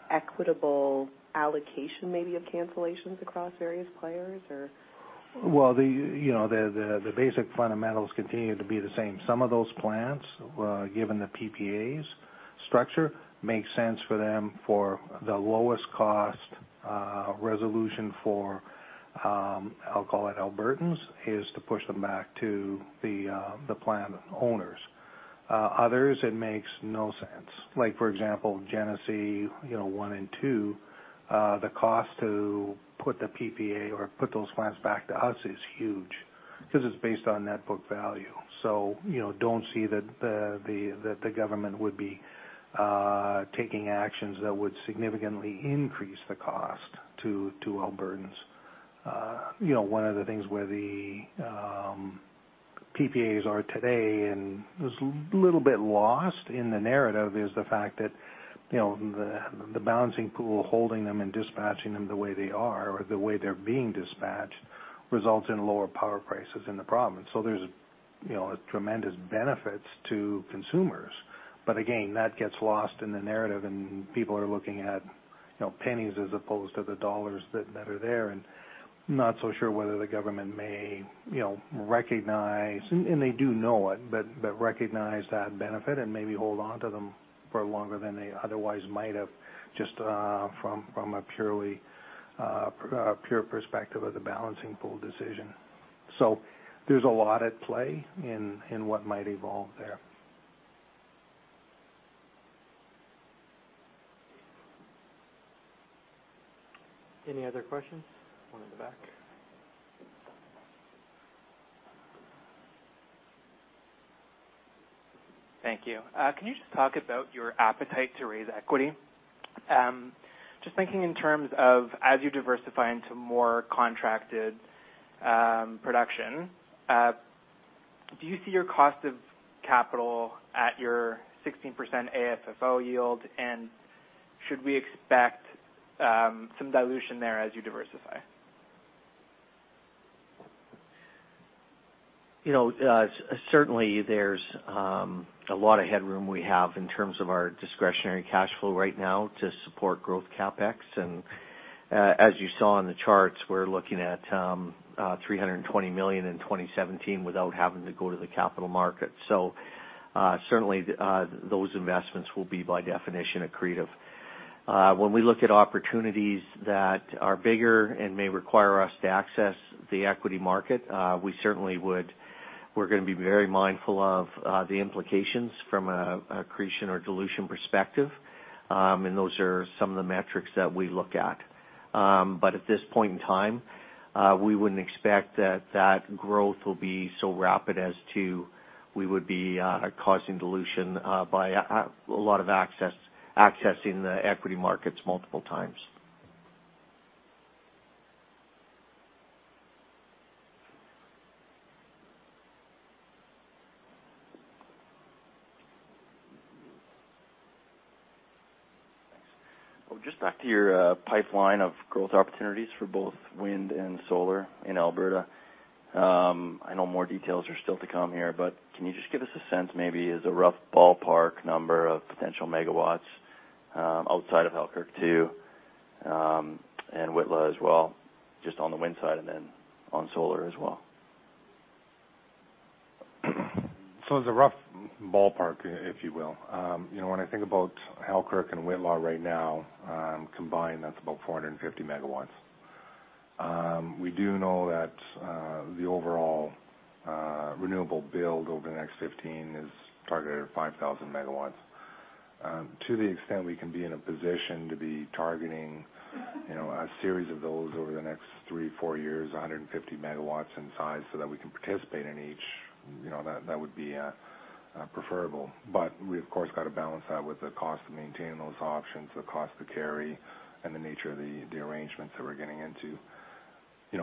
equitable allocation maybe of cancellations across various players, or? Well, the basic fundamentals continue to be the same. Some of those plants, given the PPAs structure, makes sense for them for the lowest cost resolution for, I'll call it Albertans, is to push them back to the plant owners. Others, it makes no sense. Like, for example, Genesee 1 and 2, the cost to put the PPA or put those plants back to us is huge because it's based on net book value. Don't see that the government would be taking actions that would significantly increase the cost to Albertans. One of the things where the PPAs are today, and it's a little bit lost in the narrative, is the fact that the Balancing Pool, holding them and dispatching them the way they are or the way they're being dispatched, results in lower power prices in the province. There's a tremendous benefit to consumers. Again, that gets lost in the narrative and people are looking at pennies as opposed to the dollars that are there and not so sure whether the government may recognize, and they do know it, but recognize that benefit and maybe hold onto them for longer than they otherwise might have just from a pure perspective of the Balancing Pool decision. There's a lot at play in what might evolve there. Any other questions? One at the back. Thank you. Can you just talk about your appetite to raise equity? Just thinking in terms of as you diversify into more contracted production, do you see your cost of capital at your 16% AFFO yield? And should we expect some dilution there as you diversify? Certainly there's a lot of headroom we have in terms of our discretionary cash flow right now to support growth CapEx. As you saw in the charts, we're looking at 320 million in 2017 without having to go to the capital market. Certainly, those investments will be by definition, accretive. When we look at opportunities that are bigger and may require us to access the equity market, we're going to be very mindful of the implications from an accretion or dilution perspective. Those are some of the metrics that we look at. At this point in time, we wouldn't expect that growth will be so rapid as to we would be causing dilution by a lot of accessing the equity markets multiple times. Thanks. Well, just back to your pipeline of growth opportunities for both wind and solar in Alberta. I know more details are still to come here, but can you just give us a sense, maybe as a rough ballpark number of potential megawatts outside of Halkirk 2, and Whitla as well, just on the wind side and then on solar as well? As a rough ballpark, if you will. When I think about Halkirk and Whitla right now, combined, that's about 450 MW. We do know that the overall renewable build over the next 15 is targeted at 5,000 MW. To the extent we can be in a position to be targeting a series of those over the next three, four years, 150 MW in size so that we can participate in each, that would be preferable. We of course, got to balance that with the cost of maintaining those options, the cost to carry, and the nature of the arrangements that we're getting into.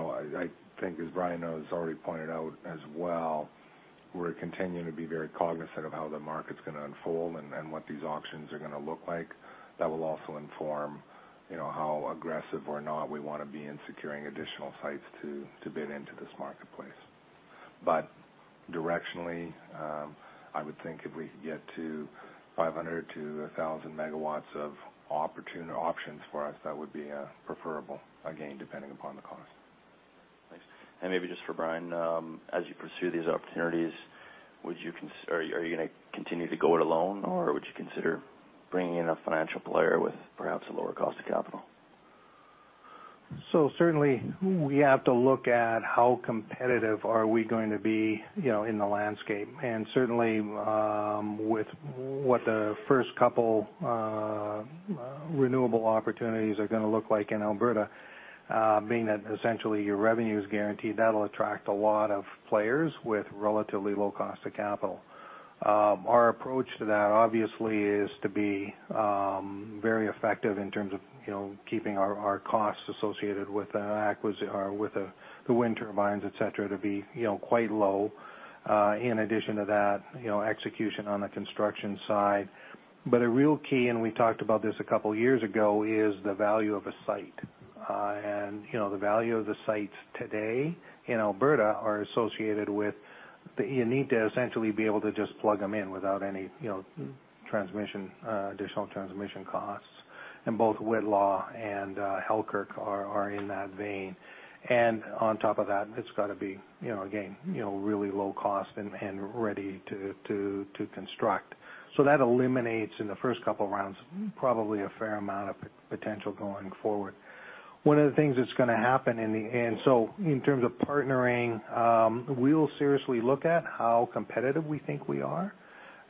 I think as Brian has already pointed out as well, we're continuing to be very cognizant of how the market's going to unfold and what these auctions are going to look like. That will also inform how aggressive or not we want to be in securing additional sites to bid into this marketplace. Directionally, I would think if we could get to 500-1,000 MW of options for us, that would be preferable. Again, depending upon the cost. Thanks. Maybe just for Brian, as you pursue these opportunities, are you going to continue to go it alone or would you consider bringing in a financial player with perhaps a lower cost of capital? Certainly, we have to look at how competitive are we going to be in the landscape. Certainly, with what the first couple renewable opportunities are going to look like in Alberta. Being that essentially your revenue is guaranteed, that'll attract a lot of players with relatively low cost of capital. Our approach to that obviously is to be very effective in terms of keeping our costs associated with the wind turbines, et cetera, to be quite low. In addition to that, execution on the construction side. A real key, and we talked about this a couple of years ago, is the value of a site. The value of the sites today in Alberta are associated with, you need to essentially be able to just plug them in without any additional transmission costs. Both Whitla and Halkirk are in that vein. On top of that, it's got to be, again, really low cost and ready to construct. That eliminates in the first couple of rounds, probably a fair amount of potential going forward. One of the things that's going to happen in the end. In terms of partnering, we will seriously look at how competitive we think we are.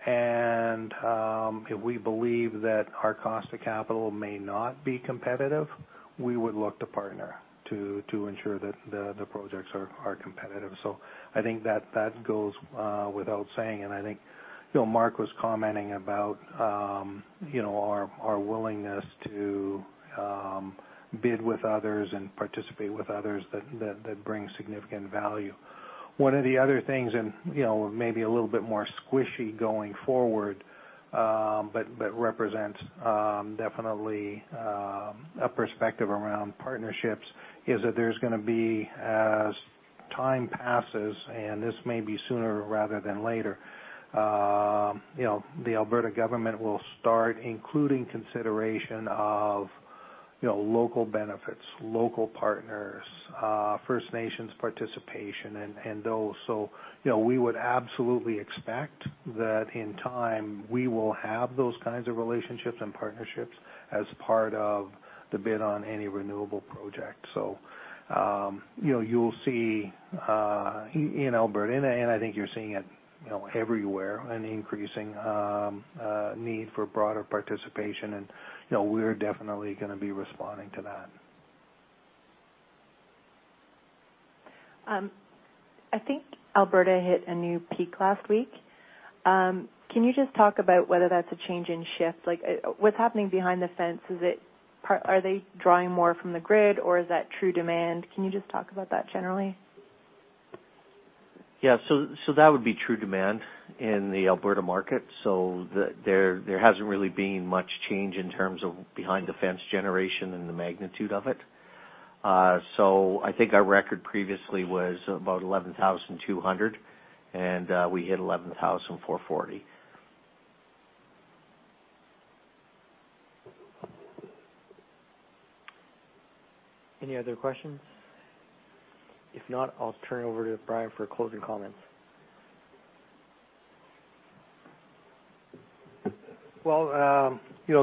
If we believe that our cost of capital may not be competitive, we would look to partner to ensure that the projects are competitive. I think that goes without saying. I think Mark was commenting about our willingness to bid with others and participate with others that bring significant value. One of the other things, and maybe a little bit more squishy going forward, but represents definitely a perspective around partnerships, is that there's going to be, as time passes, and this may be sooner rather than later. The Alberta government will start including consideration of local benefits, local partners, First Nations participation, and those. We would absolutely expect that in time we will have those kinds of relationships and partnerships as part of the bid on any renewable project. You'll see in Alberta, and I think you're seeing it everywhere, an increasing need for broader participation, and we're definitely going to be responding to that. I think Alberta hit a new peak last week. Can you just talk about whether that's a change in shift? What's happening behind the fence? Are they drawing more from the grid or is that true demand? Can you just talk about that generally? Yeah. That would be true demand in the Alberta market. There hasn't really been much change in terms of behind-the-fence generation and the magnitude of it. I think our record previously was about 11,200, and we hit 11,440. Any other questions? If not, I'll turn it over to Brian for closing comments.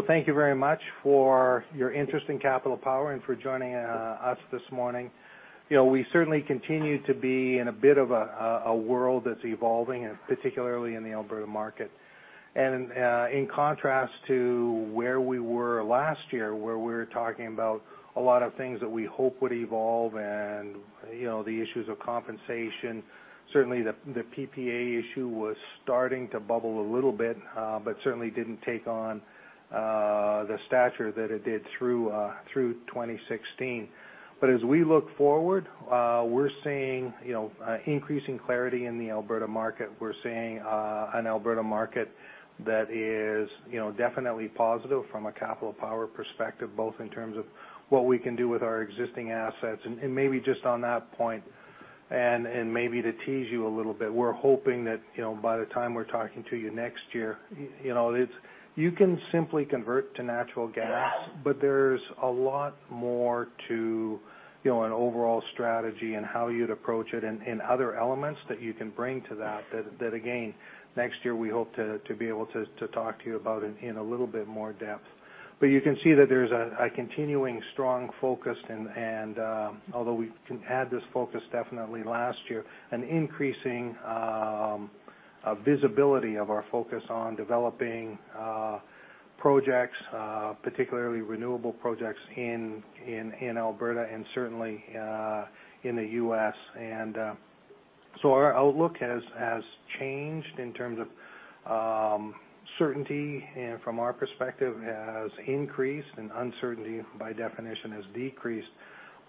Thank you very much for your interest in Capital Power and for joining us this morning. We certainly continue to be in a bit of a world that's evolving, and particularly in the Alberta market. In contrast to where we were last year, where we were talking about a lot of things that we hope would evolve and, the issues of compensation. Certainly, the PPA issue was starting to bubble a little bit, but certainly didn't take on the stature that it did through 2016. As we look forward, we're seeing increasing clarity in the Alberta market. We're seeing an Alberta market that is definitely positive from a Capital Power perspective, both in terms of what we can do with our existing assets. Maybe just on that point, and maybe to tease you a little bit, we're hoping that, by the time we're talking to you next year, you can simply convert to natural gas. There's a lot more to an overall strategy and how you'd approach it and other elements that you can bring to that again, next year, we hope to be able to talk to you about it in a little bit more depth. You can see that there's a continuing strong focus, and although we had this focus definitely last year. An increasing visibility of our focus on developing projects, particularly renewable projects in Alberta and certainly, in the U.S. Our outlook has changed in terms of certainty, and from our perspective, has increased, and uncertainty, by definition, has decreased.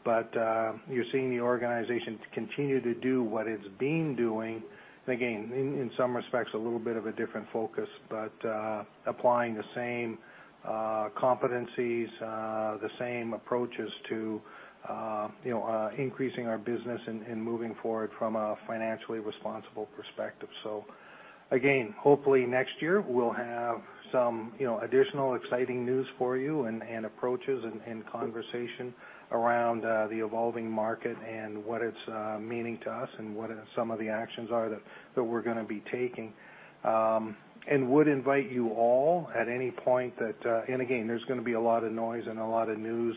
You're seeing the organization continue to do what it's been doing. In some respects, a little bit of a different focus, but applying the same competencies, the same approaches to increasing our business and moving forward from a financially responsible perspective. Hopefully next year, we'll have some additional exciting news for you and approaches and conversation around the evolving market and what it's meaning to us and what some of the actions are that we're going to be taking. There's going to be a lot of noise and a lot of news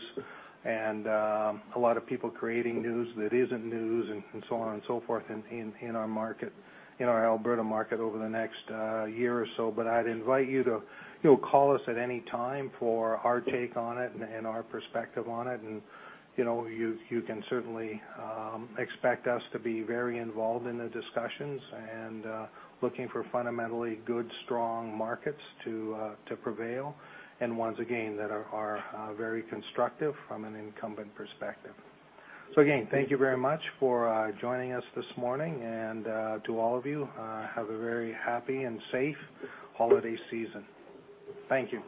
and a lot of people creating news that isn't news and so on and so forth in our Alberta market over the next year or so. I'd invite you to call us at any time for our take on it and our perspective on it. You can certainly expect us to be very involved in the discussions and looking for fundamentally good, strong markets to prevail. Once again, that are very constructive from an incumbent perspective. Thank you very much for joining us this morning and to all of you, have a very happy and safe holiday season. Thank you.